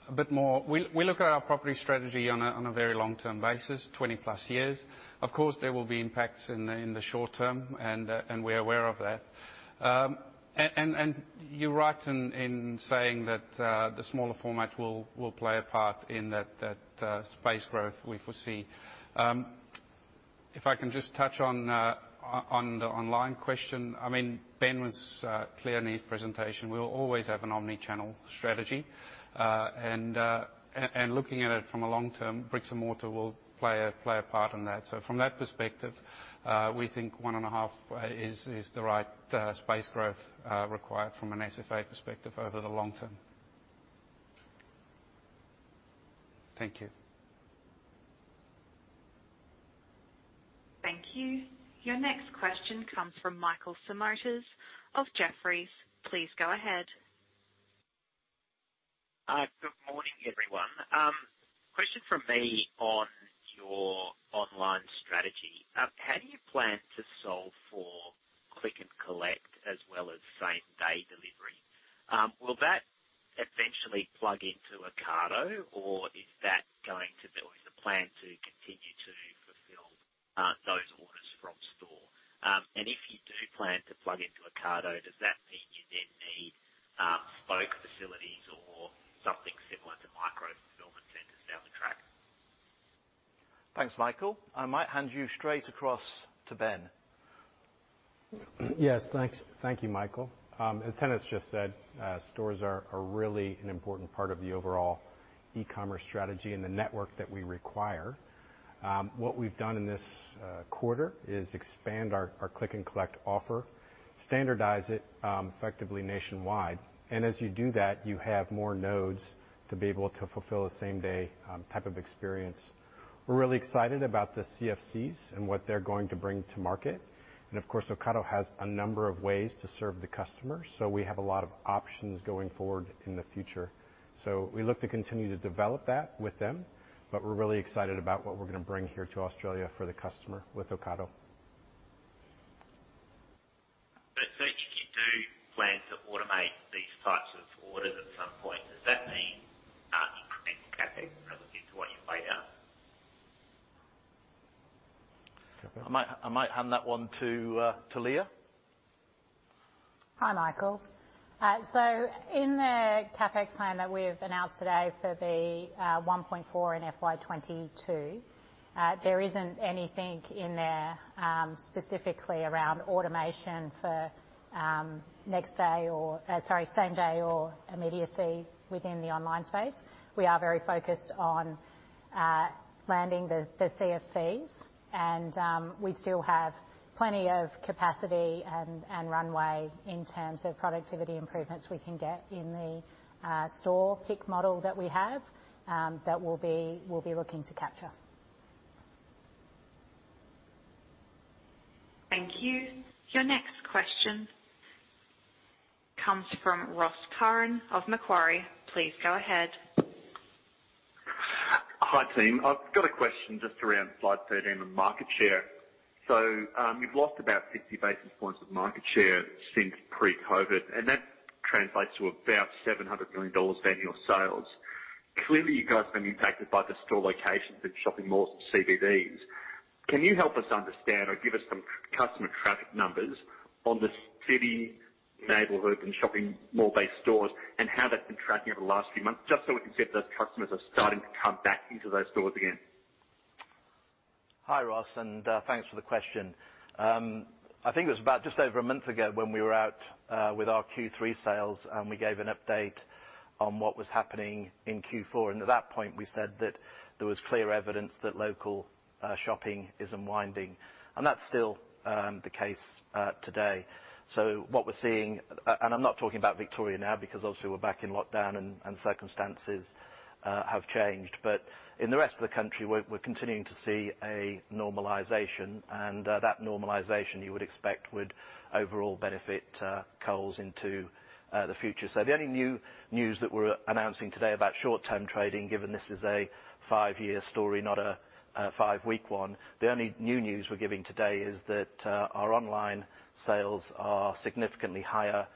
a bit more, we look at our property strategy on a very long-term basis, 20 plus years. Of course, there will be impacts in the short term, and we're aware of that. And you're right in saying that the smaller format will play a part in that space growth we foresee. If I can just touch on the online question, I mean, Ben was clear in his presentation. We will always have an omnichannel strategy, and looking at it from a long term, bricks and mortar will play a part in that. From that perspective, we think one and a half is the right space growth required from an SFA perspective over the long term. Thank you. Thank you. Your next question comes from Michael Simotas of Jefferies. Please go ahead. Good morning, everyone. Question from me on your online strategy. How do you plan to solve for click & collect as well as same-day delivery? Will that eventually plug into Ocado, or is that going to be the plan to continue to fulfill those orders from store? And if you do plan to plug into Ocado, does that mean you then need spoke facilities or something similar to micro fulfillment centers down the track? Thanks, Michael. I might hand you straight across to Ben. Yes, thanks. Thank you, Michael. As Ben just said, stores are really an important part of the overall e-commerce strategy and the network that we require. What we've done in this quarter is expand our Click & Collect offer, standardize it effectively nationwide, and as you do that, you have more nodes to be able to fulfill a same-day type of experience. We're really excited about the CFCs and what they're going to bring to market, and of course, Ocado has a number of ways to serve the customer, so we have a lot of options going forward in the future, so we look to continue to develop that with them, but we're really excited about what we're going to bring here to Australia for the customer with Ocado. So you do plan to automate these types of orders at some point. Does that mean incremental capping relative to what you've laid out? I might hand that one to Leah. Hi, Michael. So in the CapEx plan that we've announced today for the 1.4 and FY22, there isn't anything in there specifically around automation for next day or, sorry, same day or immediacy within the online space. We are very focused on landing the CFCs, and we still have plenty of capacity and runway in terms of productivity improvements we can get in the store pick model that we have that we'll be looking to capture. Thank you. Your next question comes from Ross Curran of Macquarie. Please go ahead. Hi, team. I've got a question just around slide 13 and market share. So you've lost about 60 basis points of market share since pre-COVID, and that translates to about 700 million dollars down your sales. Clearly, you guys have been impacted by the store locations and shopping malls and CBDs. Can you help us understand or give us some customer traffic numbers on the city, neighborhood, and shopping mall-based stores, and how that's been tracking over the last few months, just so we can see if those customers are starting to come back into those stores again? Hi, Ross, and thanks for the question. I think it was about just over a month ago when we were out with our Q3 sales, and we gave an update on what was happening in Q4, and at that point, we said that there was clear evidence that local shopping is unwinding, and that's still the case today, so what we're seeing, and I'm not talking about Victoria now because obviously we're back in lockdown and circumstances have changed, but in the rest of the country, we're continuing to see a normalization. That normalization, you would expect, would overall benefit Coles into the future. So the only new news that we're announcing today about short-term trading, given this is a five-year story, not a five-week one, the only new news we're giving today is that our online sales are significantly higher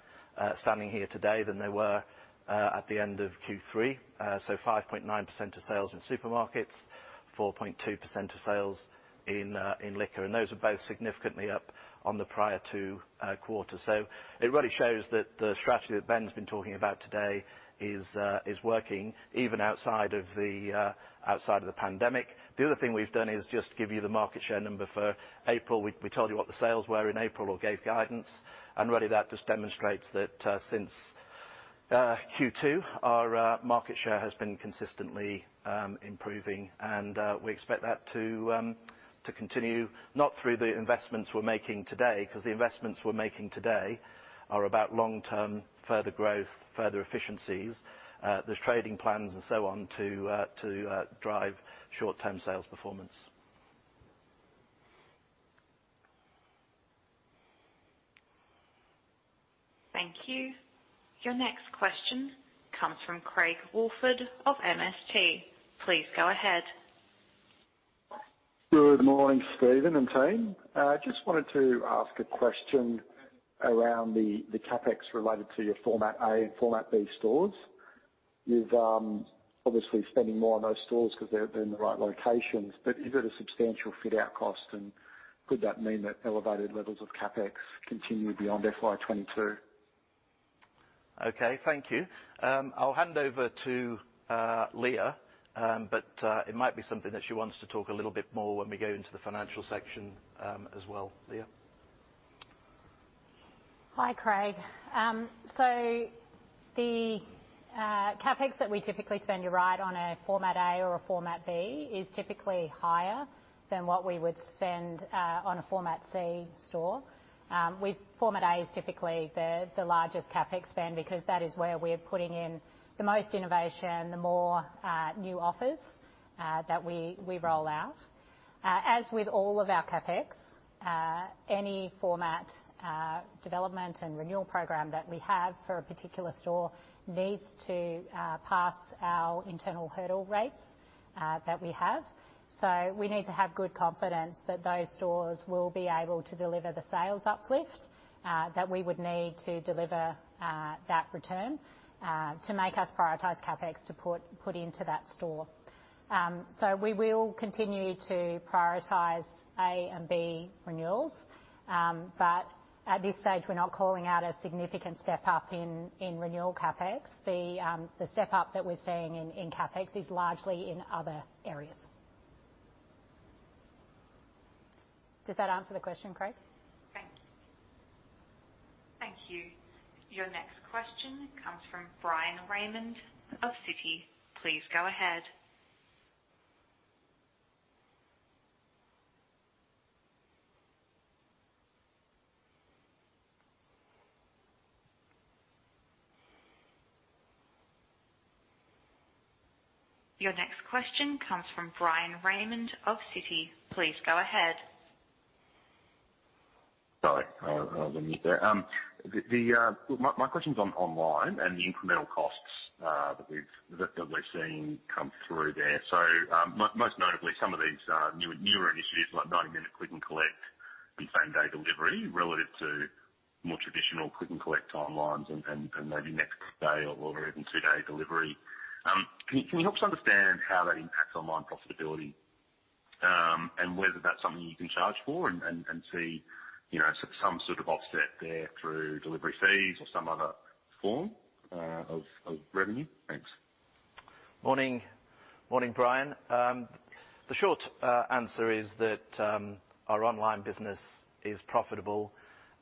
standing here today than they were at the end of Q3. So 5.9% of sales in supermarkets, 4.2% of sales in liquor. And those are both significantly up on the prior two quarters. So it really shows that the strategy that Ben's been talking about today is working even outside of the pandemic. The other thing we've done is just give you the market share number for April. We told you what the sales were in April or gave guidance. And really, that just demonstrates that since Q2, our market share has been consistently improving. We expect that to continue, not through the investments we're making today, because the investments we're making today are about long-term further growth, further efficiencies, the trading plans, and so on to drive short-term sales performance. Thank you. Your next question comes from Craig Woolford of MST. Please go ahead. Good morning, Steven and team. I just wanted to ask a question around the CapEx related to your Format A and Format B stores. You've obviously spent more on those stores because they're in the right locations, but is it a substantial fit-out cost? And could that mean that elevated levels of CapEx continue beyond FY22? Okay, thank you. I'll hand over to Leah, but it might be something that she wants to talk a little bit more when we go into the financial section as well. Leah? Hi, Craig. The CapEx that we typically spend, you're right, on a Format A or a Format B is typically higher than what we would spend on a Format C store. Format A is typically the largest CapEx spend because that is where we're putting in the most innovation, the more new offers that we roll out. As with all of our CapEx, any format development and renewal program that we have for a particular store needs to pass our internal hurdle rates that we have. We need to have good confidence that those stores will be able to deliver the sales uplift that we would need to deliver that return to make us prioritize CapEx to put into that store. We will continue to prioritize A and B renewals, but at this stage, we're not calling out a significant step up in renewal CapEx. The step up that we're seeing in CapEx is largely in other areas. Does that answer the question, Craig? Thank you. Your next question comes from Brian Raymond of Citi. Please go ahead. Sorry, I wasn't there. My question's online and the incremental costs that we've seen come through there. So most notably, some of these newer initiatives like 90-minute click & collect and same-day delivery relative to more traditional click & collect timelines and maybe next day or even two-day delivery. Can you help us understand how that impacts online profitability and whether that's something you can charge for and see some sort of offset there through delivery fees or some other form of revenue? Thanks. Morning. Morning, Bryan. The short answer is that our online business is profitable,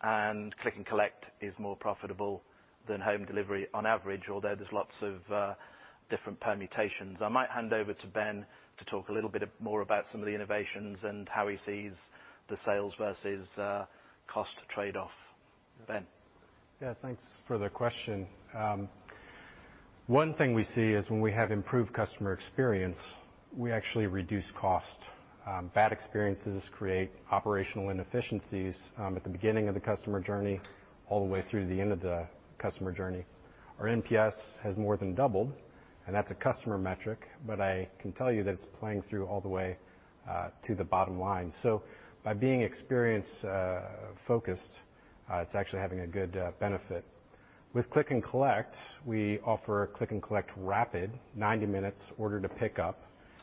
and click & collect is more profitable than home delivery on average, although there's lots of different permutations. I might hand over to Ben to talk a little bit more about some of the innovations and how he sees the sales versus cost trade-off. Ben. Yeah, thanks for the question. One thing we see is when we have improved customer experience, we actually reduce cost. Bad experiences create operational inefficiencies at the beginning of the customer journey all the way through to the end of the customer journey. Our NPS has more than doubled, and that's a customer metric, but I can tell you that it's playing through all the way to the bottom line. So by being experience-focused, it's actually having a good benefit. With Click & Collect, we offer Click & Collect Rapid, 90 minutes order to pick up.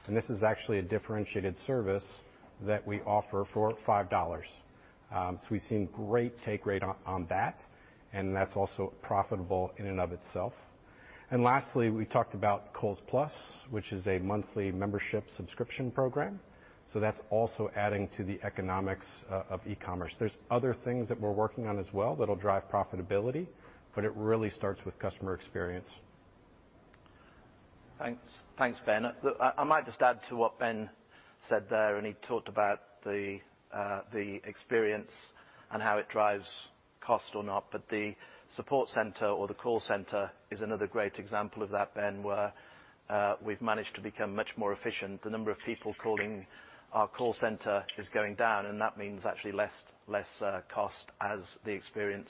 And this is actually a differentiated service that we offer for 5 dollars. So we've seen great take rate on that, and that's also profitable in and of itself. And lastly, we talked about Coles Plus, which is a monthly membership subscription program. So that's also adding to the economics of e-commerce. There's other things that we're working on as well that'll drive profitability, but it really starts with customer experience. Thanks, Ben. I might just add to what Ben said there, and he talked about the experience and how it drives cost or not. But the support center or the call center is another great example of that, Ben, where we've managed to become much more efficient. The number of people calling our call center is going down, and that means actually less cost as the experience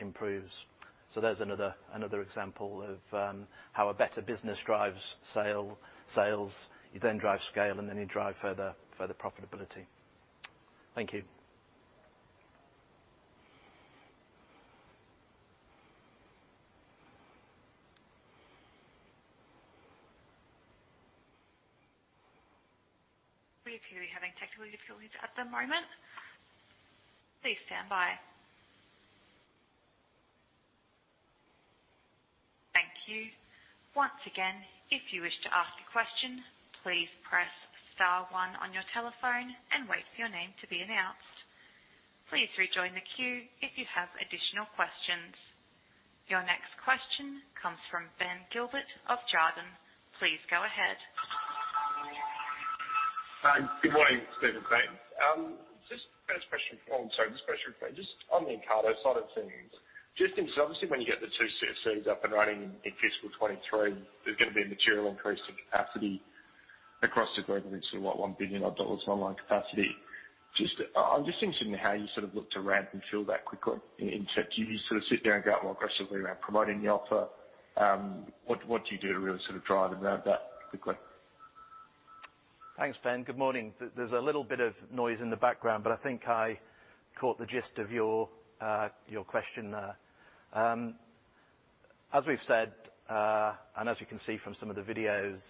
improves. So that's another example of how a better business drives sales. You then drive scale, and then you drive further profitability. Thank you. We appear to be having technical difficulties at the moment. Please stand by. Thank you. Once again, if you wish to ask a question, please press star one on your telephone and wait for your name to be announced. Please rejoin the queue if you have additional questions. Your next question comes from Ben Gilbert of Jarden. Please go ahead. Good morning, Steven and team. Just first question for all, sorry, just a question for me. Just on the Ocado side of things, just interested, obviously, when you get the two CFCs up and running in fiscal 2023, there's going to be a material increase in capacity across the globe of sort of like 1 billion dollars of online capacity. I'm just interested in how you sort of look to ramp and fill that quickly. Do you sort of sit there and go out more aggressively around promoting the offer? What do you do to really sort of drive that quickly? Thanks, Ben. Good morning. There's a little bit of noise in the background, but I think I caught the gist of your question there. As we've said, and as you can see from some of the videos,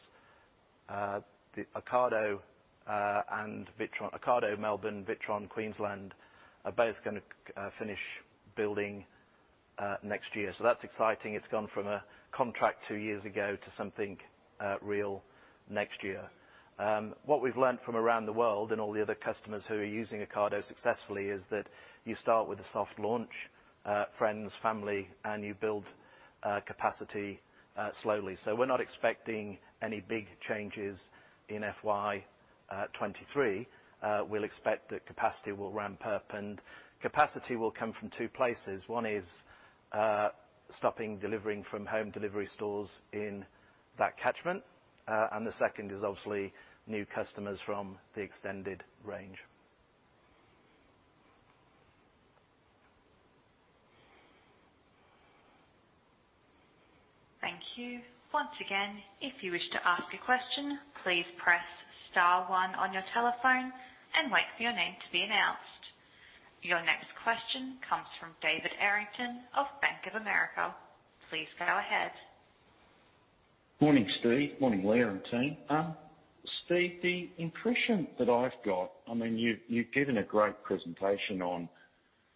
Ocado and Witron. Ocado Melbourne, Witron Queensland are both going to finish building next year. So that's exciting. It's gone from a contract two years ago to something real next year. What we've learned from around the world and all the other customers who are using Ocado successfully is that you start with a soft launch, friends, family, and you build capacity slowly. So we're not expecting any big changes in FY23. We'll expect that capacity will ramp up, and capacity will come from two places. One is stopping delivering from home delivery stores in that catchment, and the second is obviously new customers from the extended range. Thank you. Once again, if you wish to ask a question, please press star one on your telephone and wait for your name to be announced. Your next question comes from David Errington of Bank of America. Please go ahead. Morning, Steve. Morning, Leah and team. Steve, the impression that I've got, I mean, you've given a great presentation on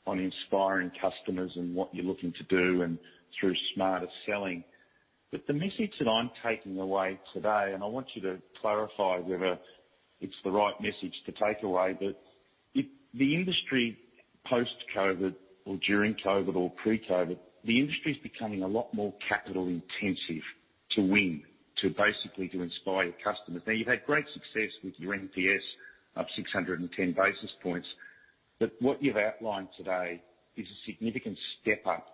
inspiring customers and what you're looking to do and through Smarter Selling. But the message that I'm taking away today, and I want you to clarify whether it's the right message to take away, but the industry post-COVID or during COVID or pre-COVID, the industry is becoming a lot more capital-intensive to win, to basically inspire customers. Now, you've had great success with your NPS of 610 basis points, but what you've outlined today is a significant step up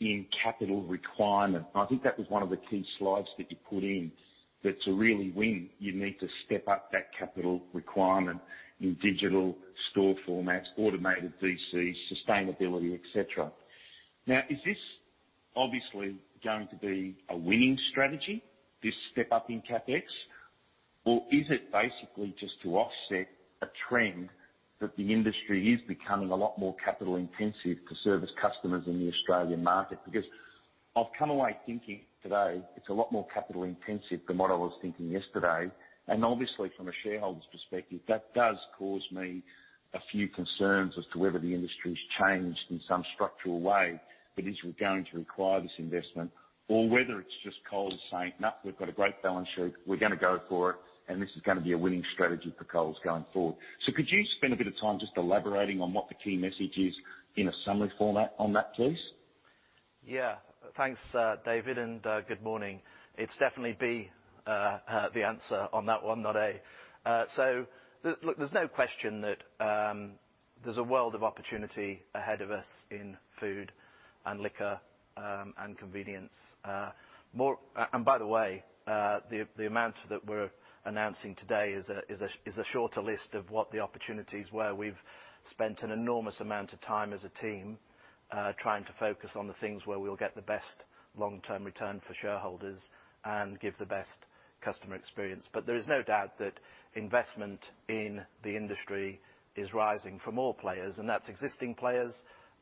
in capital requirement. I think that was one of the key slides that you put in that to really win, you need to step up that capital requirement in digital store formats, automated CFCs, sustainability, etc. Now, is this obviously going to be a winning strategy, this step up in CapEx, or is it basically just to offset a trend that the industry is becoming a lot more capital-intensive to service customers in the Australian market? Because I've come away thinking today it's a lot more capital-intensive than what I was thinking yesterday, and obviously, from a shareholder's perspective, that does cause me a few concerns as to whether the industry has changed in some structural way, but is we're going to require this investment, or whether it's just Coles saying, "No, we've got a great balance sheet. We're going to go for it, and this is going to be a winning strategy for Coles going forward," so could you spend a bit of time just elaborating on what the key message is in a summary format on that, please? Yeah. Thanks, David, and good morning. It's definitely B, the answer on that one, not A. So look, there's no question that there's a world of opportunity ahead of us in food and liquor and convenience. And by the way, the amount that we're announcing today is a shorter list of what the opportunities were. We've spent an enormous amount of time as a team trying to focus on the things where we'll get the best long-term return for shareholders and give the best customer experience. But there is no doubt that investment in the industry is rising for more players, and that's existing players,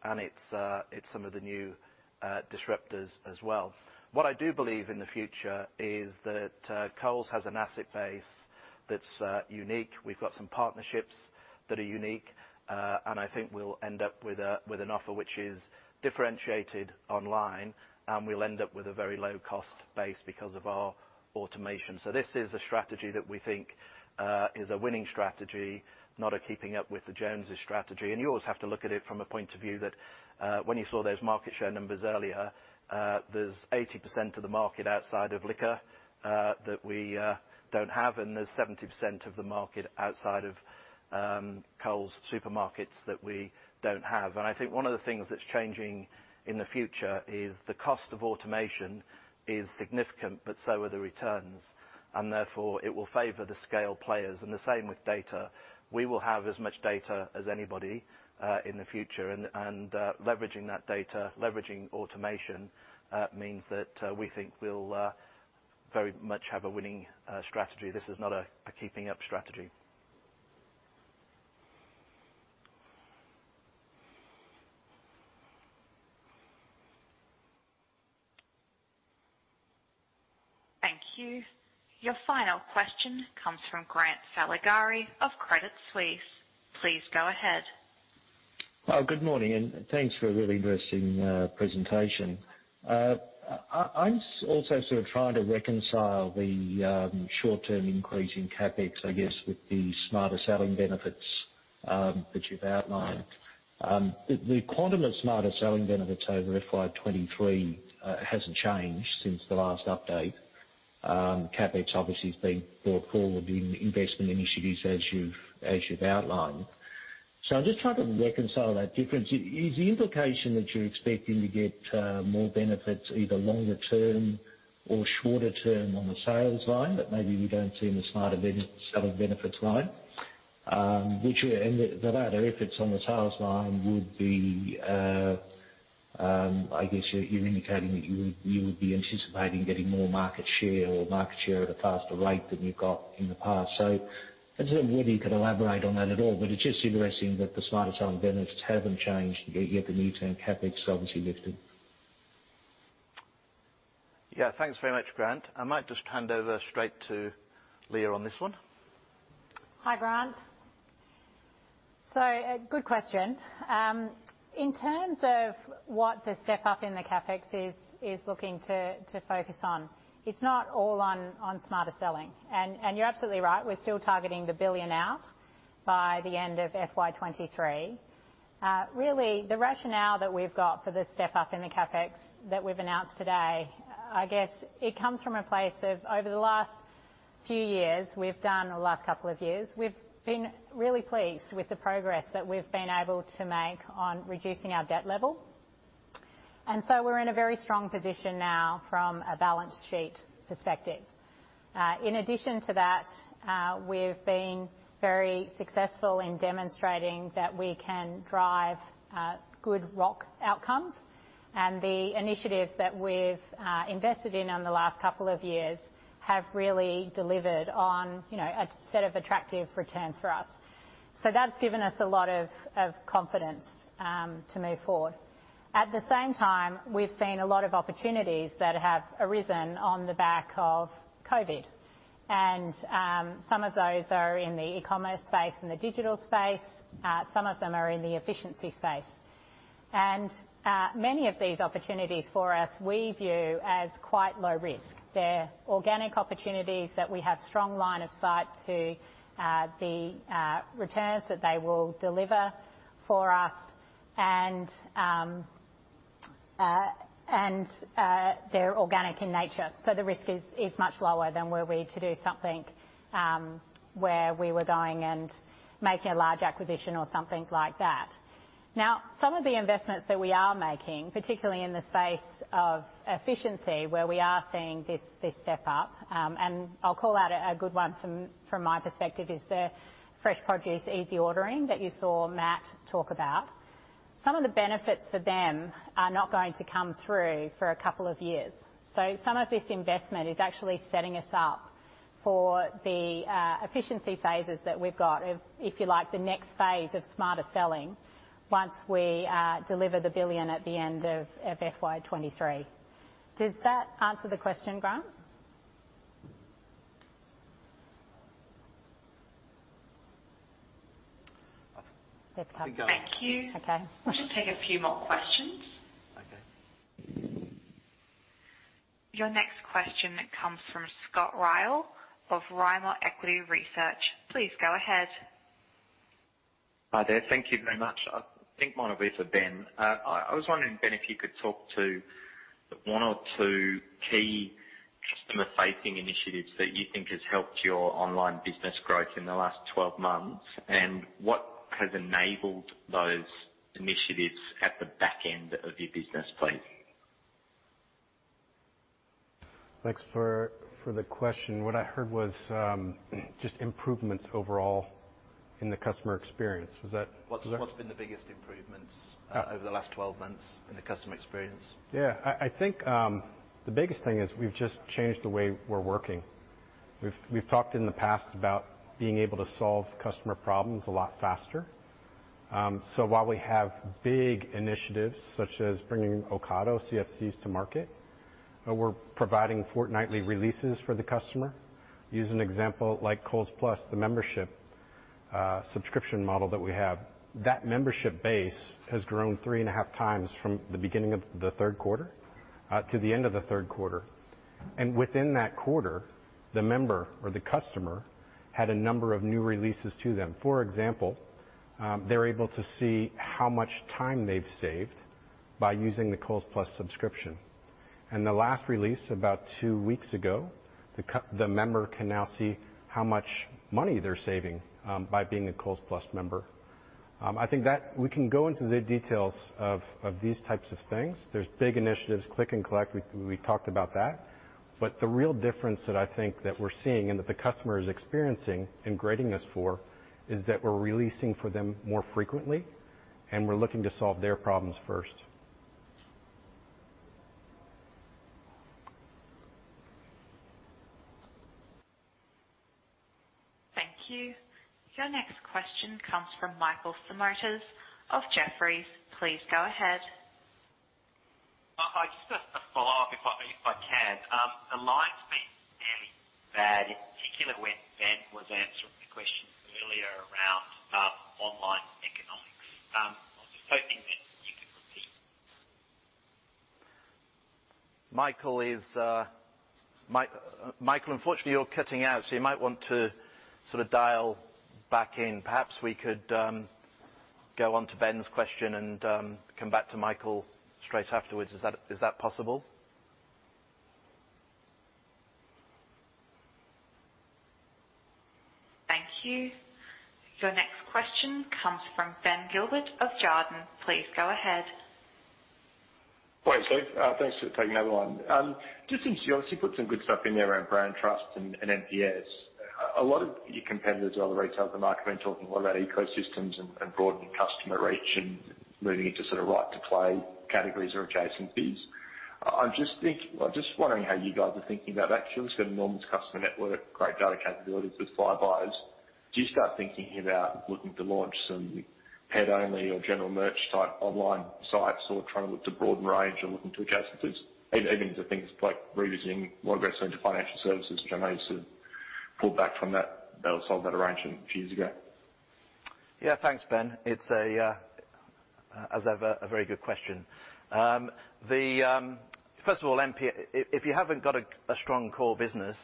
and it's some of the new disruptors as well. What I do believe in the future is that Coles has an asset base that's unique. We've got some partnerships that are unique, and I think we'll end up with an offer which is differentiated online, and we'll end up with a very low-cost base because of our automation. So this is a strategy that we think is a winning strategy, not a keeping up with the Joneses' strategy. And you always have to look at it from a point of view that when you saw those market share numbers earlier, there's 80% of the market outside of liquor that we don't have, and there's 70% of the market outside of Coles supermarkets that we don't have. And I think one of the things that's changing in the future is the cost of automation is significant, but so are the returns, and therefore it will favor the scale players. And the same with data. We will have as much data as anybody in the future, and leveraging that data, leveraging automation means that we think we'll very much have a winning strategy. This is not a keeping up strategy. Thank you. Your final question comes from Grant Saligari of Credit Suisse. Please go ahead. Well, good morning, and thanks for a really interesting presentation. I'm also sort of trying to reconcile the short-term increase in CapEx, I guess, with the Smarter Selling benefits that you've outlined. The quantum of Smarter Selling benefits over FY23 hasn't changed since the last update. CapEx obviously has been brought forward in investment initiatives as you've outlined. So I'm just trying to reconcile that difference. Is the implication that you're expecting to get more benefits either longer term or shorter term on the sales line that maybe we don't see in the Smarter Selling benefits line? The latter efforts on the sales line would be, I guess you're indicating that you would be anticipating getting more market share or market share at a faster rate than you've got in the past. So I don't know whether you could elaborate on that at all, but it's just interesting that the Smarter Selling benefits haven't changed, yet the new-term CapEx is obviously lifted. Yeah, thanks very much, Grant. I might just hand over straight to Leah on this one. Hi, Grant. So good question. In terms of what the step up in the CapEx is looking to focus on, it's not all on Smarter Selling. And you're absolutely right. We're still targeting the billion out by the end of FY23. Really, the rationale that we've got for the step up in the CapEx that we've announced today. I guess it comes from a place of over the last few years we've done, or last couple of years, we've been really pleased with the progress that we've been able to make on reducing our debt level. And so we're in a very strong position now from a balance sheet perspective. In addition to that, we've been very successful in demonstrating that we can drive good ROIC outcomes, and the initiatives that we've invested in in the last couple of years have really delivered on a set of attractive returns for us. So that's given us a lot of confidence to move forward. At the same time, we've seen a lot of opportunities that have arisen on the back of COVID. Some of those are in the e-commerce space and the digital space. Some of them are in the efficiency space. Many of these opportunities for us, we view as quite low risk. They're organic opportunities that we have strong line of sight to the returns that they will deliver for us, and they're organic in nature. So the risk is much lower than were we to do something where we were going and making a large acquisition or something like that. Now, some of the investments that we are making, particularly in the space of efficiency, where we are seeing this step up, and I'll call out a good one from my perspective is the fresh produce easy ordering that you saw Matt talk about. Some of the benefits for them are not going to come through for a couple of years. So some of this investment is actually setting us up for the efficiency phases that we've got, if you like, the next phase of smarter selling once we deliver the billion at the end of FY23. Does that answer the question, Grant? There we go. Thank you. Okay. I'll just take a few more questions. Okay. Your next question comes from Scott Ryall of Rimor Equity Research. Please go ahead. Hi there. Thank you very much. I think it might have been for Ben. I was wondering, Ben, if you could talk to one or two key customer-facing initiatives that you think have helped your online business growth in the last 12 months, and what has enabled those initiatives at the back end of your business, please? Thanks for the question. What I heard was just improvements overall in the customer experience. Was that? What's been the biggest improvements over the last 12 months in the customer experience? Yeah. I think the biggest thing is we've just changed the way we're working. We've talked in the past about being able to solve customer problems a lot faster. So while we have big initiatives such as bringing Ocado CFCs to market, we're providing fortnightly releases for the customer. Use an example like Coles Plus, the membership subscription model that we have. That membership base has grown three and a half times from the beginning of the third quarter to the end of the third quarter. And within that quarter, the member or the customer had a number of new releases to them. For example, they're able to see how much time they've saved by using the Coles Plus subscription. And the last release, about two weeks ago, the member can now see how much money they're saving by being a Coles Plus member. I think that we can go into the details of these types of things. There's big initiatives, click & collect. We talked about that. But the real difference that I think that we're seeing and that the customer is experiencing and grading us for is that we're releasing for them more frequently, and we're looking to solve their problems first. Thank you. Your next question comes from Michael Simotas of Jefferies. Please go ahead. I just have to follow up if I can. The line's been fairly bad, particularly when Ben was answering the question earlier around online economics. I was hoping that you could repeat. Michael, unfortunately, you're cutting out, so you might want to sort of dial back in. Perhaps we could go on to Ben's question and come back to Michael straight afterwards. Is that possible? Thank you. Your next question comes from Ben Gilbert of Jarden. Please go ahead. Thanks, Steve. Thanks for taking that one. Just in general, you put some good stuff in there around brand trust and NPS. A lot of your competitors around the retail market have been talking a lot about ecosystems and broadening customer reach and moving into sort of right-to-play categories or adjacencies. I'm just wondering how you guys are thinking about that. You've got an enormous customer network, great data capabilities with Flybuys. Do you start thinking about looking to launch some head-only or general merch type online sites or trying to look to broaden range or look into adjacencies? Even to things like reusing more aggressively into financial services, which I know you sort of pulled back from that. They were sold that arrangement a few years ago. Yeah, thanks, Ben. It's, as ever, a very good question. First of all, if you haven't got a strong core business,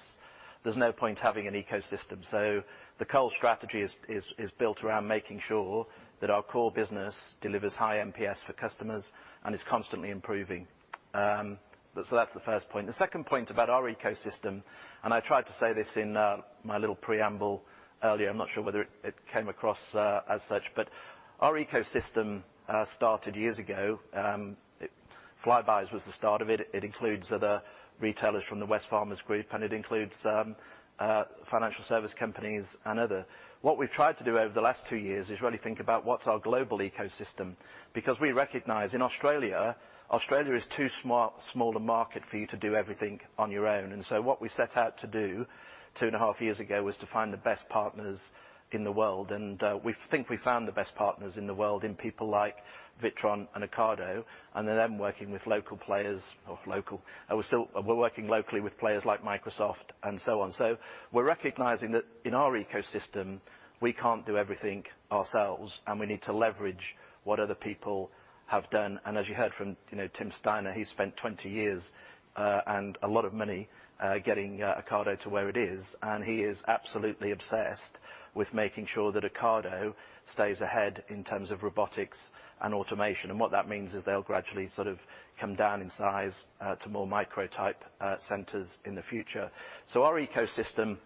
there's no point having an ecosystem. So the Coles strategy is built around making sure that our core business delivers high NPS for customers and is constantly improving. So that's the first point. The second point about our ecosystem, and I tried to say this in my little preamble earlier. I'm not sure whether it came across as such, but our ecosystem started years ago. Flybuys was the start of it. It includes other retailers from the Wesfarmers Group, and it includes financial service companies and others. What we've tried to do over the last two years is really think about what's our global ecosystem. Because we recognize in Australia, Australia is too small a market for you to do everything on your own, and so what we set out to do two and a half years ago was to find the best partners in the world. We think we found the best partners in the world in people like Witron and Ocado, and they're then working with local players or local. We're working locally with players like Microsoft and so on. We're recognizing that in our ecosystem, we can't do everything ourselves, and we need to leverage what other people have done. And as you heard from Tim Steiner, he spent 20 years and a lot of money getting Ocado to where it is, and he is absolutely obsessed with making sure that Ocado stays ahead in terms of robotics and automation. And what that means is they'll gradually sort of come down in size to more micro-type centers in the future. So our ecosystem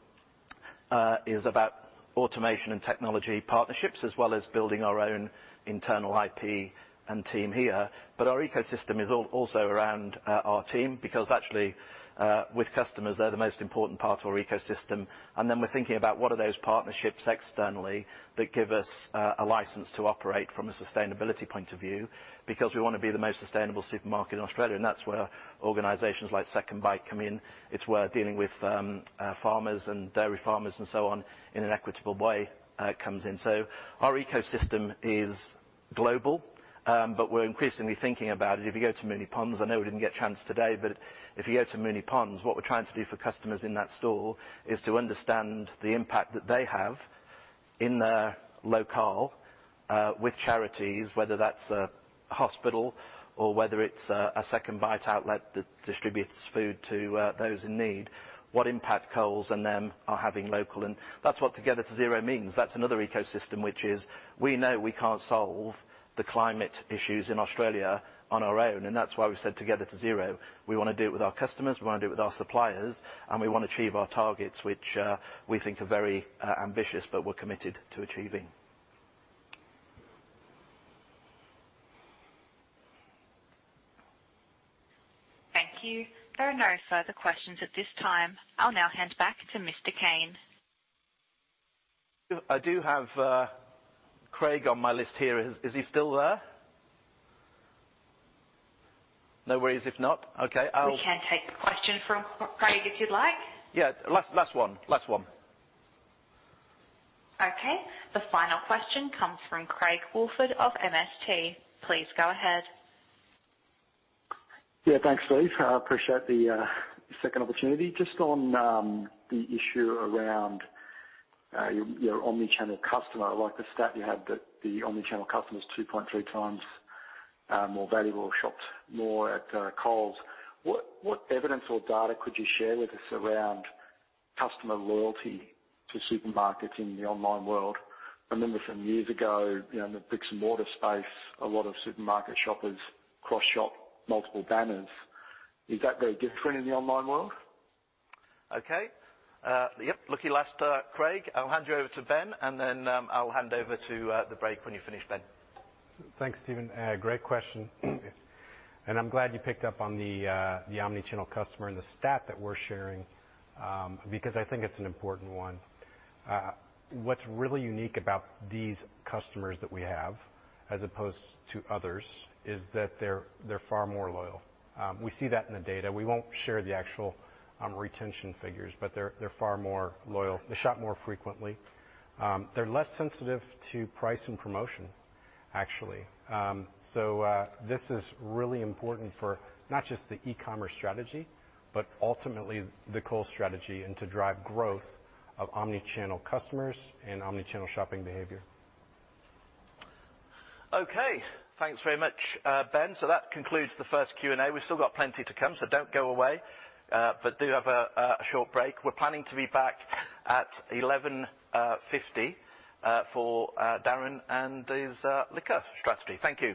is about automation and technology partnerships as well as building our own internal IP and team here. But our ecosystem is also around our team because actually, with customers, they're the most important part of our ecosystem. And then we're thinking about what are those partnerships externally that give us a license to operate from a sustainability point of view because we want to be the most sustainable supermarket in Australia. And that's where organizations like SecondBite come in. It's where dealing with farmers and dairy farmers and so on in an equitable way comes in. So our ecosystem is global, but we're increasingly thinking about it. If you go to Moonee Ponds, I know we didn't get a chance today, but if you go to Moonee Ponds, what we're trying to do for customers in that store is to understand the impact that they have in their locale with charities, whether that's a hospital or whether it's a SecondBite outlet that distributes food to those in need. What impact Coles and them are having local. And that's what Together to Zero means. That's another ecosystem which is we know we can't solve the climate issues in Australia on our own. And that's why we said Together to Zero. We want to do it with our customers. We want to do it with our suppliers, and we want to achieve our targets, which we think are very ambitious, but we're committed to achieving. Thank you. There are no further questions at this time. I'll now hand back to Mr. Cain. I do have Craig on my list here. Is he still there? No worries if not. Okay. We can take the question from Craig if you'd like. Yeah. Last one. Last one. Okay. The final question comes from Craig Woolford of MST. Please go ahead. Yeah. Thanks, Steve. I appreciate the second opportunity. Just on the issue around your omnichannel customer, like the stat you had that the omnichannel customer is 2.3 times more valuable, shopped more at Coles. What evidence or data could you share with us around customer loyalty to supermarkets in the online world? I remember some years ago in the bricks and mortar space, a lot of supermarket shoppers cross-shop multiple banners. Is that very different in the online world? Okay. Yep. Lucky last, Craig. I'll hand you over to Ben, and then I'll hand over to the break when you finish, Ben. Thanks, Steven. Great question, and I'm glad you picked up on the omnichannel customer and the stat that we're sharing because I think it's an important one. What's really unique about these customers that we have as opposed to others is that they're far more loyal. We see that in the data. We won't share the actual retention figures, but they're far more loyal. They shop more frequently. They're less sensitive to price and promotion, actually. So this is really important for not just the e-commerce strategy, but ultimately the Coles strategy and to drive growth of omnichannel customers and omnichannel shopping behavior. Okay. Thanks very much, Ben. So that concludes the first Q&A. We've still got plenty to come, so don't go away, but do have a short break. We're planning to be back at 11:50 A.M. for Darren and his liquor strategy. Thank you.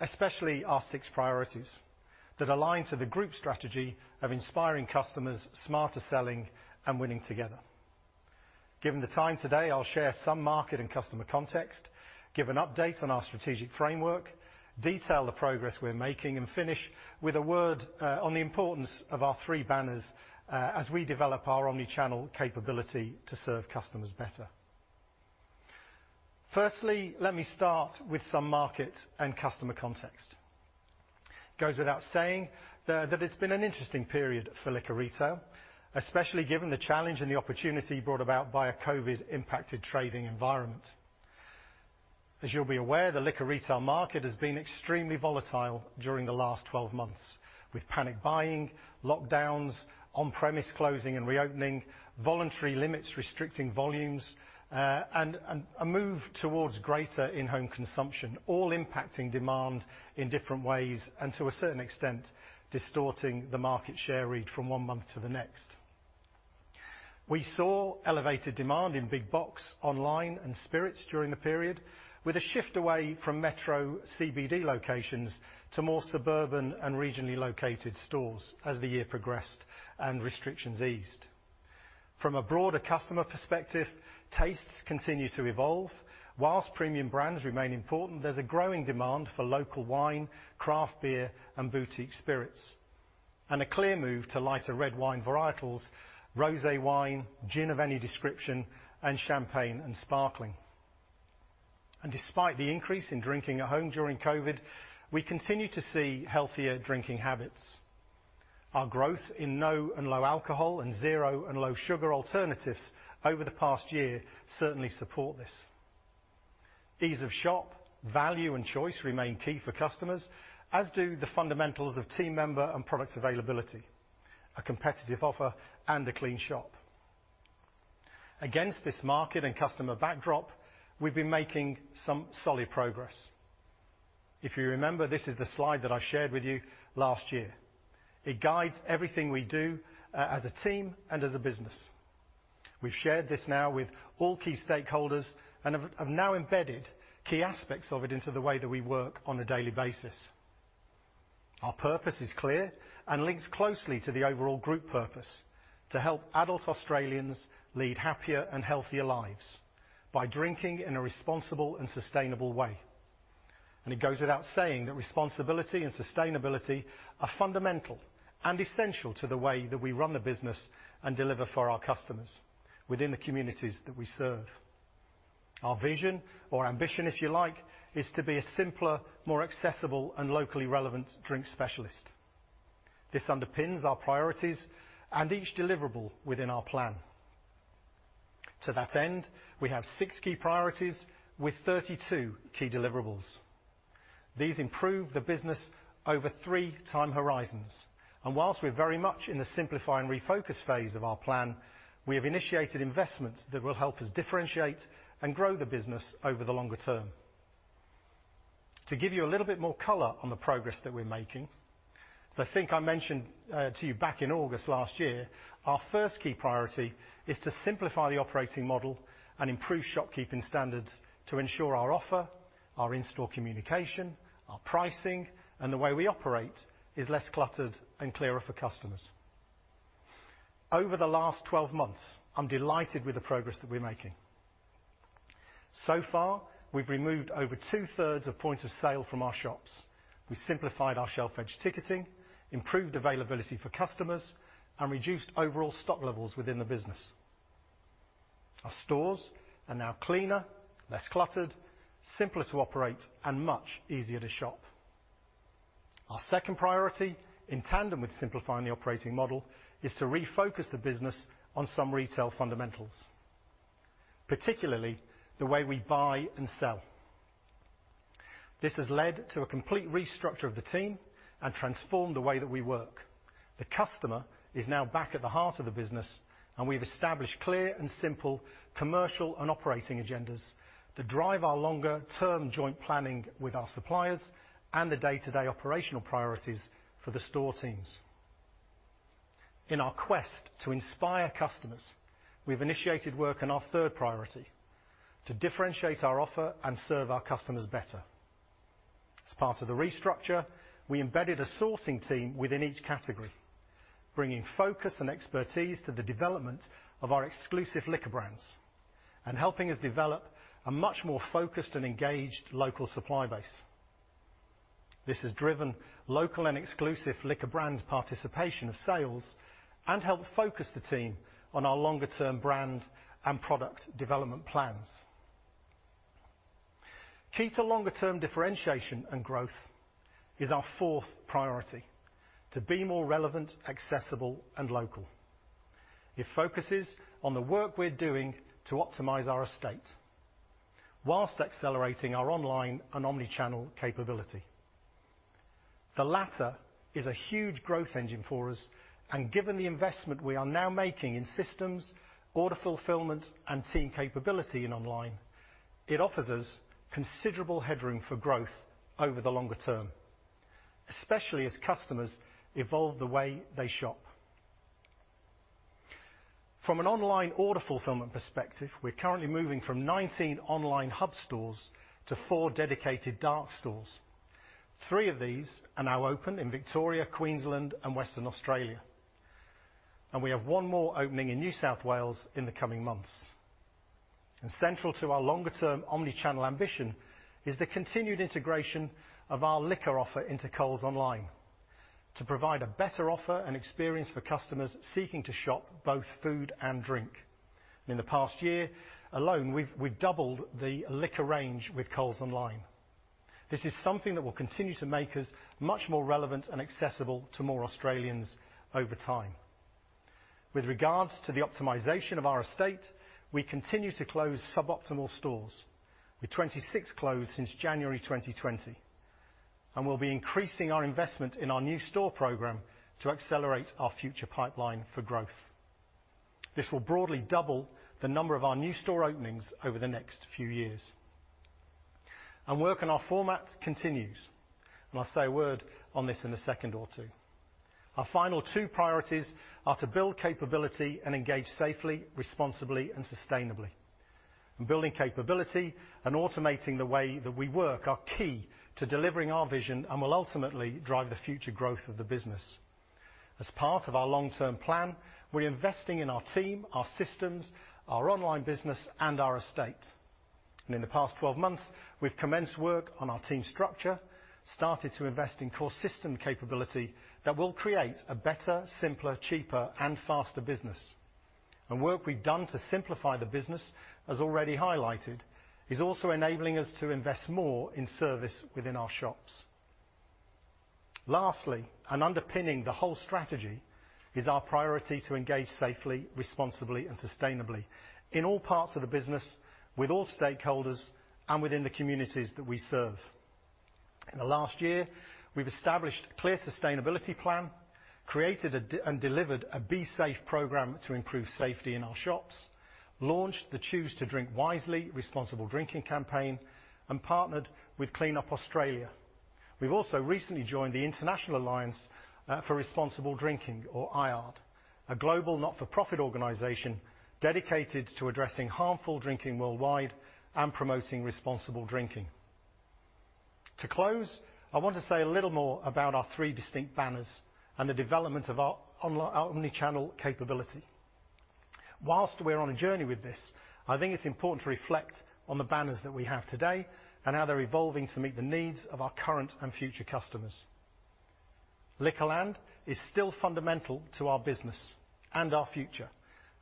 especially our six priorities that align to the group strategy of inspiring customers, smarter selling, and winning together. Given the time today, I'll share some market and customer context, give an update on our strategic framework, detail the progress we're making, and finish with a word on the importance of our three banners as we develop our omnichannel capability to serve customers better. Firstly, let me start with some market and customer context. It goes without saying that it's been an interesting period for liquor retail, especially given the challenge and the opportunity brought about by a COVID-impacted trading environment. As you'll be aware, the liquor retail market has been extremely volatile during the last 12 months, with panic buying, lockdowns, on-premise closing and reopening, voluntary limits restricting volumes, and a move towards greater in-home consumption, all impacting demand in different ways and, to a certain extent, distorting the market share read from one month to the next. We saw elevated demand in big box, online, and spirits during the period, with a shift away from Metro CBD locations to more suburban and regionally located stores as the year progressed and restrictions eased. From a broader customer perspective, tastes continue to evolve. While premium brands remain important, there's a growing demand for local wine, craft beer, and boutique spirits, and a clear move to lighter red wine varietals, rosé wine, gin of any description, and champagne and sparkling. Despite the increase in drinking at home during COVID, we continue to see healthier drinking habits. Our growth in no and low alcohol and zero and low sugar alternatives over the past year certainly support this. Ease of shop, value, and choice remain key for customers, as do the fundamentals of team member and product availability, a competitive offer, and a clean shop. Against this market and customer backdrop, we've been making some solid progress. If you remember, this is the slide that I shared with you last year. It guides everything we do as a team and as a business. We've shared this now with all key stakeholders and have now embedded key aspects of it into the way that we work on a daily basis. Our purpose is clear and links closely to the overall group purpose: to help adult Australians lead happier and healthier lives by drinking in a responsible and sustainable way. And it goes without saying that responsibility and sustainability are fundamental and essential to the way that we run the business and deliver for our customers within the communities that we serve. Our vision, or ambition if you like, is to be a simpler, more accessible, and locally relevant drink specialist. This underpins our priorities and each deliverable within our plan. To that end, we have six key priorities with 32 key deliverables. These improve the business over three time horizons. And while we're very much in the simplify and refocus phase of our plan, we have initiated investments that will help us differentiate and grow the business over the longer term. To give you a little bit more color on the progress that we're making, so I think I mentioned to you back in August last year, our first key priority is to simplify the operating model and improve shopkeeping standards to ensure our offer, our in-store communication, our pricing, and the way we operate is less cluttered and clearer for customers. Over the last 12 months, I'm delighted with the progress that we're making. So far, we've removed over two-thirds of points of sale from our shops. We've simplified our shelf edge ticketing, improved availability for customers, and reduced overall stock levels within the business. Our stores are now cleaner, less cluttered, simpler to operate, and much easier to shop. Our second priority, in tandem with simplifying the operating model, is to refocus the business on some retail fundamentals, particularly the way we buy and sell. This has led to a complete restructure of the team and transformed the way that we work. The customer is now back at the heart of the business, and we've established clear and simple commercial and operating agendas to drive our longer-term joint planning with our suppliers and the day-to-day operational priorities for the store teams. In our quest to inspire customers, we've initiated work on our third priority: to differentiate our offer and serve our customers better. As part of the restructure, we embedded a sourcing team within each category, bringing focus and expertise to the development of our exclusive liquor brands and helping us develop a much more focused and engaged local supply base. This has driven local and exclusive liquor brand participation of sales and helped focus the team on our longer-term brand and product development plans. Key to longer-term differentiation and growth is our fourth priority: to be more relevant, accessible, and local. It focuses on the work we're doing to optimize our estate while accelerating our online and omnichannel capability. The latter is a huge growth engine for us, and given the investment we are now making in systems, order fulfillment, and team capability in online, it offers us considerable headroom for growth over the longer term, especially as customers evolve the way they shop. From an online order fulfillment perspective, we're currently moving from 19 online hub stores to four dedicated dark stores. Three of these are now open in Victoria, Queensland, and Western Australia, and we have one more opening in New South Wales in the coming months. Central to our longer-term omnichannel ambition is the continued integration of our liquor offer into Coles Online to provide a better offer and experience for customers seeking to shop both food and drink. In the past year alone, we've doubled the liquor range with Coles Online. This is something that will continue to make us much more relevant and accessible to more Australians over time. With regards to the optimization of our estate, we continue to close suboptimal stores, with 26 closed since January 2020, and we'll be increasing our investment in our new store program to accelerate our future pipeline for growth. This will broadly double the number of our new store openings over the next few years. Work on our format continues, and I'll say a word on this in a second or two. Our final two priorities are to build capability and engage safely, responsibly, and sustainably. Building capability and automating the way that we work are key to delivering our vision and will ultimately drive the future growth of the business. As part of our long-term plan, we're investing in our team, our systems, our online business, and our estate. In the past 12 months, we've commenced work on our team structure, started to invest in core system capability that will create a better, simpler, cheaper, and faster business. Work we've done to simplify the business, as already highlighted, is also enabling us to invest more in service within our shops. Lastly, and underpinning the whole strategy, is our priority to engage safely, responsibly, and sustainably in all parts of the business, with all stakeholders, and within the communities that we serve. In the last year, we've established a clear sustainability plan, created and delivered a Be Safe program to improve safety in our shops, launched the Choose to Drink Wisely Responsible Drinking campaign, and partnered with Clean Up Australia. We've also recently joined the International Alliance for Responsible Drinking, or IARD, a global not-for-profit organization dedicated to addressing harmful drinking worldwide and promoting responsible drinking. To close, I want to say a little more about our three distinct banners and the development of our omnichannel capability. Whilst we're on a journey with this, I think it's important to reflect on the banners that we have today and how they're evolving to meet the needs of our current and future customers. Liquorland is still fundamental to our business and our future,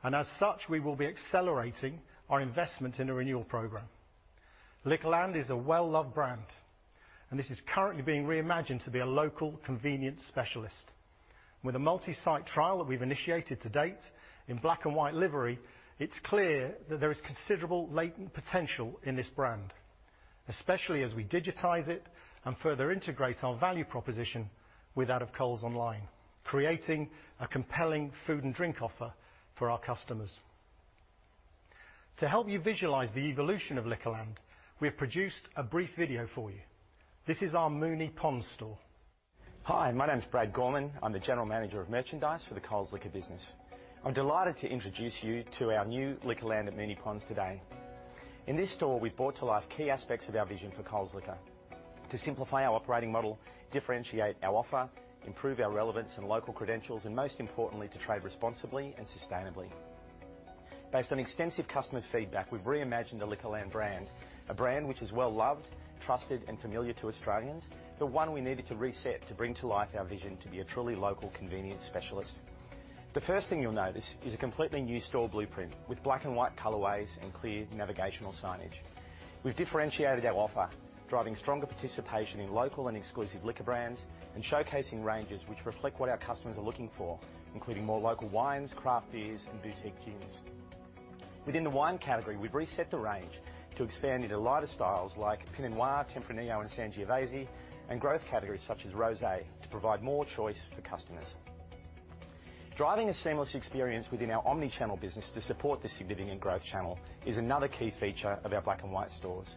and as such, we will be accelerating our investment in a renewal program. Liquorland is a well-loved brand, and this is currently being reimagined to be a local convenience specialist. With a multi-site trial that we've initiated to date in black and white livery, it's clear that there is considerable latent potential in this brand, especially as we digitize it and further integrate our value proposition with that of Coles Online, creating a compelling food and drink offer for our customers. To help you visualize the evolution of Liquorland, we have produced a brief video for you. This is our Moonee Ponds store. Hi, my name's Brad Gorman. I'm the General Manager of Merchandise for the Coles Liquor business. I'm delighted to introduce you to our new Liquorland at Moonee Ponds today. In this store, we've brought to life key aspects of our vision for Coles Liquor to simplify our operating model, differentiate our offer, improve our relevance and local credentials, and most importantly, to trade responsibly and sustainably. Based on extensive customer feedback, we've reimagined the Liquorland brand, a brand which is well-loved, trusted, and familiar to Australians, the one we needed to reset to bring to life our vision to be a truly local convenience specialist. The first thing you'll notice is a completely new store blueprint with black and white colorways and clear navigational signage. We've differentiated our offer, driving stronger participation in local and exclusive liquor brands and showcasing ranges which reflect what our customers are looking for, including more local wines, craft beers, and boutique gins. Within the wine category, we've reset the range to expand into lighter styles like Pinot Noir, Tempranillo, and Sangiovese, and growth categories such as rosé to provide more choice for customers. Driving a seamless experience within our omnichannel business to support this significant growth channel is another key feature of our brick and mortar stores.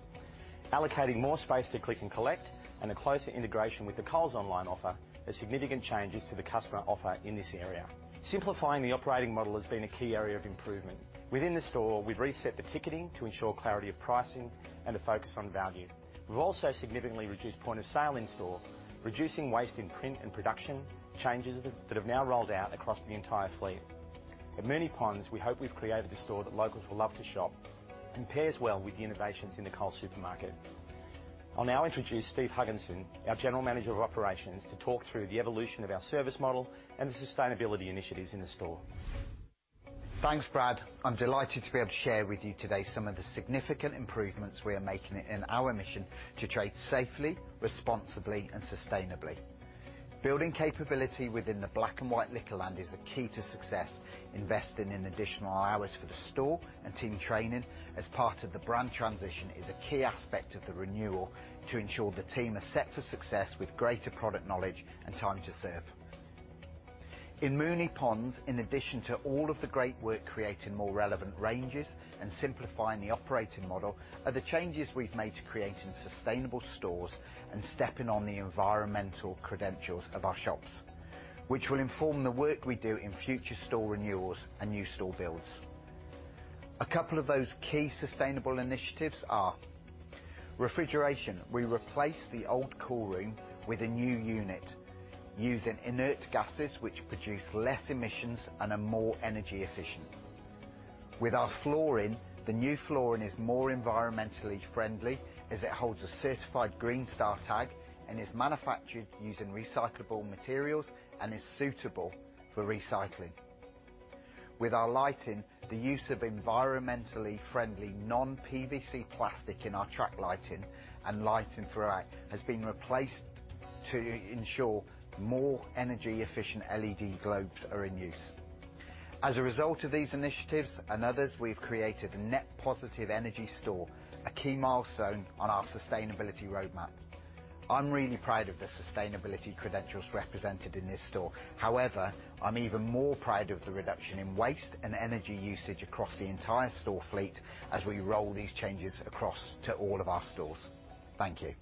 Allocating more space to click & collect and a closer integration with the Coles Online offer are significant changes to the customer offer in this area. Simplifying the operating model has been a key area of improvement. Within the store, we've reset the ticketing to ensure clarity of pricing and a focus on value. We've also significantly reduced point of sale in store, reducing waste in print and production changes that have now rolled out across the entire fleet. At Moonee Ponds, we hope we've created a store that locals will love to shop and pairs well with the innovations in the Coles supermarket. I'll now introduce Steve Higginson, our General Manager of Operations, to talk through the evolution of our service model and the sustainability initiatives in the store. Thanks, Brad. I'm delighted to be able to share with you today some of the significant improvements we are making in our mission to trade safely, responsibly, and sustainably. Building capability within the black and white Liquorland is a key to success. Investing in additional hours for the store and team training as part of the brand transition is a key aspect of the renewal to ensure the team are set for success with greater product knowledge and time to serve. In Moonee Ponds, in addition to all of the great work creating more relevant ranges and simplifying the operating model, are the changes we've made to creating sustainable stores and stepping on the environmental credentials of our shops, which will inform the work we do in future store renewals and new store builds. A couple of those key sustainable initiatives are refrigeration. We replace the old cool room with a new unit using inert gases, which produce less emissions and are more energy efficient. With our flooring, the new flooring is more environmentally friendly as it holds a certified Green Star tag and is manufactured using recyclable materials and is suitable for recycling. With our lighting, the use of environmentally friendly non-PVC plastic in our track lighting and lighting throughout has been replaced to ensure more energy efficient LED globes are in use. As a result of these initiatives and others, we've created a net positive energy store, a key milestone on our sustainability roadmap. I'm really proud of the sustainability credentials represented in this store. However, I'm even more proud of the reduction in waste and energy usage across the entire store fleet as we roll these changes across to all of our stores. Thank you.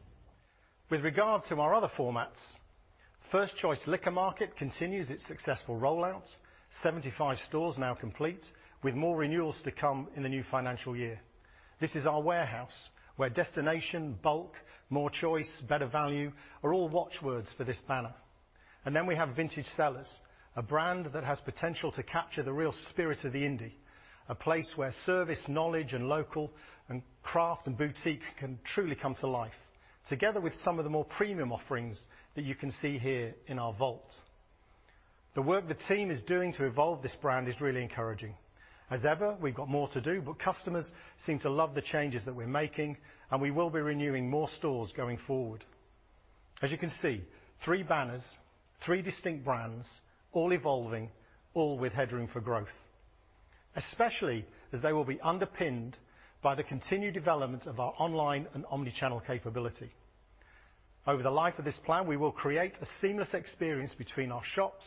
With regard to our other formats, First Choice Liquor Market continues its successful rollout. 75 stores now complete with more renewals to come in the new financial year. This is our warehouse where destination, bulk, more choice, better value are all watchwords for this banner. And then we have Vintage Cellars, a brand that has potential to capture the real spirit of the indie, a place where service, knowledge, and local craft and boutique can truly come to life together with some of the more premium offerings that you can see here in our vault. The work the team is doing to evolve this brand is really encouraging. As ever, we've got more to do, but customers seem to love the changes that we're making, and we will be renewing more stores going forward. As you can see, three banners, three distinct brands, all evolving, all with headroom for growth, especially as they will be underpinned by the continued development of our online and omnichannel capability. Over the life of this plan, we will create a seamless experience between our shops,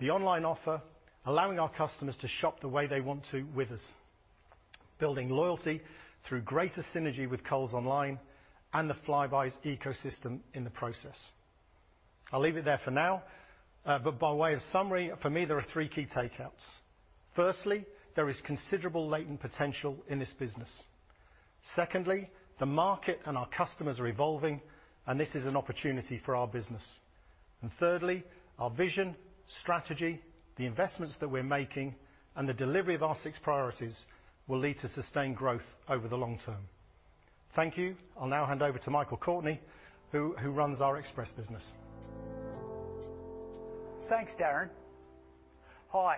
the online offer, allowing our customers to shop the way they want to with us, building loyalty through greater synergy with Coles Online and the Flybuys ecosystem in the process. I'll leave it there for now. But by way of summary, for me, there are three key takeouts. Firstly, there is considerable latent potential in this business. Secondly, the market and our customers are evolving, and this is an opportunity for our business. And thirdly, our vision, strategy, the investments that we're making, and the delivery of our six priorities will lead to sustained growth over the long term. Thank you. I'll now hand over to Michael Courtney, who runs our express business. Thanks, Darren. Hi,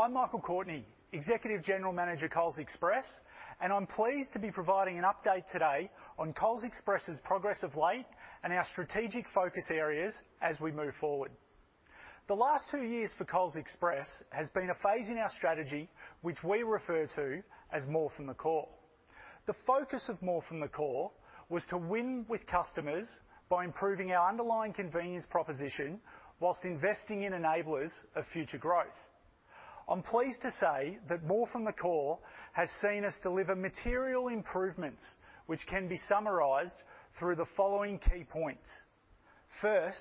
I'm Michael Courtney, Executive General Manager, Coles Express, and I'm pleased to be providing an update today on Coles Express's progress of late and our strategic focus areas as we move forward. The last two years for Coles Express has been a phase in our strategy, which we refer to as More from the Core. The focus of More from the Core was to win with customers by improving our underlying convenience proposition while investing in enablers of future growth. I'm pleased to say that More from the Core has seen us deliver material improvements, which can be summarized through the following key points. First,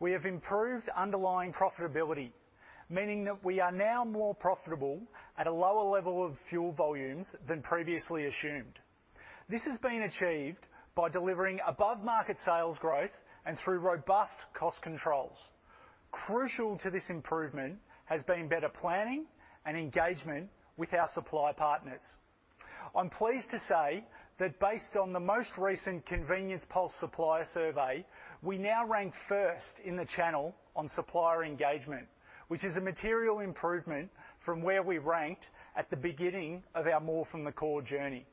we have improved underlying profitability, meaning that we are now more profitable at a lower level of fuel volumes than previously assumed. This has been achieved by delivering above-market sales growth and through robust cost controls. Crucial to this improvement has been better planning and engagement with our supply partners. I'm pleased to say that based on the most recent Convenience Pulse Supplier Survey, we now rank first in the channel on supplier engagement, which is a material improvement from where we ranked at the beginning of our More from the Core journey.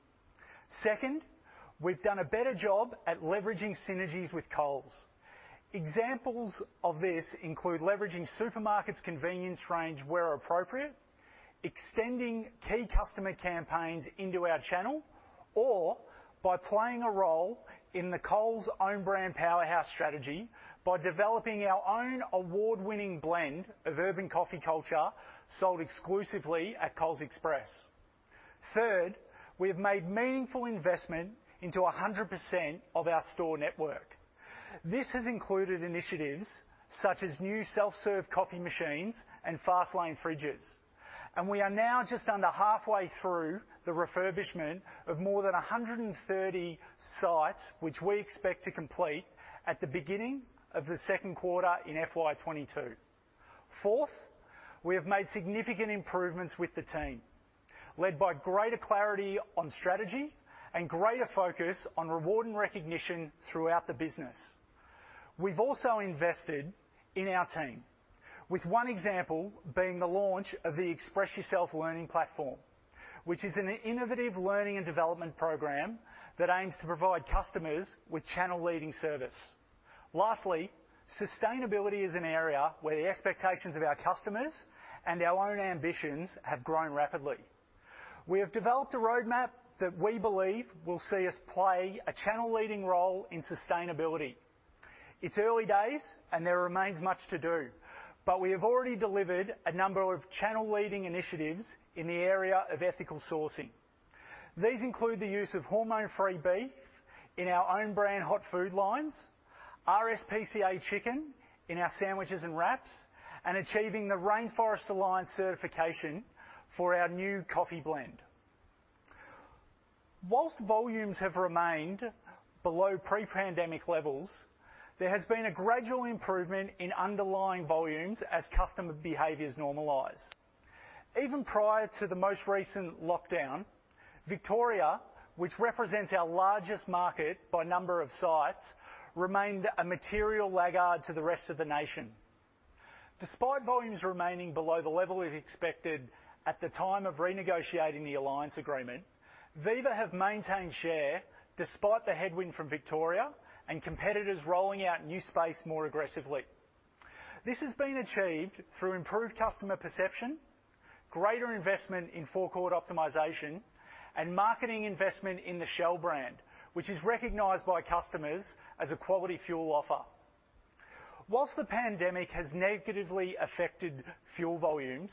Second, we've done a better job at leveraging synergies with Coles. Examples of this include leveraging supermarkets' convenience range where appropriate, extending key customer campaigns into our channel, or by playing a role in the Coles Own Brand powerhouse strategy by developing our own award-winning blend of urban coffee culture sold exclusively at Coles Express. Third, we have made meaningful investment into 100% of our store network. This has included initiatives such as new self-serve coffee machines and fast lane fridges. We are now just under halfway through the refurbishment of more than 130 sites, which we expect to complete at the beginning of the second quarter in FY22. Fourth, we have made significant improvements with the team, led by greater clarity on strategy and greater focus on reward and recognition throughout the business. We've also invested in our team, with one example being the launch of the Express Yourself Learning Platform, which is an innovative learning and development program that aims to provide customers with channel-leading service. Lastly, sustainability is an area where the expectations of our customers and our own ambitions have grown rapidly. We have developed a roadmap that we believe will see us play a channel-leading role in sustainability. It's early days, and there remains much to do, but we have already delivered a number of channel-leading initiatives in the area of ethical sourcing. These include the use of hormone-free beef in our own brand hot food lines, RSPCA chicken in our sandwiches and wraps, and achieving the Rainforest Alliance certification for our new coffee blend. While volumes have remained below pre-pandemic levels, there has been a gradual improvement in underlying volumes as customer behaviors normalize. Even prior to the most recent lockdown, Victoria, which represents our largest market by number of sites, remained a material laggard to the rest of the nation. Despite volumes remaining below the level we expected at the time of renegotiating the alliance agreement, Viva have maintained share despite the headwind from Victoria and competitors rolling out new space more aggressively. This has been achieved through improved customer perception, greater investment in forecourt optimization, and marketing investment in the Shell brand, which is recognized by customers as a quality fuel offer. While the pandemic has negatively affected fuel volumes,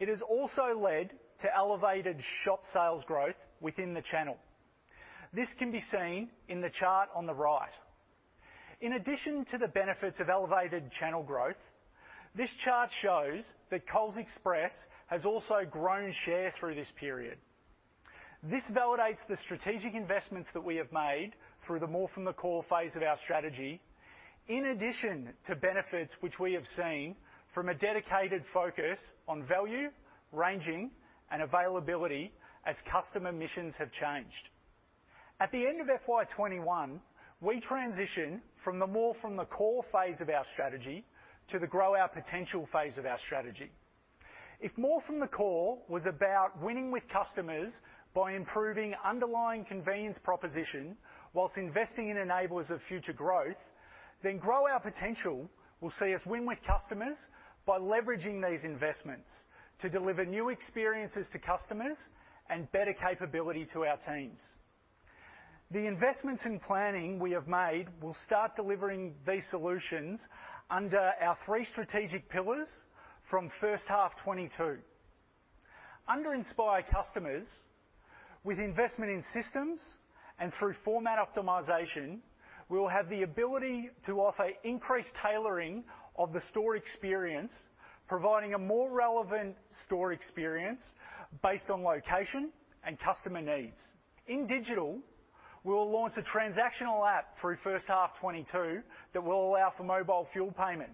it has also led to elevated shop sales growth within the channel. This can be seen in the chart on the right. In addition to the benefits of elevated channel growth, this chart shows that Coles Express has also grown share through this period. This validates the strategic investments that we have made through the More from the Core phase of our strategy, in addition to benefits which we have seen from a dedicated focus on value, ranging, and availability as customer missions have changed. At the end of FY21, we transitioned from the More from the Core phase of our strategy to the Grow Our Potential phase of our strategy. If More from the Core was about winning with customers by improving underlying convenience proposition while investing in enablers of future growth, then Grow Our Potential will see us win with customers by leveraging these investments to deliver new experiences to customers and better capability to our teams. The investments and planning we have made will start delivering these solutions under our three strategic pillars from first half 2022. Under Inspire Customers, with investment in systems and through format optimization, we will have the ability to offer increased tailoring of the store experience, providing a more relevant store experience based on location and customer needs. In digital, we will launch a transactional app through first half 2022 that will allow for mobile fuel payment.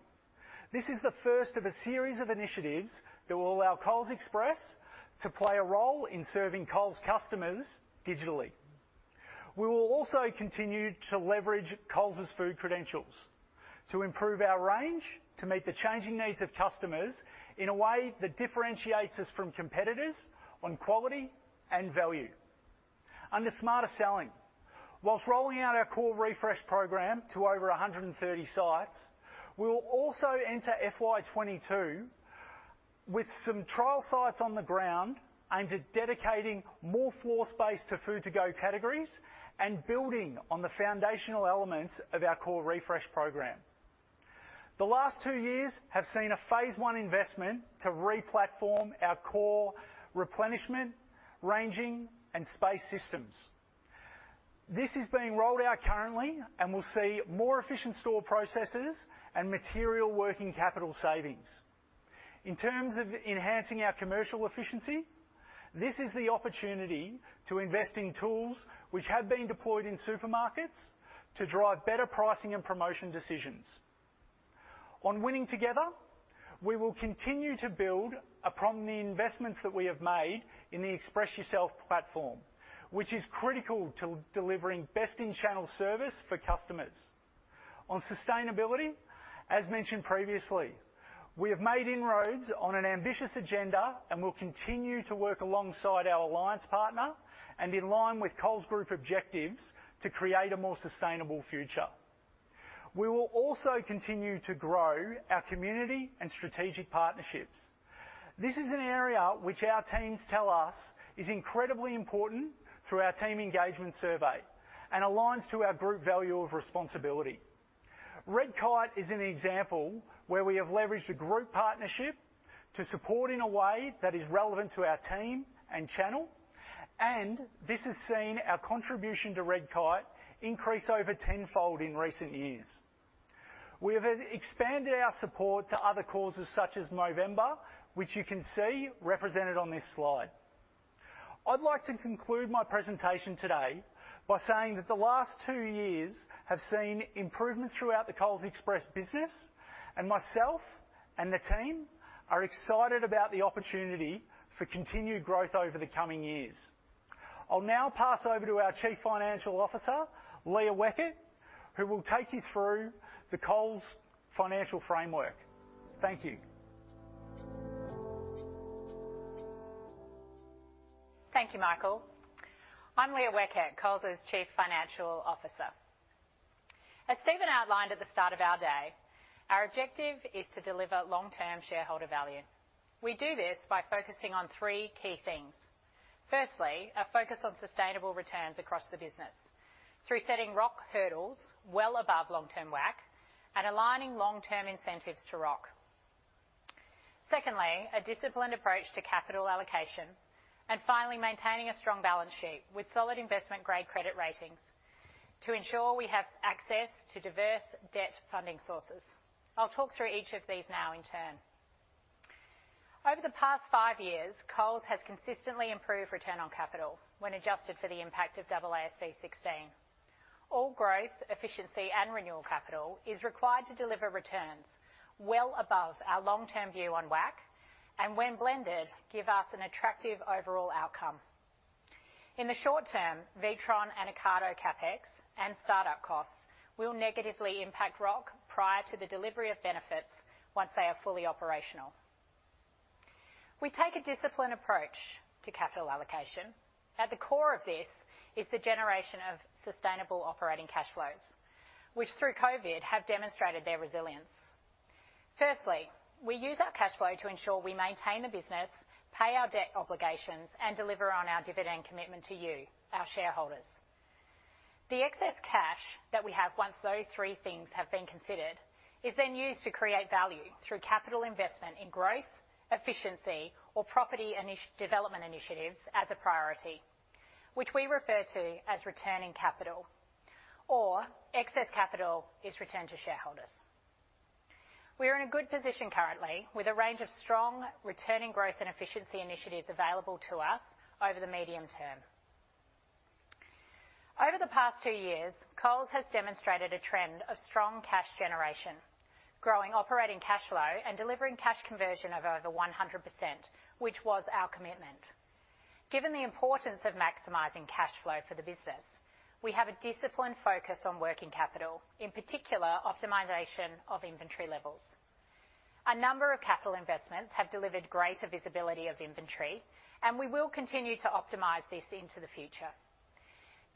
This is the first of a series of initiatives that will allow Coles Express to play a role in serving Coles customers digitally. We will also continue to leverage Coles's food credentials to improve our range to meet the changing needs of customers in a way that differentiates us from competitors on quality and value. Under Smarter Selling, while rolling out our core refresh program to over 130 sites, we will also enter FY22 with some trial sites on the ground aimed at dedicating more floor space to food-to-go categories and building on the foundational elements of our core refresh program. The last two years have seen a phase one investment to replatform our core replenishment, ranging, and space systems. This is being rolled out currently, and we'll see more efficient store processes and material working capital savings. In terms of enhancing our commercial efficiency, this is the opportunity to invest in tools which have been deployed in supermarkets to drive better pricing and promotion decisions. On winning together, we will continue to build upon the investments that we have made in the Express Yourself platform, which is critical to delivering best-in-channel service for customers. On sustainability, as mentioned previously, we have made inroads on an ambitious agenda and will continue to work alongside our alliance partner and in line with Coles Group objectives to create a more sustainable future. We will also continue to grow our community and strategic partnerships. This is an area which our teams tell us is incredibly important through our team engagement survey and aligns to our group value of responsibility. Redkite is an example where we have leveraged a group partnership to support in a way that is relevant to our team and channel, and this has seen our contribution to Redkite increase over tenfold in recent years. We have expanded our support to other causes such as Movember, which you can see represented on this slide. I'd like to conclude my presentation today by saying that the last two years have seen improvements throughout the Coles Express business, and myself and the team are excited about the opportunity for continued growth over the coming years. I'll now pass over to our Chief Financial Officer, Leah Weckett, who will take you through the Coles financial framework. Thank you. Thank you, Michael. I'm Leah Weckett, Coles's Chief Financial Officer. As Steven outlined at the start of our day, our objective is to deliver long-term shareholder value. We do this by focusing on three key things. Firstly, a focus on sustainable returns across the business through setting ROIC hurdles well above long-term WACC and aligning long-term incentives to ROIC. Secondly, a disciplined approach to capital allocation, and finally, maintaining a strong balance sheet with solid investment-grade credit ratings to ensure we have access to diverse debt funding sources. I'll talk through each of these now in turn. Over the past five years, Coles has consistently improved return on capital when adjusted for the impact of AASB 16. All growth, efficiency, and renewal capital is required to deliver returns well above our long-term view on WACC, and when blended, give us an attractive overall outcome. In the short term, Witron and Ocado CapEx and startup costs will negatively impact ROIC prior to the delivery of benefits once they are fully operational. We take a disciplined approach to capital allocation. At the core of this is the generation of sustainable operating cash flows, which through COVID have demonstrated their resilience. Firstly, we use our cash flow to ensure we maintain the business, pay our debt obligations, and deliver on our dividend commitment to you, our shareholders. The excess cash that we have once those three things have been considered is then used to create value through capital investment in growth, efficiency, or property development initiatives as a priority, which we refer to as returning capital, or excess capital is returned to shareholders. We are in a good position currently with a range of strong returning growth and efficiency initiatives available to us over the medium term. Over the past two years, Coles has demonstrated a trend of strong cash generation, growing operating cash flow and delivering cash conversion of over 100%, which was our commitment. Given the importance of maximizing cash flow for the business, we have a disciplined focus on working capital, in particular optimization of inventory levels. A number of capital investments have delivered greater visibility of inventory, and we will continue to optimize this into the future.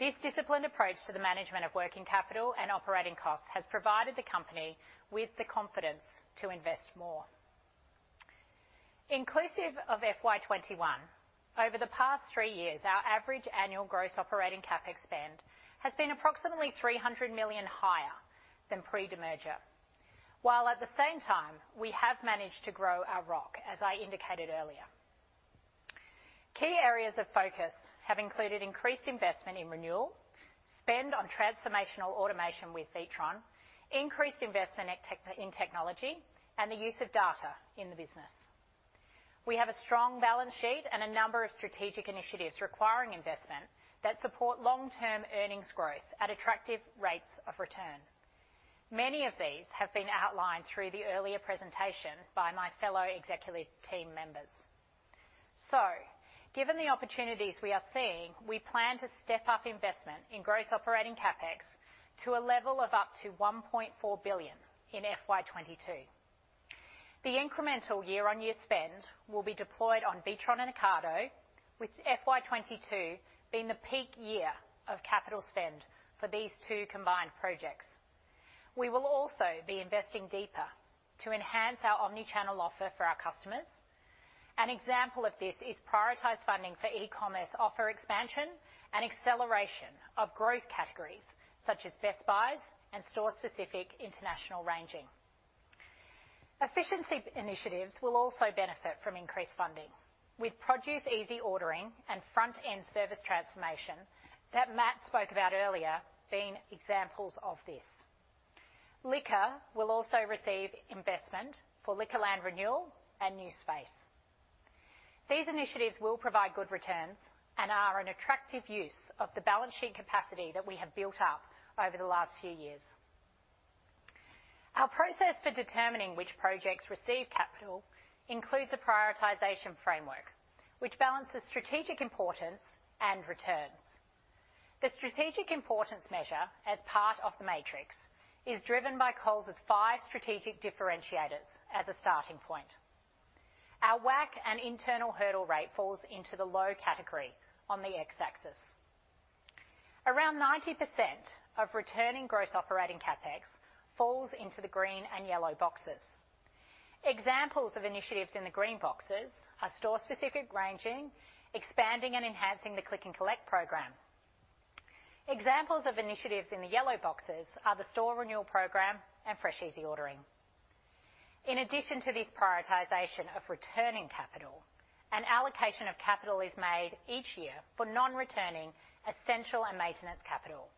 This disciplined approach to the management of working capital and operating costs has provided the company with the confidence to invest more. Inclusive of FY21, over the past three years, our average annual gross operating CapEx spend has been approximately 300 million higher than pre-demerged, while at the same time, we have managed to grow our ROIC, as I indicated earlier. Key areas of focus have included increased investment in renewals, spend on transformational automation with Witron, increased investment in technology, and the use of data in the business. We have a strong balance sheet and a number of strategic initiatives requiring investment that support long-term earnings growth at attractive rates of return. Many of these have been outlined through the earlier presentation by my fellow executive team members. Given the opportunities we are seeing, we plan to step up investment in gross operating CapEx to a level of up to 1.4 billion in FY22. The incremental year-on-year spend will be deployed on Witron and Ocado, with FY22 being the peak year of capital spend for these two combined projects. We will also be investing deeper to enhance our omnichannel offer for our customers. An example of this is prioritized funding for e-commerce offer expansion and acceleration of growth categories such as Best Buys and store-specific international ranging. Efficiency initiatives will also benefit from increased funding, with produce easy ordering and front-end service transformation that Matt spoke about earlier being examples of this. Liquor will also receive investment for Liquorland Renewal and New Space. These initiatives will provide good returns and are an attractive use of the balance sheet capacity that we have built up over the last few years. Our process for determining which projects receive capital includes a prioritization framework, which balances strategic importance and returns. The strategic importance measure, as part of the matrix, is driven by Coles's five strategic differentiators as a starting point. Our WACC and internal hurdle rate falls into the low category on the X-axis. Around 90% of returning gross operating CapEx falls into the green and yellow boxes. Examples of initiatives in the green boxes are store-specific ranging, expanding, and enhancing the Click & Collect program. Examples of initiatives in the yellow boxes are the store renewal program and fresh easy ordering. In addition to this prioritization of returning capital, an allocation of capital is made each year for non-returning essential and maintenance capital,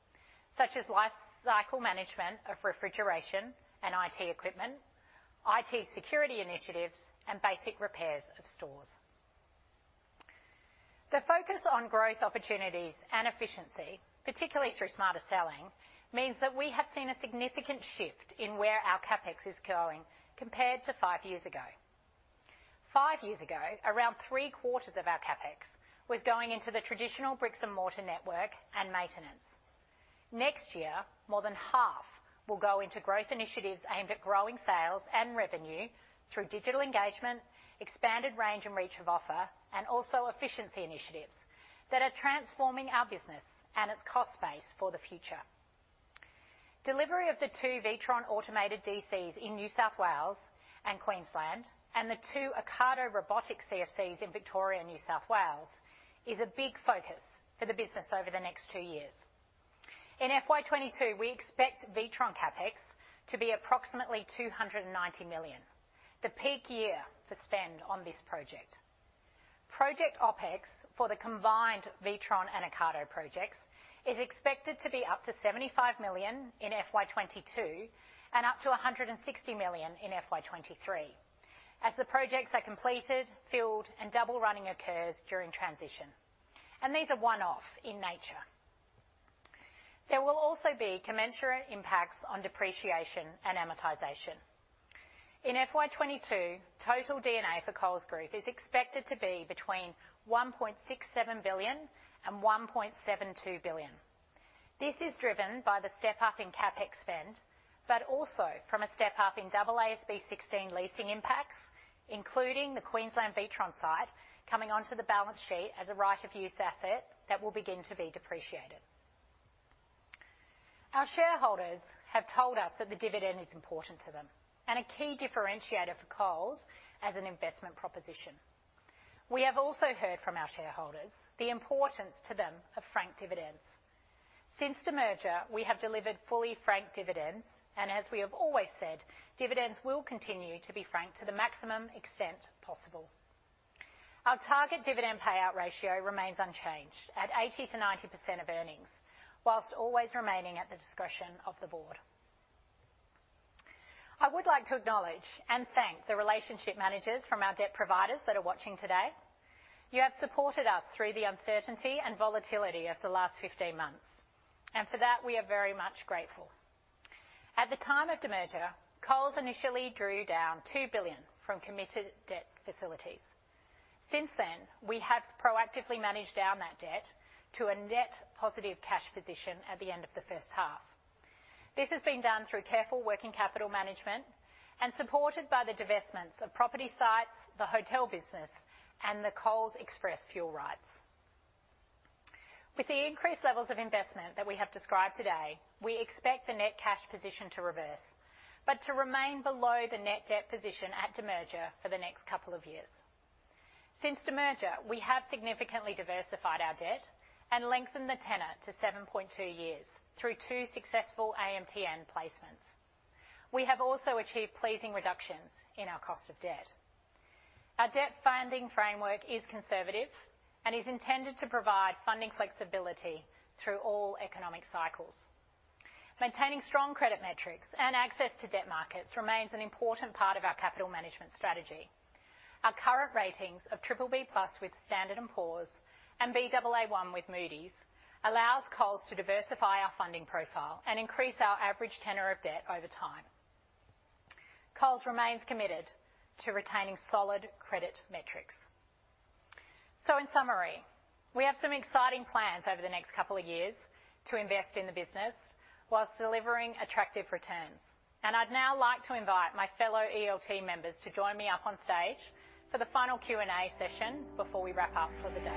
such as life cycle management of refrigeration and IT equipment, IT security initiatives, and basic repairs of stores. The focus on growth opportunities and efficiency, particularly through smarter selling, means that we have seen a significant shift in where our CapEx is going compared to five years ago. Five years ago, around three-quarters of our CapEx was going into the traditional bricks-and-mortar network and maintenance. Next year, more than half will go into growth initiatives aimed at growing sales and revenue through digital engagement, expanded range and reach of offer, and also efficiency initiatives that are transforming our business and its cost base for the future. Delivery of the two Witron automated DCs in New South Wales and Queensland and the two Ocado CFCs in Victoria and New South Wales is a big focus for the business over the next two years. In FY22, we expect Witron CapEx to be approximately 290 million, the peak year for spend on this project. Project OpEx for the combined Witron and Ocado projects is expected to be up to 75 million in FY22 and up to 160 million in FY23, as the projects are completed, filled, and double running occurs during transition, and these are one-off in nature. There will also be commensurate impacts on depreciation and amortization. In FY22, total D&A for Coles Group is expected to be between 1.67 billion and 1.72 billion. This is driven by the step-up in CapEx spend, but also from a step-up in AASB 16 leasing impacts, including the Queensland Witron site coming onto the balance sheet as a right-of-use asset that will begin to be depreciated. Our shareholders have told us that the dividend is important to them and a key differentiator for Coles as an investment proposition. We have also heard from our shareholders the importance to them of franked dividends. Since the merger, we have delivered fully franked dividends, and as we have always said, dividends will continue to be franked to the maximum extent possible. Our target dividend payout ratio remains unchanged at 80%-90% of earnings, while always remaining at the discretion of the board. I would like to acknowledge and thank the relationship managers from our debt providers that are watching today. You have supported us through the uncertainty and volatility of the last 15 months, and for that, we are very much grateful. At the time of the merger, Coles initially drew down 2 billion from committed debt facilities. Since then, we have proactively managed down that debt to a net positive cash position at the end of the first half. This has been done through careful working capital management and supported by the divestments of property sites, the hotel business, and the Coles Express fuel rights. With the increased levels of investment that we have described today, we expect the net cash position to reverse, but to remain below the net debt position at the merger for the next couple of years. Since the merger, we have significantly diversified our debt and lengthened the tenor to 7.2 years through two successful AMTN placements. We have also achieved pleasing reductions in our cost of debt. Our debt funding framework is conservative and is intended to provide funding flexibility through all economic cycles. Maintaining strong credit metrics and access to debt markets remains an important part of our capital management strategy. Our current ratings of BBB plus with Standard & Poor's and BAA1 with Moody's allows Coles to diversify our funding profile and increase our average tenor of debt over time. Coles remains committed to retaining solid credit metrics. So, in summary, we have some exciting plans over the next couple of years to invest in the business whilst delivering attractive returns, and I'd now like to invite my fellow ELT members to join me up on stage for the final Q&A session before we wrap up for the day.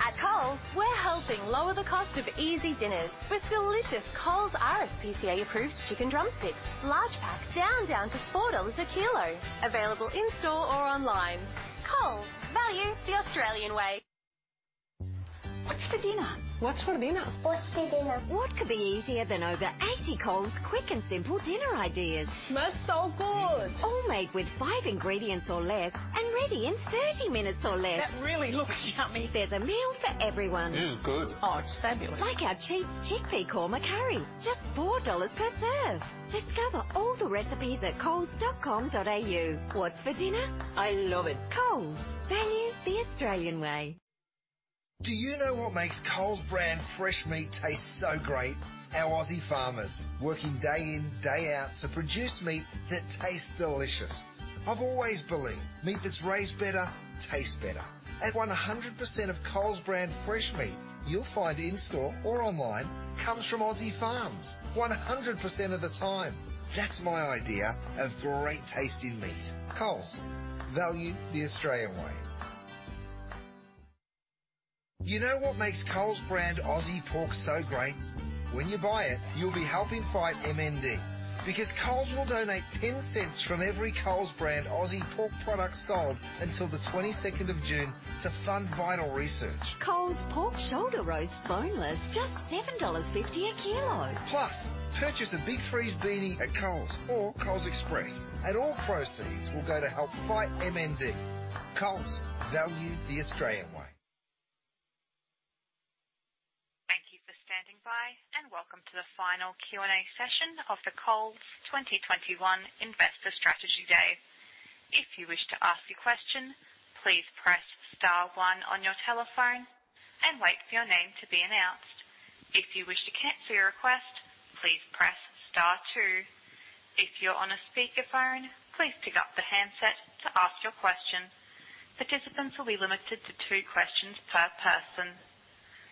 At Coles, we're helping lower the cost of easy dinners with delicious Coles RSPCA-approved chicken drumsticks, large packs Down, Down to 4 dollars a kilo, available in store or online. Coles, value the Australian way. What's for dinner? What's for dinner? What's for dinner? What could be easier than over 80 Coles Quick and Simple Dinner Ideas? Smells so good. All made with five ingredients or less and ready in 30 minutes or less. That really looks yummy. There's a meal for everyone. This is good. Oh, it's fabulous. Like our cheesy chickpea corn curry, just 4 dollars per serve. Discover all the recipes at coles.com.au. What's for dinner? I love it. Coles, value the Australian way. Do you know what makes Coles brand fresh meat taste so great? Our Aussie farmers working day in, day out to produce meat that tastes delicious. I've always believed meat that's raised better tastes better. At 100% of Coles brand fresh meat you'll find in store or online comes from Aussie farms, 100% of the time. That's my idea of great tasting meat. Coles, value the Australian way. You know what makes Coles brand Aussie pork so great? When you buy it, you'll be helping fight MND because Coles will donate 0.10 from every Coles brand Aussie pork product sold until the 22nd of June to fund vital research. Coles pork shoulder roast boneless, just 7.50 dollars a kilo. Plus, purchase a Big Freeze beanie at Coles or Coles Express, and all proceeds will go to help fight MND. Coles, value the Australian way. Thank you for standing by, and welcome to the final Q&A session of the Coles 2021 Investor Strategy Day. If you wish to ask a question, please press star one on your telephone and wait for your name to be announced. If you wish to cancel your request, please press star two. If you're on a speakerphone, please pick up the handset to ask your question. Participants will be limited to two questions per person.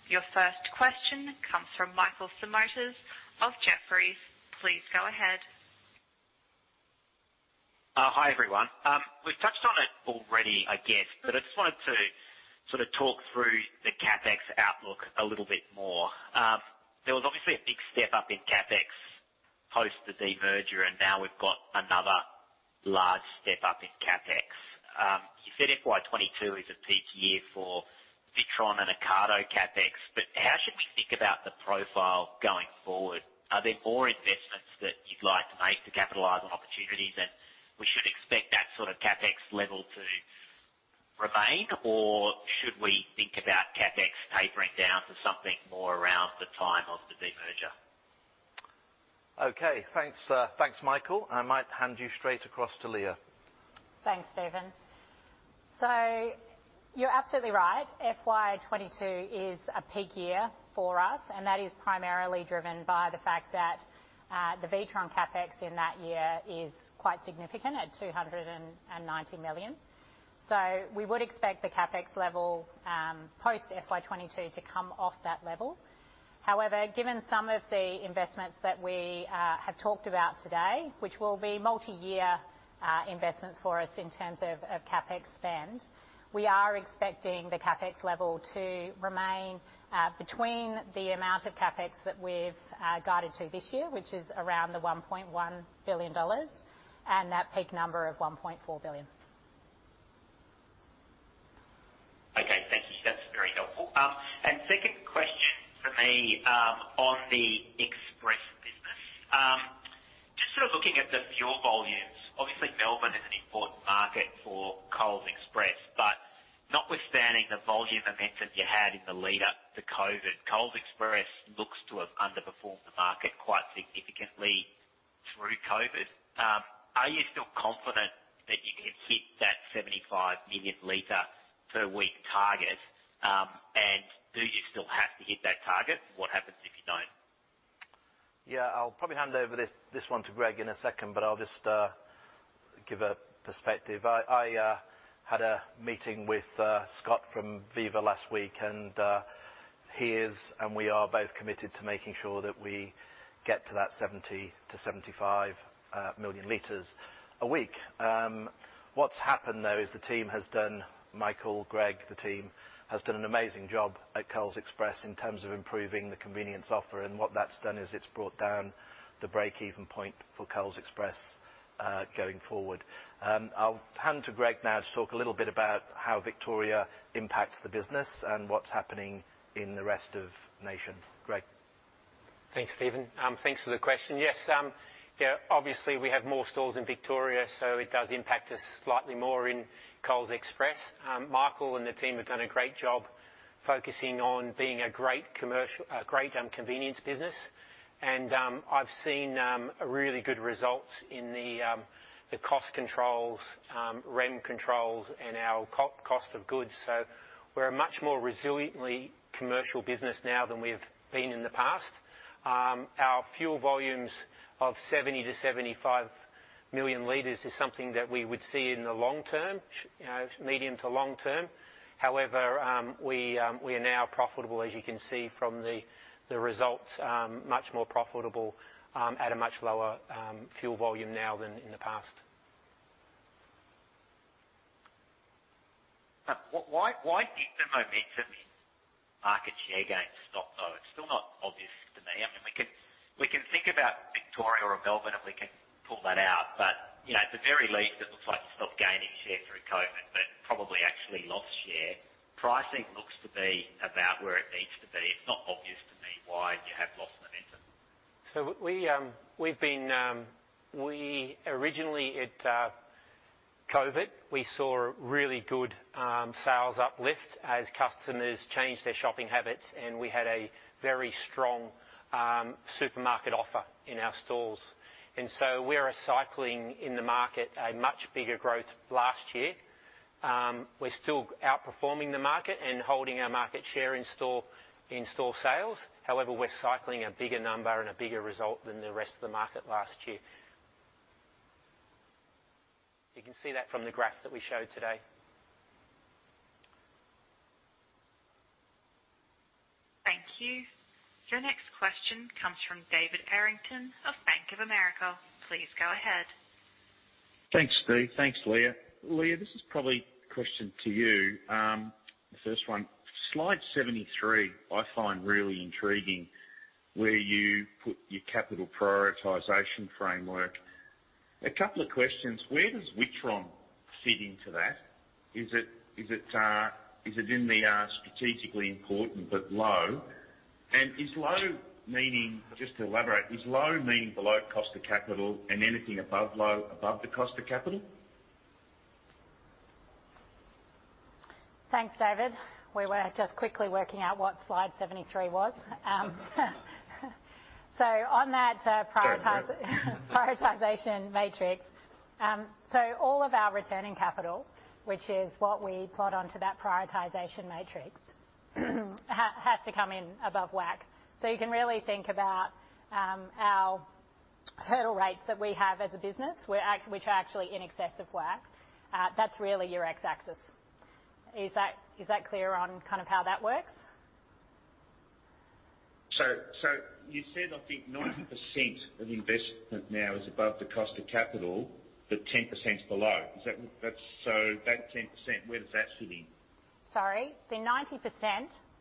Your first question comes from Michael Simotas of Jefferies. Please go ahead. Hi, everyone. We've touched on it already, I guess, but I just wanted to sort of talk through the CapEx outlook a little bit more. There was obviously a big step up in CapEx post the demerger, and now we've got another large step up in CapEx. You said FY22 is a peak year for Witron and Ocado CapEx, but how should we think about the profile going forward? Are there more investments that you'd like to make to capitalize on opportunities, and we should expect that sort of CapEx level to remain, or should we think about CapEx tapering down to something more around the time of the demerger? Okay. Thanks, Michael. I might hand you straight across to Leah. Thanks, Steven. So you're absolutely right. FY22 is a peak year for us, and that is primarily driven by the fact that the Witron CapEx in that year is quite significant at 290 million. So we would expect the CapEx level post FY22 to come off that level. However, given some of the investments that we have talked about today, which will be multi-year investments for us in terms of CapEx spend, we are expecting the CapEx level to remain between the amount of CapEx that we've guided to this year, which is around the 1.1 billion dollars and that peak number of 1.4 billion. Okay. Thank you. That's very helpful. And second question for me on the Express business, just sort of looking at the fuel volumes, obviously Melbourne is an important market for Coles Express, but notwithstanding the volume momentum you had in the lead-up to COVID, Coles Express looks to have underperformed the market quite significantly through COVID. Are you still confident that you can hit that 75 million liter per week target, and do you still have to hit that target? What happens if you don't? Yeah. I'll probably hand over this one to Greg in a second, but I'll just give a perspective. I had a meeting with Scott from Viva last week, and he is, and we are both committed to making sure that we get to that 70-75 million liters a week. What's happened though is the team has done, Michael, Greg, the team has done an amazing job at Coles Express in terms of improving the convenience offer, and what that's done is it's brought down the break-even point for Coles Express going forward. I'll hand to Greg now to talk a little bit about how Victoria impacts the business and what's happening in the rest of the nation. Greg. Thanks, Steven. Thanks for the question. Yes, obviously we have more stores in Victoria, so it does impact us slightly more in Coles Express. Michael and the team have done a great job focusing on being a great convenience business, and I've seen really good results in the cost controls, REM controls, and our cost of goods. So we're a much more resiliently commercial business now than we've been in the past. Our fuel volumes of 70-75 million liters is something that we would see in the long term, medium to long term. However, we are now profitable, as you can see from the results, much more profitable at a much lower fuel volume now than in the past. Why did the momentum in market share gains stop, though? It's still not obvious to me. I mean, we can think about Victoria or Melbourne and we can pull that out, but at the very least, it looks like you stopped gaining share through COVID, but probably actually lost share. Pricing looks to be about where it needs to be. It's not obvious to me why you have lost momentum. So we've been originally at COVID. We saw really good sales uplift as customers changed their shopping habits, and we had a very strong supermarket offer in our stores. And so we're recycling in the market a much bigger growth last year. We're still outperforming the market and holding our market share in store sales. However, we're cycling a bigger number and a bigger result than the rest of the market last year. You can see that from the graph that we showed today. Thank you. Your next question comes from David Errington of Bank of America. Please go ahead. Thanks, Steve. Thanks, Leah. Leah, this is probably a question to you. The first one, slide 73, I find really intriguing where you put your capital prioritization framework. A couple of questions. Where does Witron fit into that? Is it in the strategically important but low? And is low, just to elaborate, is low meaning below cost of capital and anything above low, above the cost of capital? Thanks, David. We were just quickly working out what slide 73 was. So on that prioritization matrix, so all of our returning capital, which is what we plot onto that prioritization matrix, has to come in above WACC. So you can really think about our hurdle rates that we have as a business, which are actually in excess of WACC. That's really your X-axis. Is that clear on kind of how that works? So you said, I think, 90% of investment now is above the cost of capital, but 10% below. So that 10%, where does that fit in? Sorry. The 90%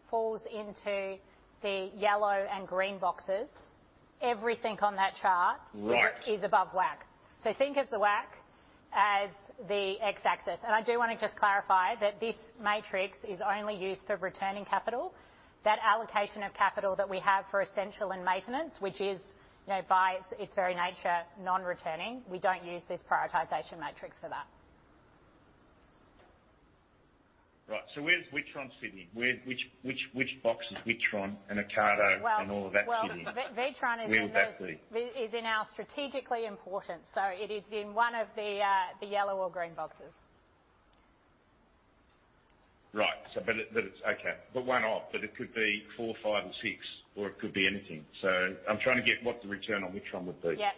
falls into the yellow and green boxes. Everything on that chart is above WACC, so think of the WACC as the X-axis and I do want to just clarify that this matrix is only used for returning capital. That allocation of capital that we have for essential and maintenance, which is, by its very nature, non-returning, we don't use this prioritization matrix for that. Right, so where's Witron sitting? Which box is Witron and Ocado and all of that sitting? Well, Witron is in our strategically important. So it is in one of the yellow or green boxes. Right. But it's okay. But one off. But it could be four, five, or six, or it could be anything. So I'm trying to get what the return on Witron would be. Yeah.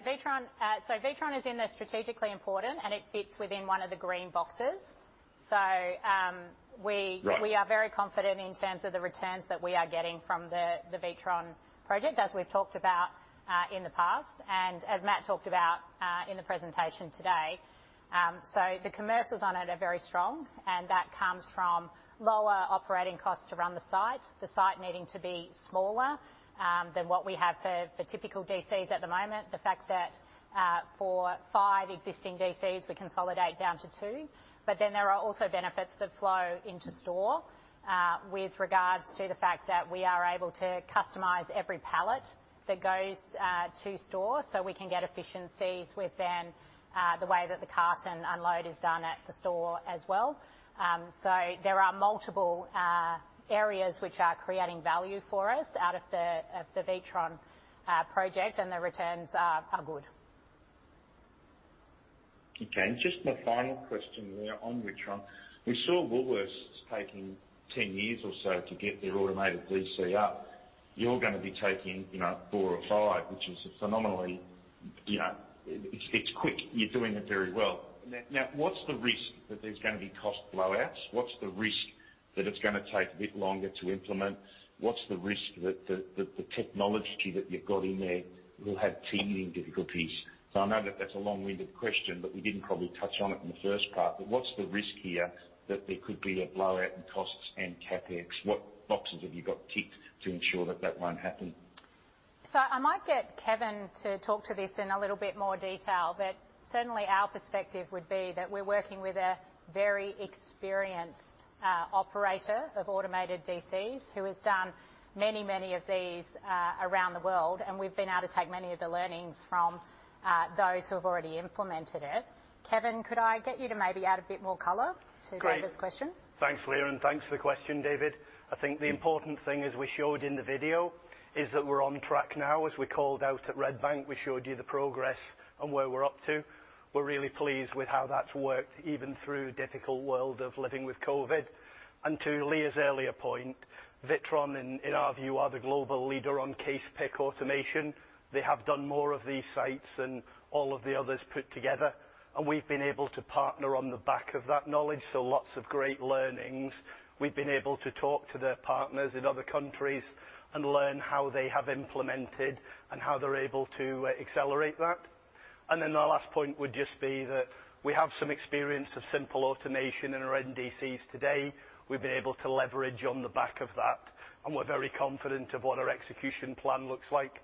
So Witron is in the strategically important, and it fits within one of the green boxes. We are very confident in terms of the returns that we are getting from the Witron project, as we've talked about in the past, and as Matt talked about in the presentation today. The commercials on it are very strong, and that comes from lower operating costs to run the site, the site needing to be smaller than what we have for typical DCs at the moment, the fact that for five existing DCs, we consolidate down to two. But then there are also benefits that flow into store with regards to the fact that we are able to customise every pallet that goes to store, so we can get efficiencies within the way that the carton unload is done at the store as well. There are multiple areas which are creating value for us out of the Witron project, and the returns are good. Okay. Just my final question on Witron. We saw Woolworths taking 10 years or so to get their automated DC up. You're going to be taking four or five, which is phenomenally quick. It's quick. You're doing it very well. Now, what's the risk that there's going to be cost blowouts? What's the risk that it's going to take a bit longer to implement? What's the risk that the technology that you've got in there will have teething difficulties? So I know that that's a long-winded question, but we didn't probably touch on it in the first part. But what's the risk here that there could be a blowout in costs and CapEx? What boxes have you got ticked to ensure that that won't happen? I might get Kevin to talk to this in a little bit more detail, but certainly our perspective would be that we're working with a very experienced operator of automated DCs who has done many, many of these around the world, and we've been able to take many of the learnings from those who have already implemented it. Kevin, could I get you to maybe add a bit more color to David's question? Thanks, Leah, and thanks for the question, David. I think the important thing, as we showed in the video, is that we're on track now. As we called out at Redbank, we showed you the progress and where we're up to. We're really pleased with how that's worked, even through the difficult world of living with COVID. To Leah's earlier point, Witron, in our view, are the global leader on case pick automation. They have done more of these sites than all of the others put together, and we've been able to partner on the back of that knowledge. So lots of great learnings. We've been able to talk to their partners in other countries and learn how they have implemented and how they're able to accelerate that. And then our last point would just be that we have some experience of simple automation in our existing DCs today. We've been able to leverage on the back of that, and we're very confident of what our execution plan looks like.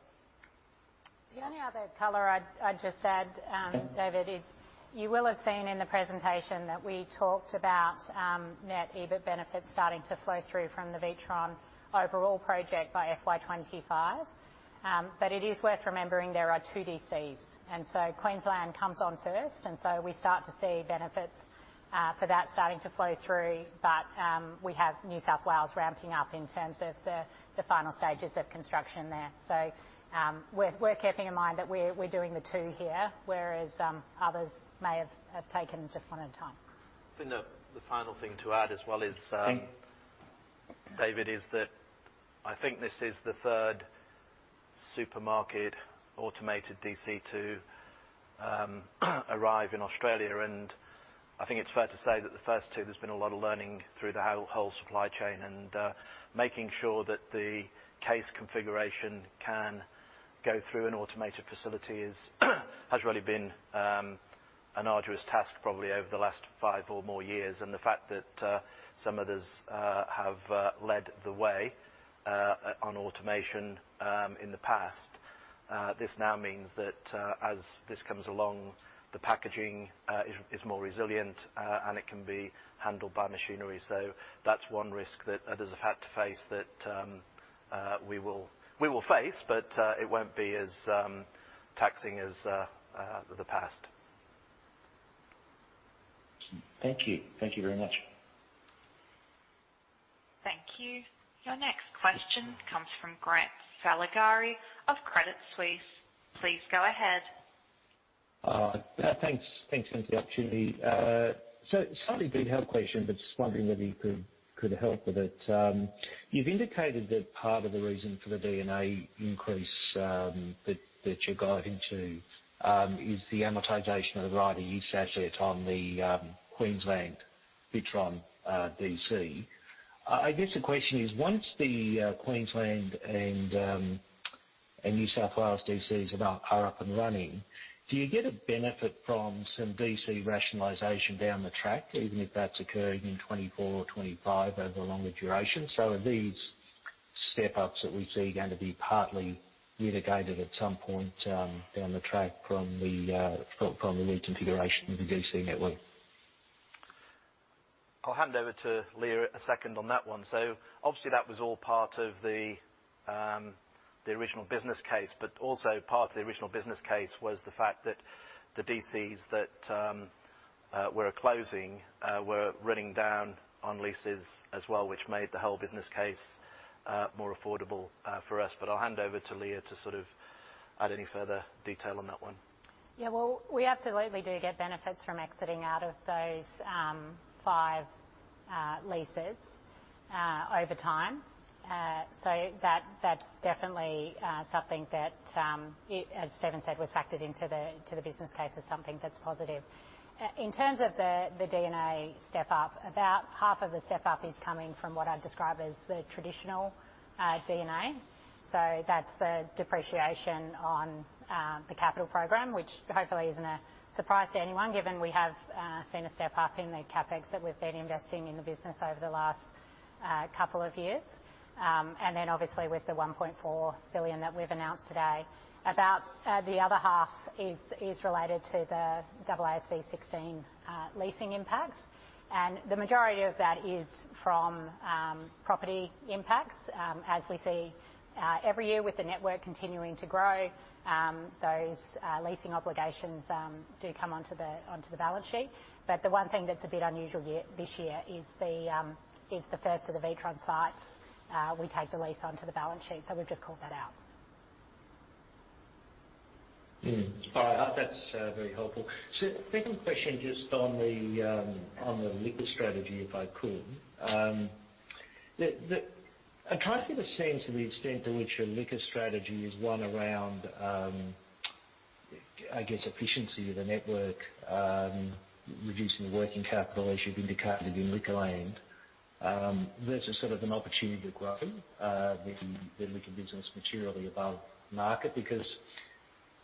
The only other color I'd just add, David, is you will have seen in the presentation that we talked about net EBIT benefits starting to flow through from the Witron overall project by FY25. But it is worth remembering there are two DCs. Queensland comes on first, and so we start to see benefits for that starting to flow through, but we have New South Wales ramping up in terms of the final stages of construction there. We're keeping in mind that we're doing the two here, whereas others may have taken just one at a time. The final thing to add as well, David, is that I think this is the third supermarket automated DC to arrive in Australia, and I think it's fair to say that the first two, there's been a lot of learning through the whole supply chain, and making sure that the case configuration can go through an automated facility has really been an arduous task, probably over the last five or more years. The fact that some others have led the way on automation in the past, this now means that as this comes along, the packaging is more resilient, and it can be handled by machinery. So that's one risk that others have had to face that we will face, but it won't be as taxing as the past. Thank you. Thank you very much. Thank you. Your next question comes from Grant Saligari of Credit Suisse. Please go ahead. Thanks, Lindsay, actually. So a slightly detailed question, but just wondering whether you could help with it. You've indicated that part of the reason for the EBITDA increase that you're guiding to is the amortization of the right-of-use asset on the Queensland Witron DC. I guess the question is, once the Queensland and New South Wales DCs are up and running, do you get a benefit from some DC rationalization down the track, even if that's occurring in 2024 or 2025 over a longer duration? So are these step-ups that we see going to be partly mitigated at some point down the track from the reconfiguration of the DC network? I'll hand over to Leah a second on that one. So obviously, that was all part of the original business case, but also part of the original business case was the fact that the DCs that we're closing were running down on leases as well, which made the whole business case more affordable for us. But I'll hand over to Leah to sort of add any further detail on that one. Yeah. Well, we absolutely do get benefits from exiting out of those five leases over time. So that's definitely something that, as Steven said, was factored into the business case as something that's positive. In terms of the D&A step-up, about half of the step-up is coming from what I'd describe as the traditional D&A. So that's the depreciation on the capital program, which hopefully isn't a surprise to anyone, given we have seen a step-up in the CapEx that we've been investing in the business over the last couple of years. And then obviously, with the 1.4 billion that we've announced today, about the other half is related to the AASB 16 leasing impacts. And the majority of that is from property impacts. As we see every year, with the network continuing to grow, those leasing obligations do come onto the balance sheet. But the one thing that's a bit unusual this year is the first of the Witron sites we take the lease onto the balance sheet. So we've just called that out. All right. That's very helpful. Second question just on the liquor strategy, if I could. I'm trying to get a sense of the extent to which your liquor strategy is one around, I guess, efficiency of the network, reducing working capital as you've indicated in Liquorland, versus sort of an opportunity to grow the liquor business materially above market. Because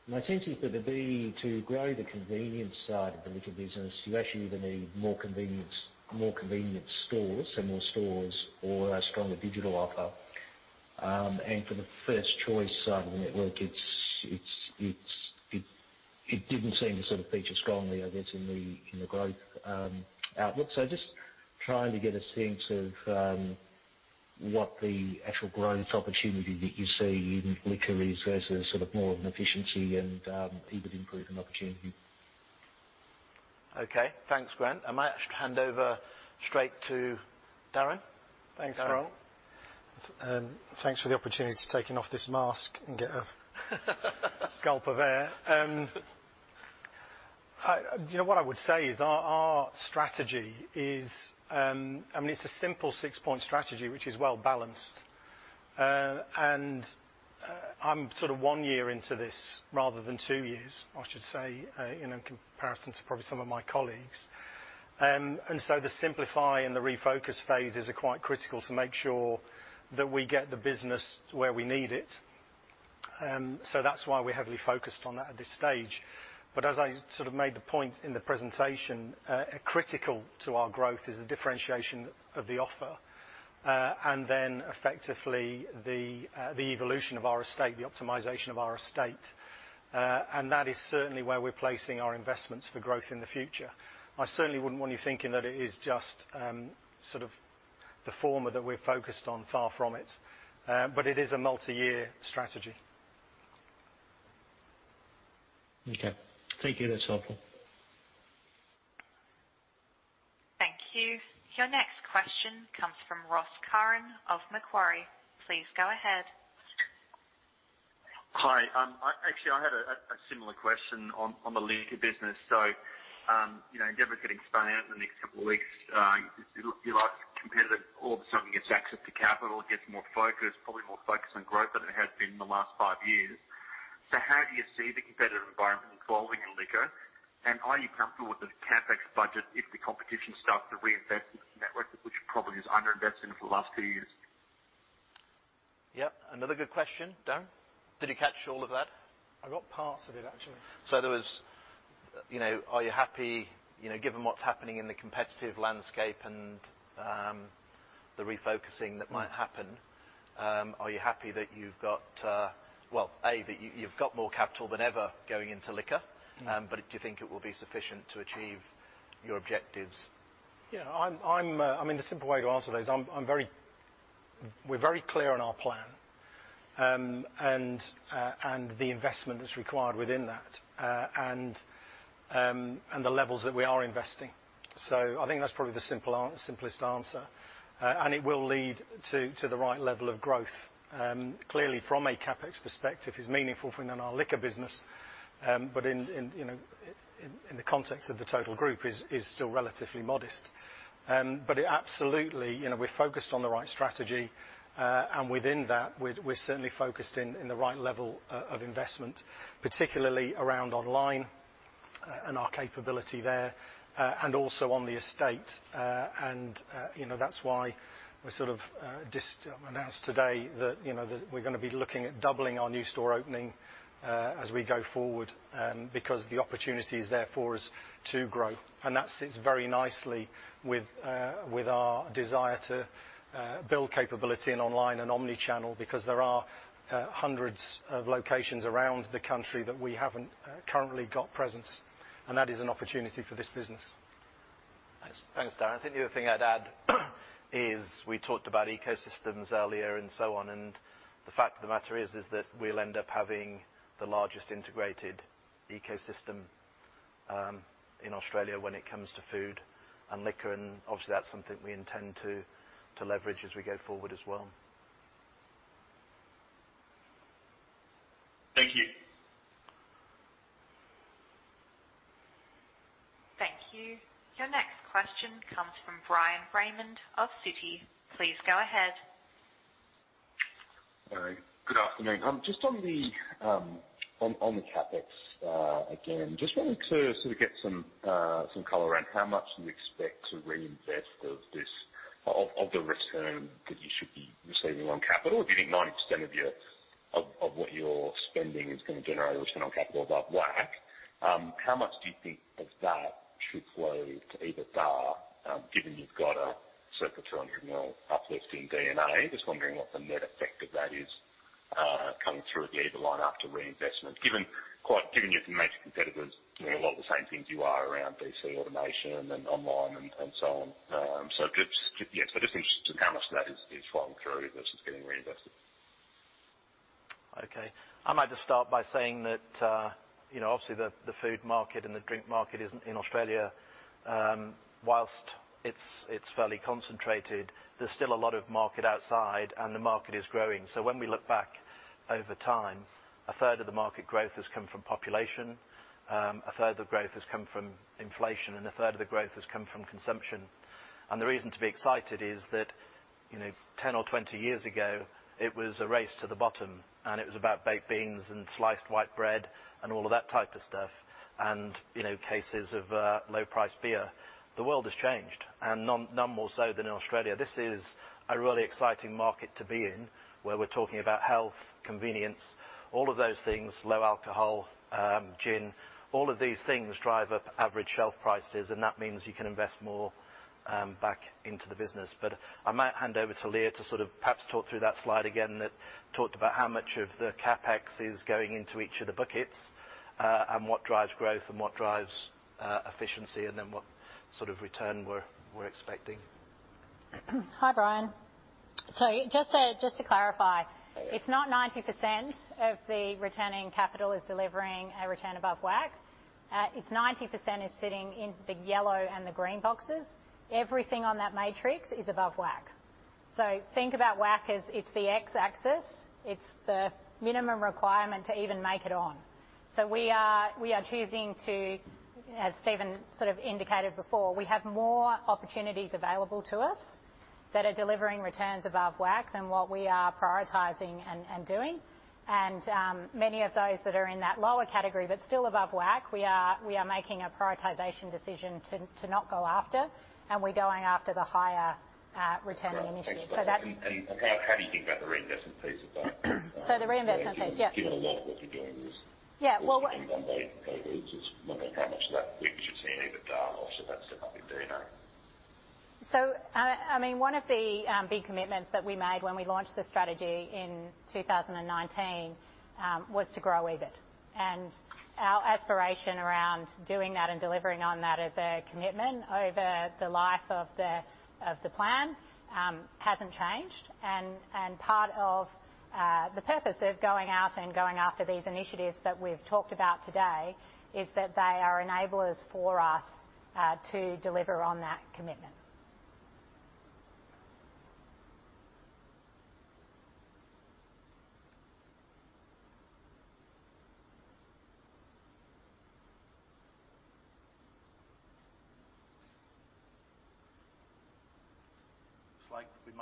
my sense is that to grow the convenience side of the liquor business, you actually either need more convenience stores and more stores or a stronger digital offer. And for the First Choice side of the network, it didn't seem to sort of feature strongly, I guess, in the growth outlook. So just trying to get a sense of what the actual growth opportunity that you see in liquor is versus sort of more of an efficiency and even improvement opportunity. Okay. Thanks, Grant. I might actually hand over straight to Darren. Thanks, Grant. Thanks for the opportunity to take off this mask and get a gulp of air. What I would say is our strategy is, I mean, it's a simple six-point strategy, which is well balanced. And I'm sort of one year into this rather than two years, I should say, in comparison to probably some of my colleagues. And so the simplify and the refocus phases are quite critical to make sure that we get the business where we need it. So that's why we're heavily focused on that at this stage. But as I sort of made the point in the presentation, critical to our growth is the differentiation of the offer and then effectively the evolution of our estate, the optimization of our estate. And that is certainly where we're placing our investments for growth in the future. I certainly wouldn't want you thinking that it is just sort of the former that we're focused on, far from it. But it is a multi-year strategy. Okay. Thank you. That's helpful. Thank you. Your next question comes from Ross Curran of Macquarie. Please go ahead. Hi. Actually, I had a similar question on the liquor business. So Endeavour getting spun out in the next couple of weeks. Your likely competitor, all of a sudden, gets access to capital, gets more focus, probably more focus on growth than it has been in the last five years. How do you see the competitive environment evolving in liquor? And are you comfortable with the CapEx budget if the competition starts to reinvest in the network, which probably is underinvested for the last two years? Yep. Another good question. Darren? Did you catch all of that? I got parts of it, actually. So there was, are you happy, given what's happening in the competitive landscape and the refocusing that might happen, are you happy that you've got, well, A, that you've got more capital than ever going into liquor, but do you think it will be sufficient to achieve your objectives? Yeah. I mean, the simple way to answer that is we're very clear on our plan and the investment that's required within that and the levels that we are investing. So I think that's probably the simplest answer. And it will lead to the right level of growth. Clearly, from a CapEx perspective, it's meaningful for our liquor business, but in the context of the total group, it's still relatively modest. But absolutely, we're focused on the right strategy. And within that, we're certainly focused in the right level of investment, particularly around online and our capability there and also on the estate. And that's why we sort of announced today that we're going to be looking at doubling our new store opening as we go forward because the opportunity is there for us to grow. And that sits very nicely with our desire to build capability in online and omnichannel because there are hundreds of locations around the country that we haven't currently got presence. And that is an opportunity for this business. Thanks, Darren. I think the other thing I'd add is we talked about ecosystems earlier and so on. And the fact of the matter is that we'll end up having the largest integrated ecosystem in Australia when it comes to food and liquor. And obviously, that's something we intend to leverage as we go forward as well. Thank you. Thank you. Your next question comes from Bryan Raymond of Citi. Please go ahead. All right. Good afternoon. Just on the CapEx again, just wanted to sort of get some color around how much you expect to reinvest of the return that you should be receiving on capital. If you think 90% of what you're spending is going to generate a return on capital above WACC, how much do you think of that should flow to either DAR, given you've got a circa 200-mill uplift in D&A? Just wondering what the net effect of that is coming through at the end of the line after reinvestment, given your major competitors doing a lot of the same things you are around DC automation and online and so on? So just interested in how much of that is flowing through versus getting reinvested. Okay. I might just start by saying that obviously, the food market and the drink market in Australia, whilst it's fairly concentrated, there's still a lot of market outside, and the market is growing. So when we look back over time, a third of the market growth has come from population, a third of the growth has come from inflation, and a third of the growth has come from consumption. And the reason to be excited is that 10 or 20 years ago, it was a race to the bottom, and it was about baked beans and sliced white bread and all of that type of stuff and cases of low-priced beer. The world has changed, and none more so than in Australia. This is a really exciting market to be in where we're talking about health, convenience, all of those things, low alcohol, gin, all of these things drive up average shelf prices, and that means you can invest more back into the business. But I might hand over to Leah to sort of perhaps talk through that slide again that talked about how much of the CapEx is going into each of the buckets and what drives growth and what drives efficiency and then what sort of return we're expecting. Hi, Bryan. So just to clarify, it's not 90% of the returning capital is delivering a return above WACC. It's 90% is sitting in the yellow and the green boxes. Everything on that matrix is above WACC. So think about WACC as it's the X-axis. It's the minimum requirement to even make it on. So we are choosing to, as Steven sort of indicated before, we have more opportunities available to us that are delivering returns above WACC than what we are prioritizing and doing. And many of those that are in that lower category but still above WACC, we are making a prioritization decision to not go after, and we're going after the higher returning initiative. And how do you think about the reinvestment piece of that? So the reinvestment piece, yeah. Given a lot of what you're doing is being done by COVID, just wondering how much of that we should see in either DAR or sort of that step-up in DNA? So I mean, one of the big commitments that we made when we launched the strategy in 2019 was to grow EBIT. And our aspiration around doing that and delivering on that as a commitment over the life of the plan hasn't changed. And part of the purpose of going out and going after these initiatives that we've talked about today is that they are enablers for us to deliver on that commitment.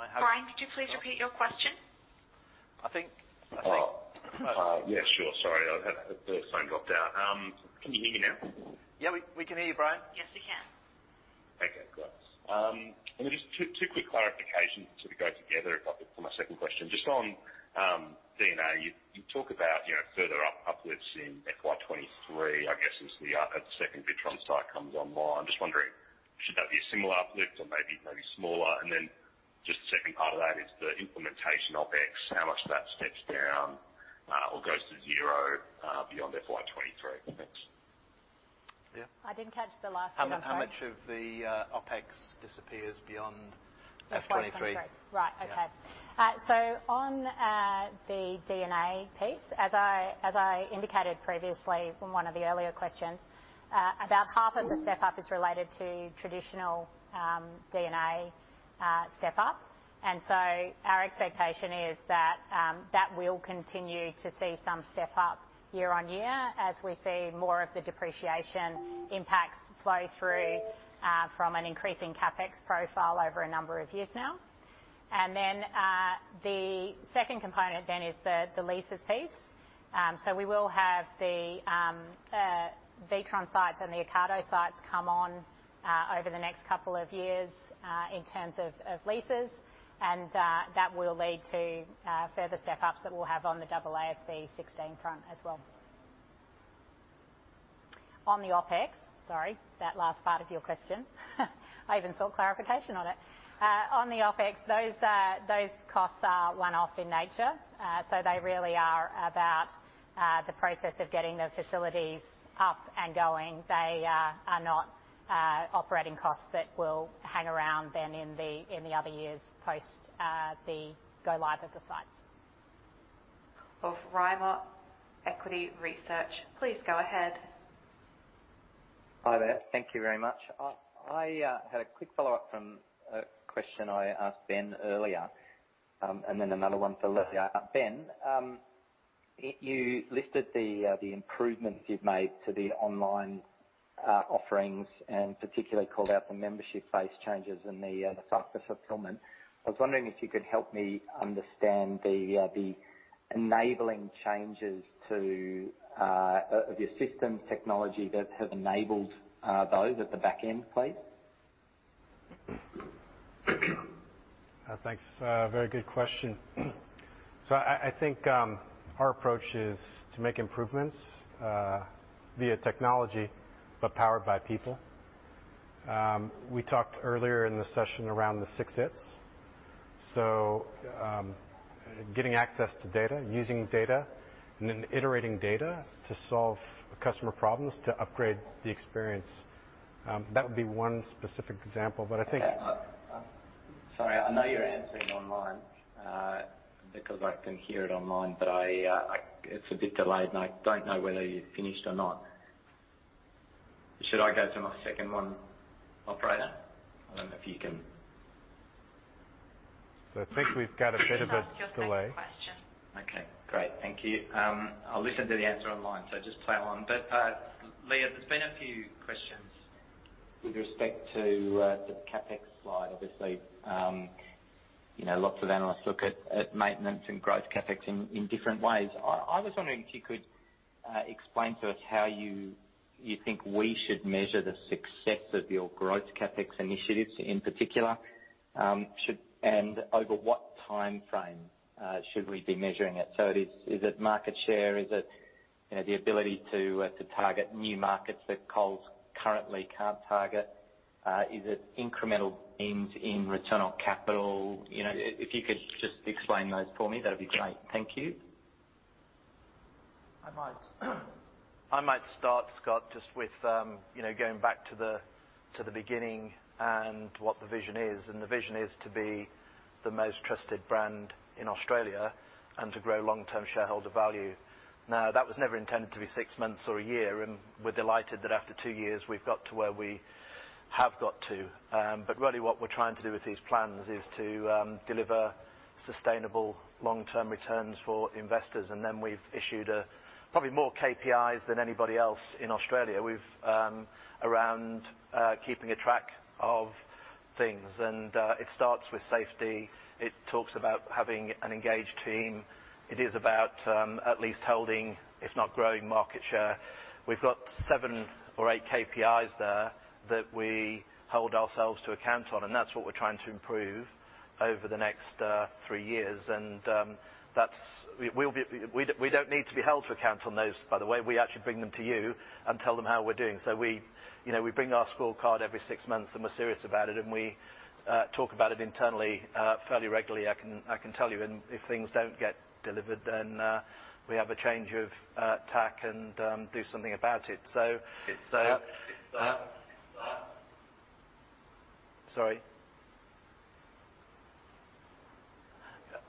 It's like we might have. Bryan, could you please repeat your question? Yeah, sure. Sorry. The phone dropped out. Can you hear me now? Yeah, we can hear you, Bryan. Yes, we can. Okay, great. And just two quick clarifications to go together for my second question. Just on DNA, you talk about further uplifts in FY23, I guess, as the second Witron site comes online. Just wondering, should that be a similar uplift or maybe smaller? And then just the second part of that is the implementation OpEx, how much that steps down or goes to zero beyond FY23. Thanks. Yeah. I didn't catch the last question. How much of the OpEx disappears beyond FY23? Right. Okay. So on the DNA piece, as I indicated previously in one of the earlier questions, about half of the step-up is related to traditional DNA step-up. And so our expectation is that that will continue to see some step-up year on year as we see more of the depreciation impacts flow through from an increasing CapEx profile over a number of years now. And then the second component then is the leases piece. So we will have the Witron sites and the Ocado sites come on over the next couple of years in terms of leases. And that will lead to further step-ups that we'll have on the AASB 16 front as well. On the OpEx, sorry, that last part of your question, I even saw clarification on it, on the OpEx, those costs are one-off in nature. So they really are about the process of getting the facilities up and going. They are not operating costs that will hang around then in the other years post the go-live of the sites. From Rimor Equity Research. Please go ahead. Hi there. Thank you very much. I had a quick follow-up from a question I asked Ben earlier, and then another one for Leah. Ben, you listed the improvements you've made to the online offerings and particularly called out the membership-based changes and the customer fulfillment. I was wondering if you could help me understand the enabling changes of your system technology that have enabled those at the back end, please. Thanks. Very good question. So I think our approach is to make improvements via technology but powered by people. We talked earlier in the session around the six hits. So getting access to data, using data, and then iterating data to solve customer problems to upgrade the experience. That would be one specific example, but I think. Sorry, I know you're answering online because I can hear it online, but it's a bit delayed, and I don't know whether you've finished or not. Should I go to my second one? I don't know if you can. So I think we've got a bit of a delay. Okay. Great. Thank you. I'll listen to the answer online, so just play on. But Leah, there's been a few questions with respect to the CapEx slide. Obviously, lots of analysts look at maintenance and growth CapEx in different ways. I was wondering if you could explain to us how you think we should measure the success of your growth CapEx initiatives in particular, and over what timeframe should we be measuring it? So is it market share? Is it the ability to target new markets that Coles currently can't target? Is it incremental gains in return on capital? If you could just explain those for me, that'd be great. Thank you. I might start, Scott, just with going back to the beginning and what the vision is. The vision is to be the most trusted brand in Australia and to grow long-term shareholder value. Now, that was never intended to be six months or a year, and we're delighted that after two years, we've got to where we have got to. But really, what we're trying to do with these plans is to deliver sustainable long-term returns for investors. And then we've issued probably more KPIs than anybody else in Australia. We have KPIs around keeping track of things. And it starts with safety. It talks about having an engaged team. It is about at least holding, if not growing, market share. We've got seven or eight KPIs there that we hold ourselves to account on, and that's what we're trying to improve over the next three years. And we don't need to be held to account on those, by the way. We actually bring them to you and tell them how we're doing. So we bring our scorecard every six months, and we're serious about it, and we talk about it internally fairly regularly. I can tell you. And if things don't get delivered, then we have a change of tack and do something about it. So. Sorry,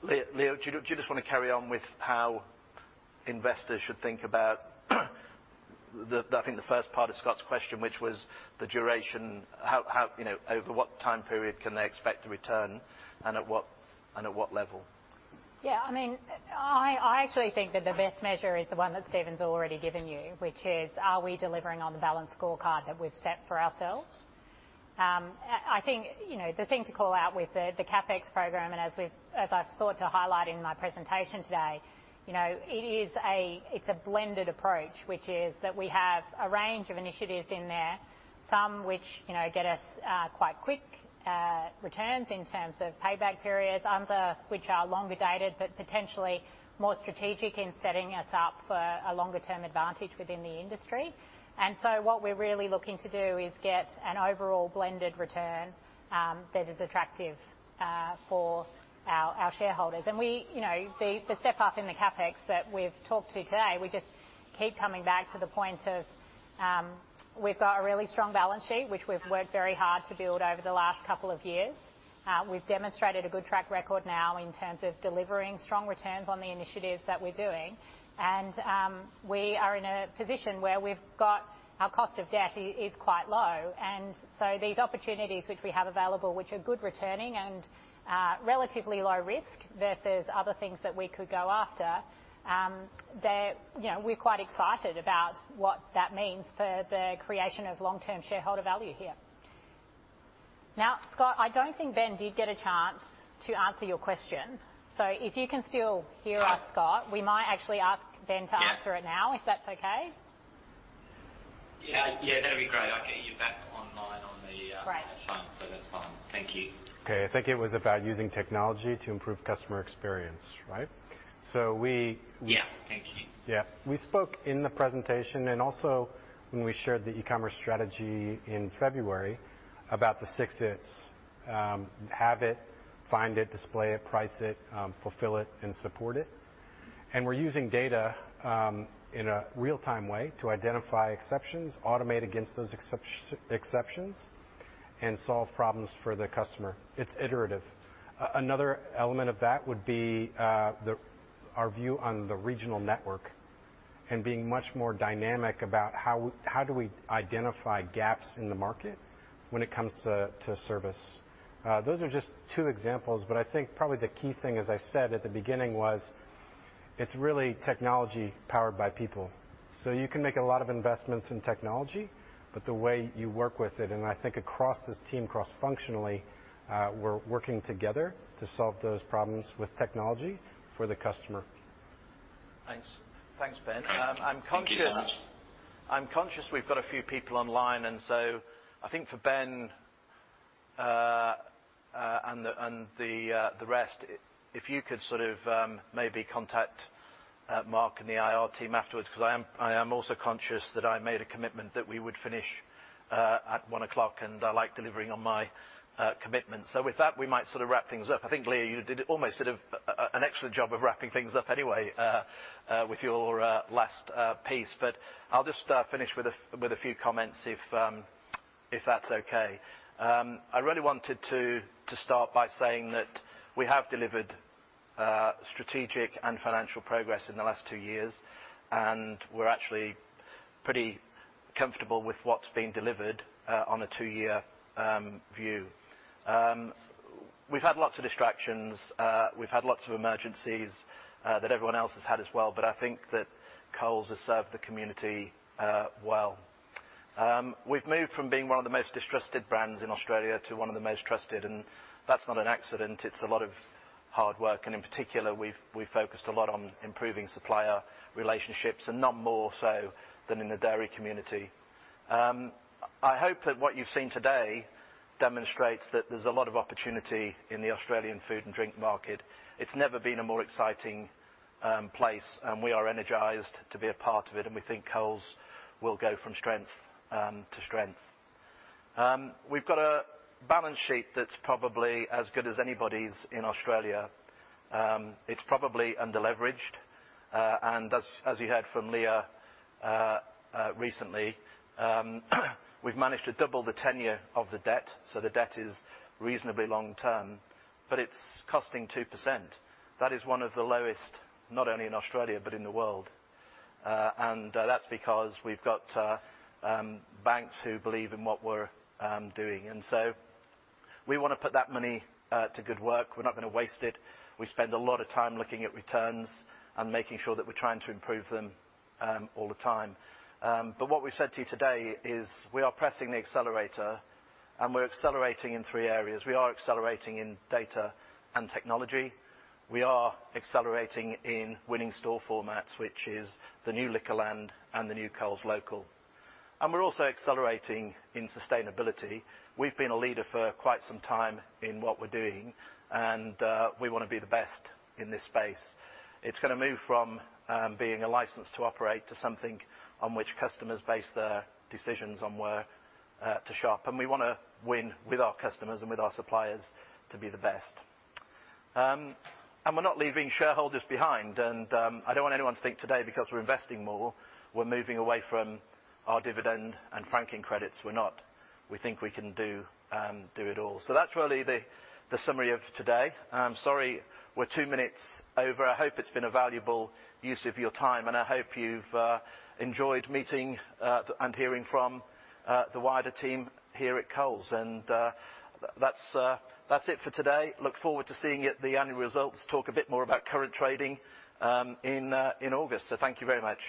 Leah, do you just want to carry on with how investors should think about, I think, the first part of Scott's question, which was the duration, over what time period can they expect to return and at what level? Yeah. I mean, I actually think that the best measure is the one that Steven's already given you, which is, are we delivering on the balanced scorecard that we've set for ourselves? I think the thing to call out with the CapEx program, and as I've sought to highlight in my presentation today, it's a blended approach, which is that we have a range of initiatives in there, some which get us quite quick returns in terms of payback periods, others which are longer dated but potentially more strategic in setting us up for a longer-term advantage within the industry, and so what we're really looking to do is get an overall blended return that is attractive for our shareholders, and the step-up in the CapEx that we've talked to today, we just keep coming back to the point of we've got a really strong balance sheet, which we've worked very hard to build over the last couple of years. We've demonstrated a good track record now in terms of delivering strong returns on the initiatives that we're doing. And we are in a position where our cost of debt is quite low. And so these opportunities which we have available, which are good returning and relatively low risk versus other things that we could go after, we're quite excited about what that means for the creation of long-term shareholder value here. Now, Scott, I don't think Ben did get a chance to answer your question. So if you can still hear us, Scott, we might actually ask Ben to answer it now, if that's okay. Yeah, that'd be great. I'll get you back online on the phone, so that's fine. Thank you. Okay. I think it was about using technology to improve customer experience, right? Yeah. Thank you. Yeah. We spoke in the presentation and also when we shared the e-commerce strategy in February about the six hits: have it, find it, display it, price it, fulfill it, and support it, and we're using data in a real-time way to identify exceptions, automate against those exceptions, and solve problems for the customer. It's iterative. Another element of that would be our view on the regional network and being much more dynamic about how do we identify gaps in the market when it comes to service. Those are just two examples, but I think probably the key thing, as I said at the beginning, was it's really technology powered by people, so you can make a lot of investments in technology, but the way you work with it, and I think across this team, cross-functionally, we're working together to solve those problems with technology for the customer. Thanks. Thanks, Ben. I'm conscious. Thank you very much. I'm conscious we've got a few people online, and so I think for Ben and the rest, if you could sort of maybe contact Mark and the IR team afterwards because I am also conscious that I made a commitment that we would finish at 1:00 P.M., and I like delivering on my commitment. So with that, we might sort of wrap things up. I think, Leah, you almost did an excellent job of wrapping things up anyway with your last piece. But I'll just finish with a few comments if that's okay. I really wanted to start by saying that we have delivered strategic and financial progress in the last two years, and we're actually pretty comfortable with what's been delivered on a two-year view. We've had lots of distractions. We've had lots of emergencies that everyone else has had as well, but I think that Coles has served the community well. We've moved from being one of the most distrusted brands in Australia to one of the most trusted, and that's not an accident. It's a lot of hard work, and in particular, we've focused a lot on improving supplier relationships and not more so than in the dairy community. I hope that what you've seen today demonstrates that there's a lot of opportunity in the Australian food and drink market. It's never been a more exciting place, and we are energized to be a part of it, and we think Coles will go from strength to strength. We've got a balance sheet that's probably as good as anybody's in Australia. It's probably underleveraged. And as you heard from Leah recently, we've managed to double the tenor of the debt. So the debt is reasonably long-term, but it's costing 2%. That is one of the lowest, not only in Australia but in the world. And that's because we've got banks who believe in what we're doing. And so we want to put that money to good work. We're not going to waste it. We spend a lot of time looking at returns and making sure that we're trying to improve them all the time. But what we've said to you today is we are pressing the accelerator, and we're accelerating in three areas. We are accelerating in data and technology. We are accelerating in winning store formats, which is the new Liquorland and the new Coles Local. And we're also accelerating in sustainability. We've been a leader for quite some time in what we're doing, and we want to be the best in this space. It's going to move from being a license to operate to something on which customers base their decisions on where to shop. And we want to win with our customers and with our suppliers to be the best. And we're not leaving shareholders behind. And I don't want anyone to think today because we're investing more. We're moving away from our dividend and franking credits. We think we can do it all. So that's really the summary of today. Sorry, we're two minutes over. I hope it's been a valuable use of your time, and I hope you've enjoyed meeting and hearing from the wider team here at Coles. And that's it for today. Look forward to seeing the annual results, talk a bit more about current trading in August. So thank you very much.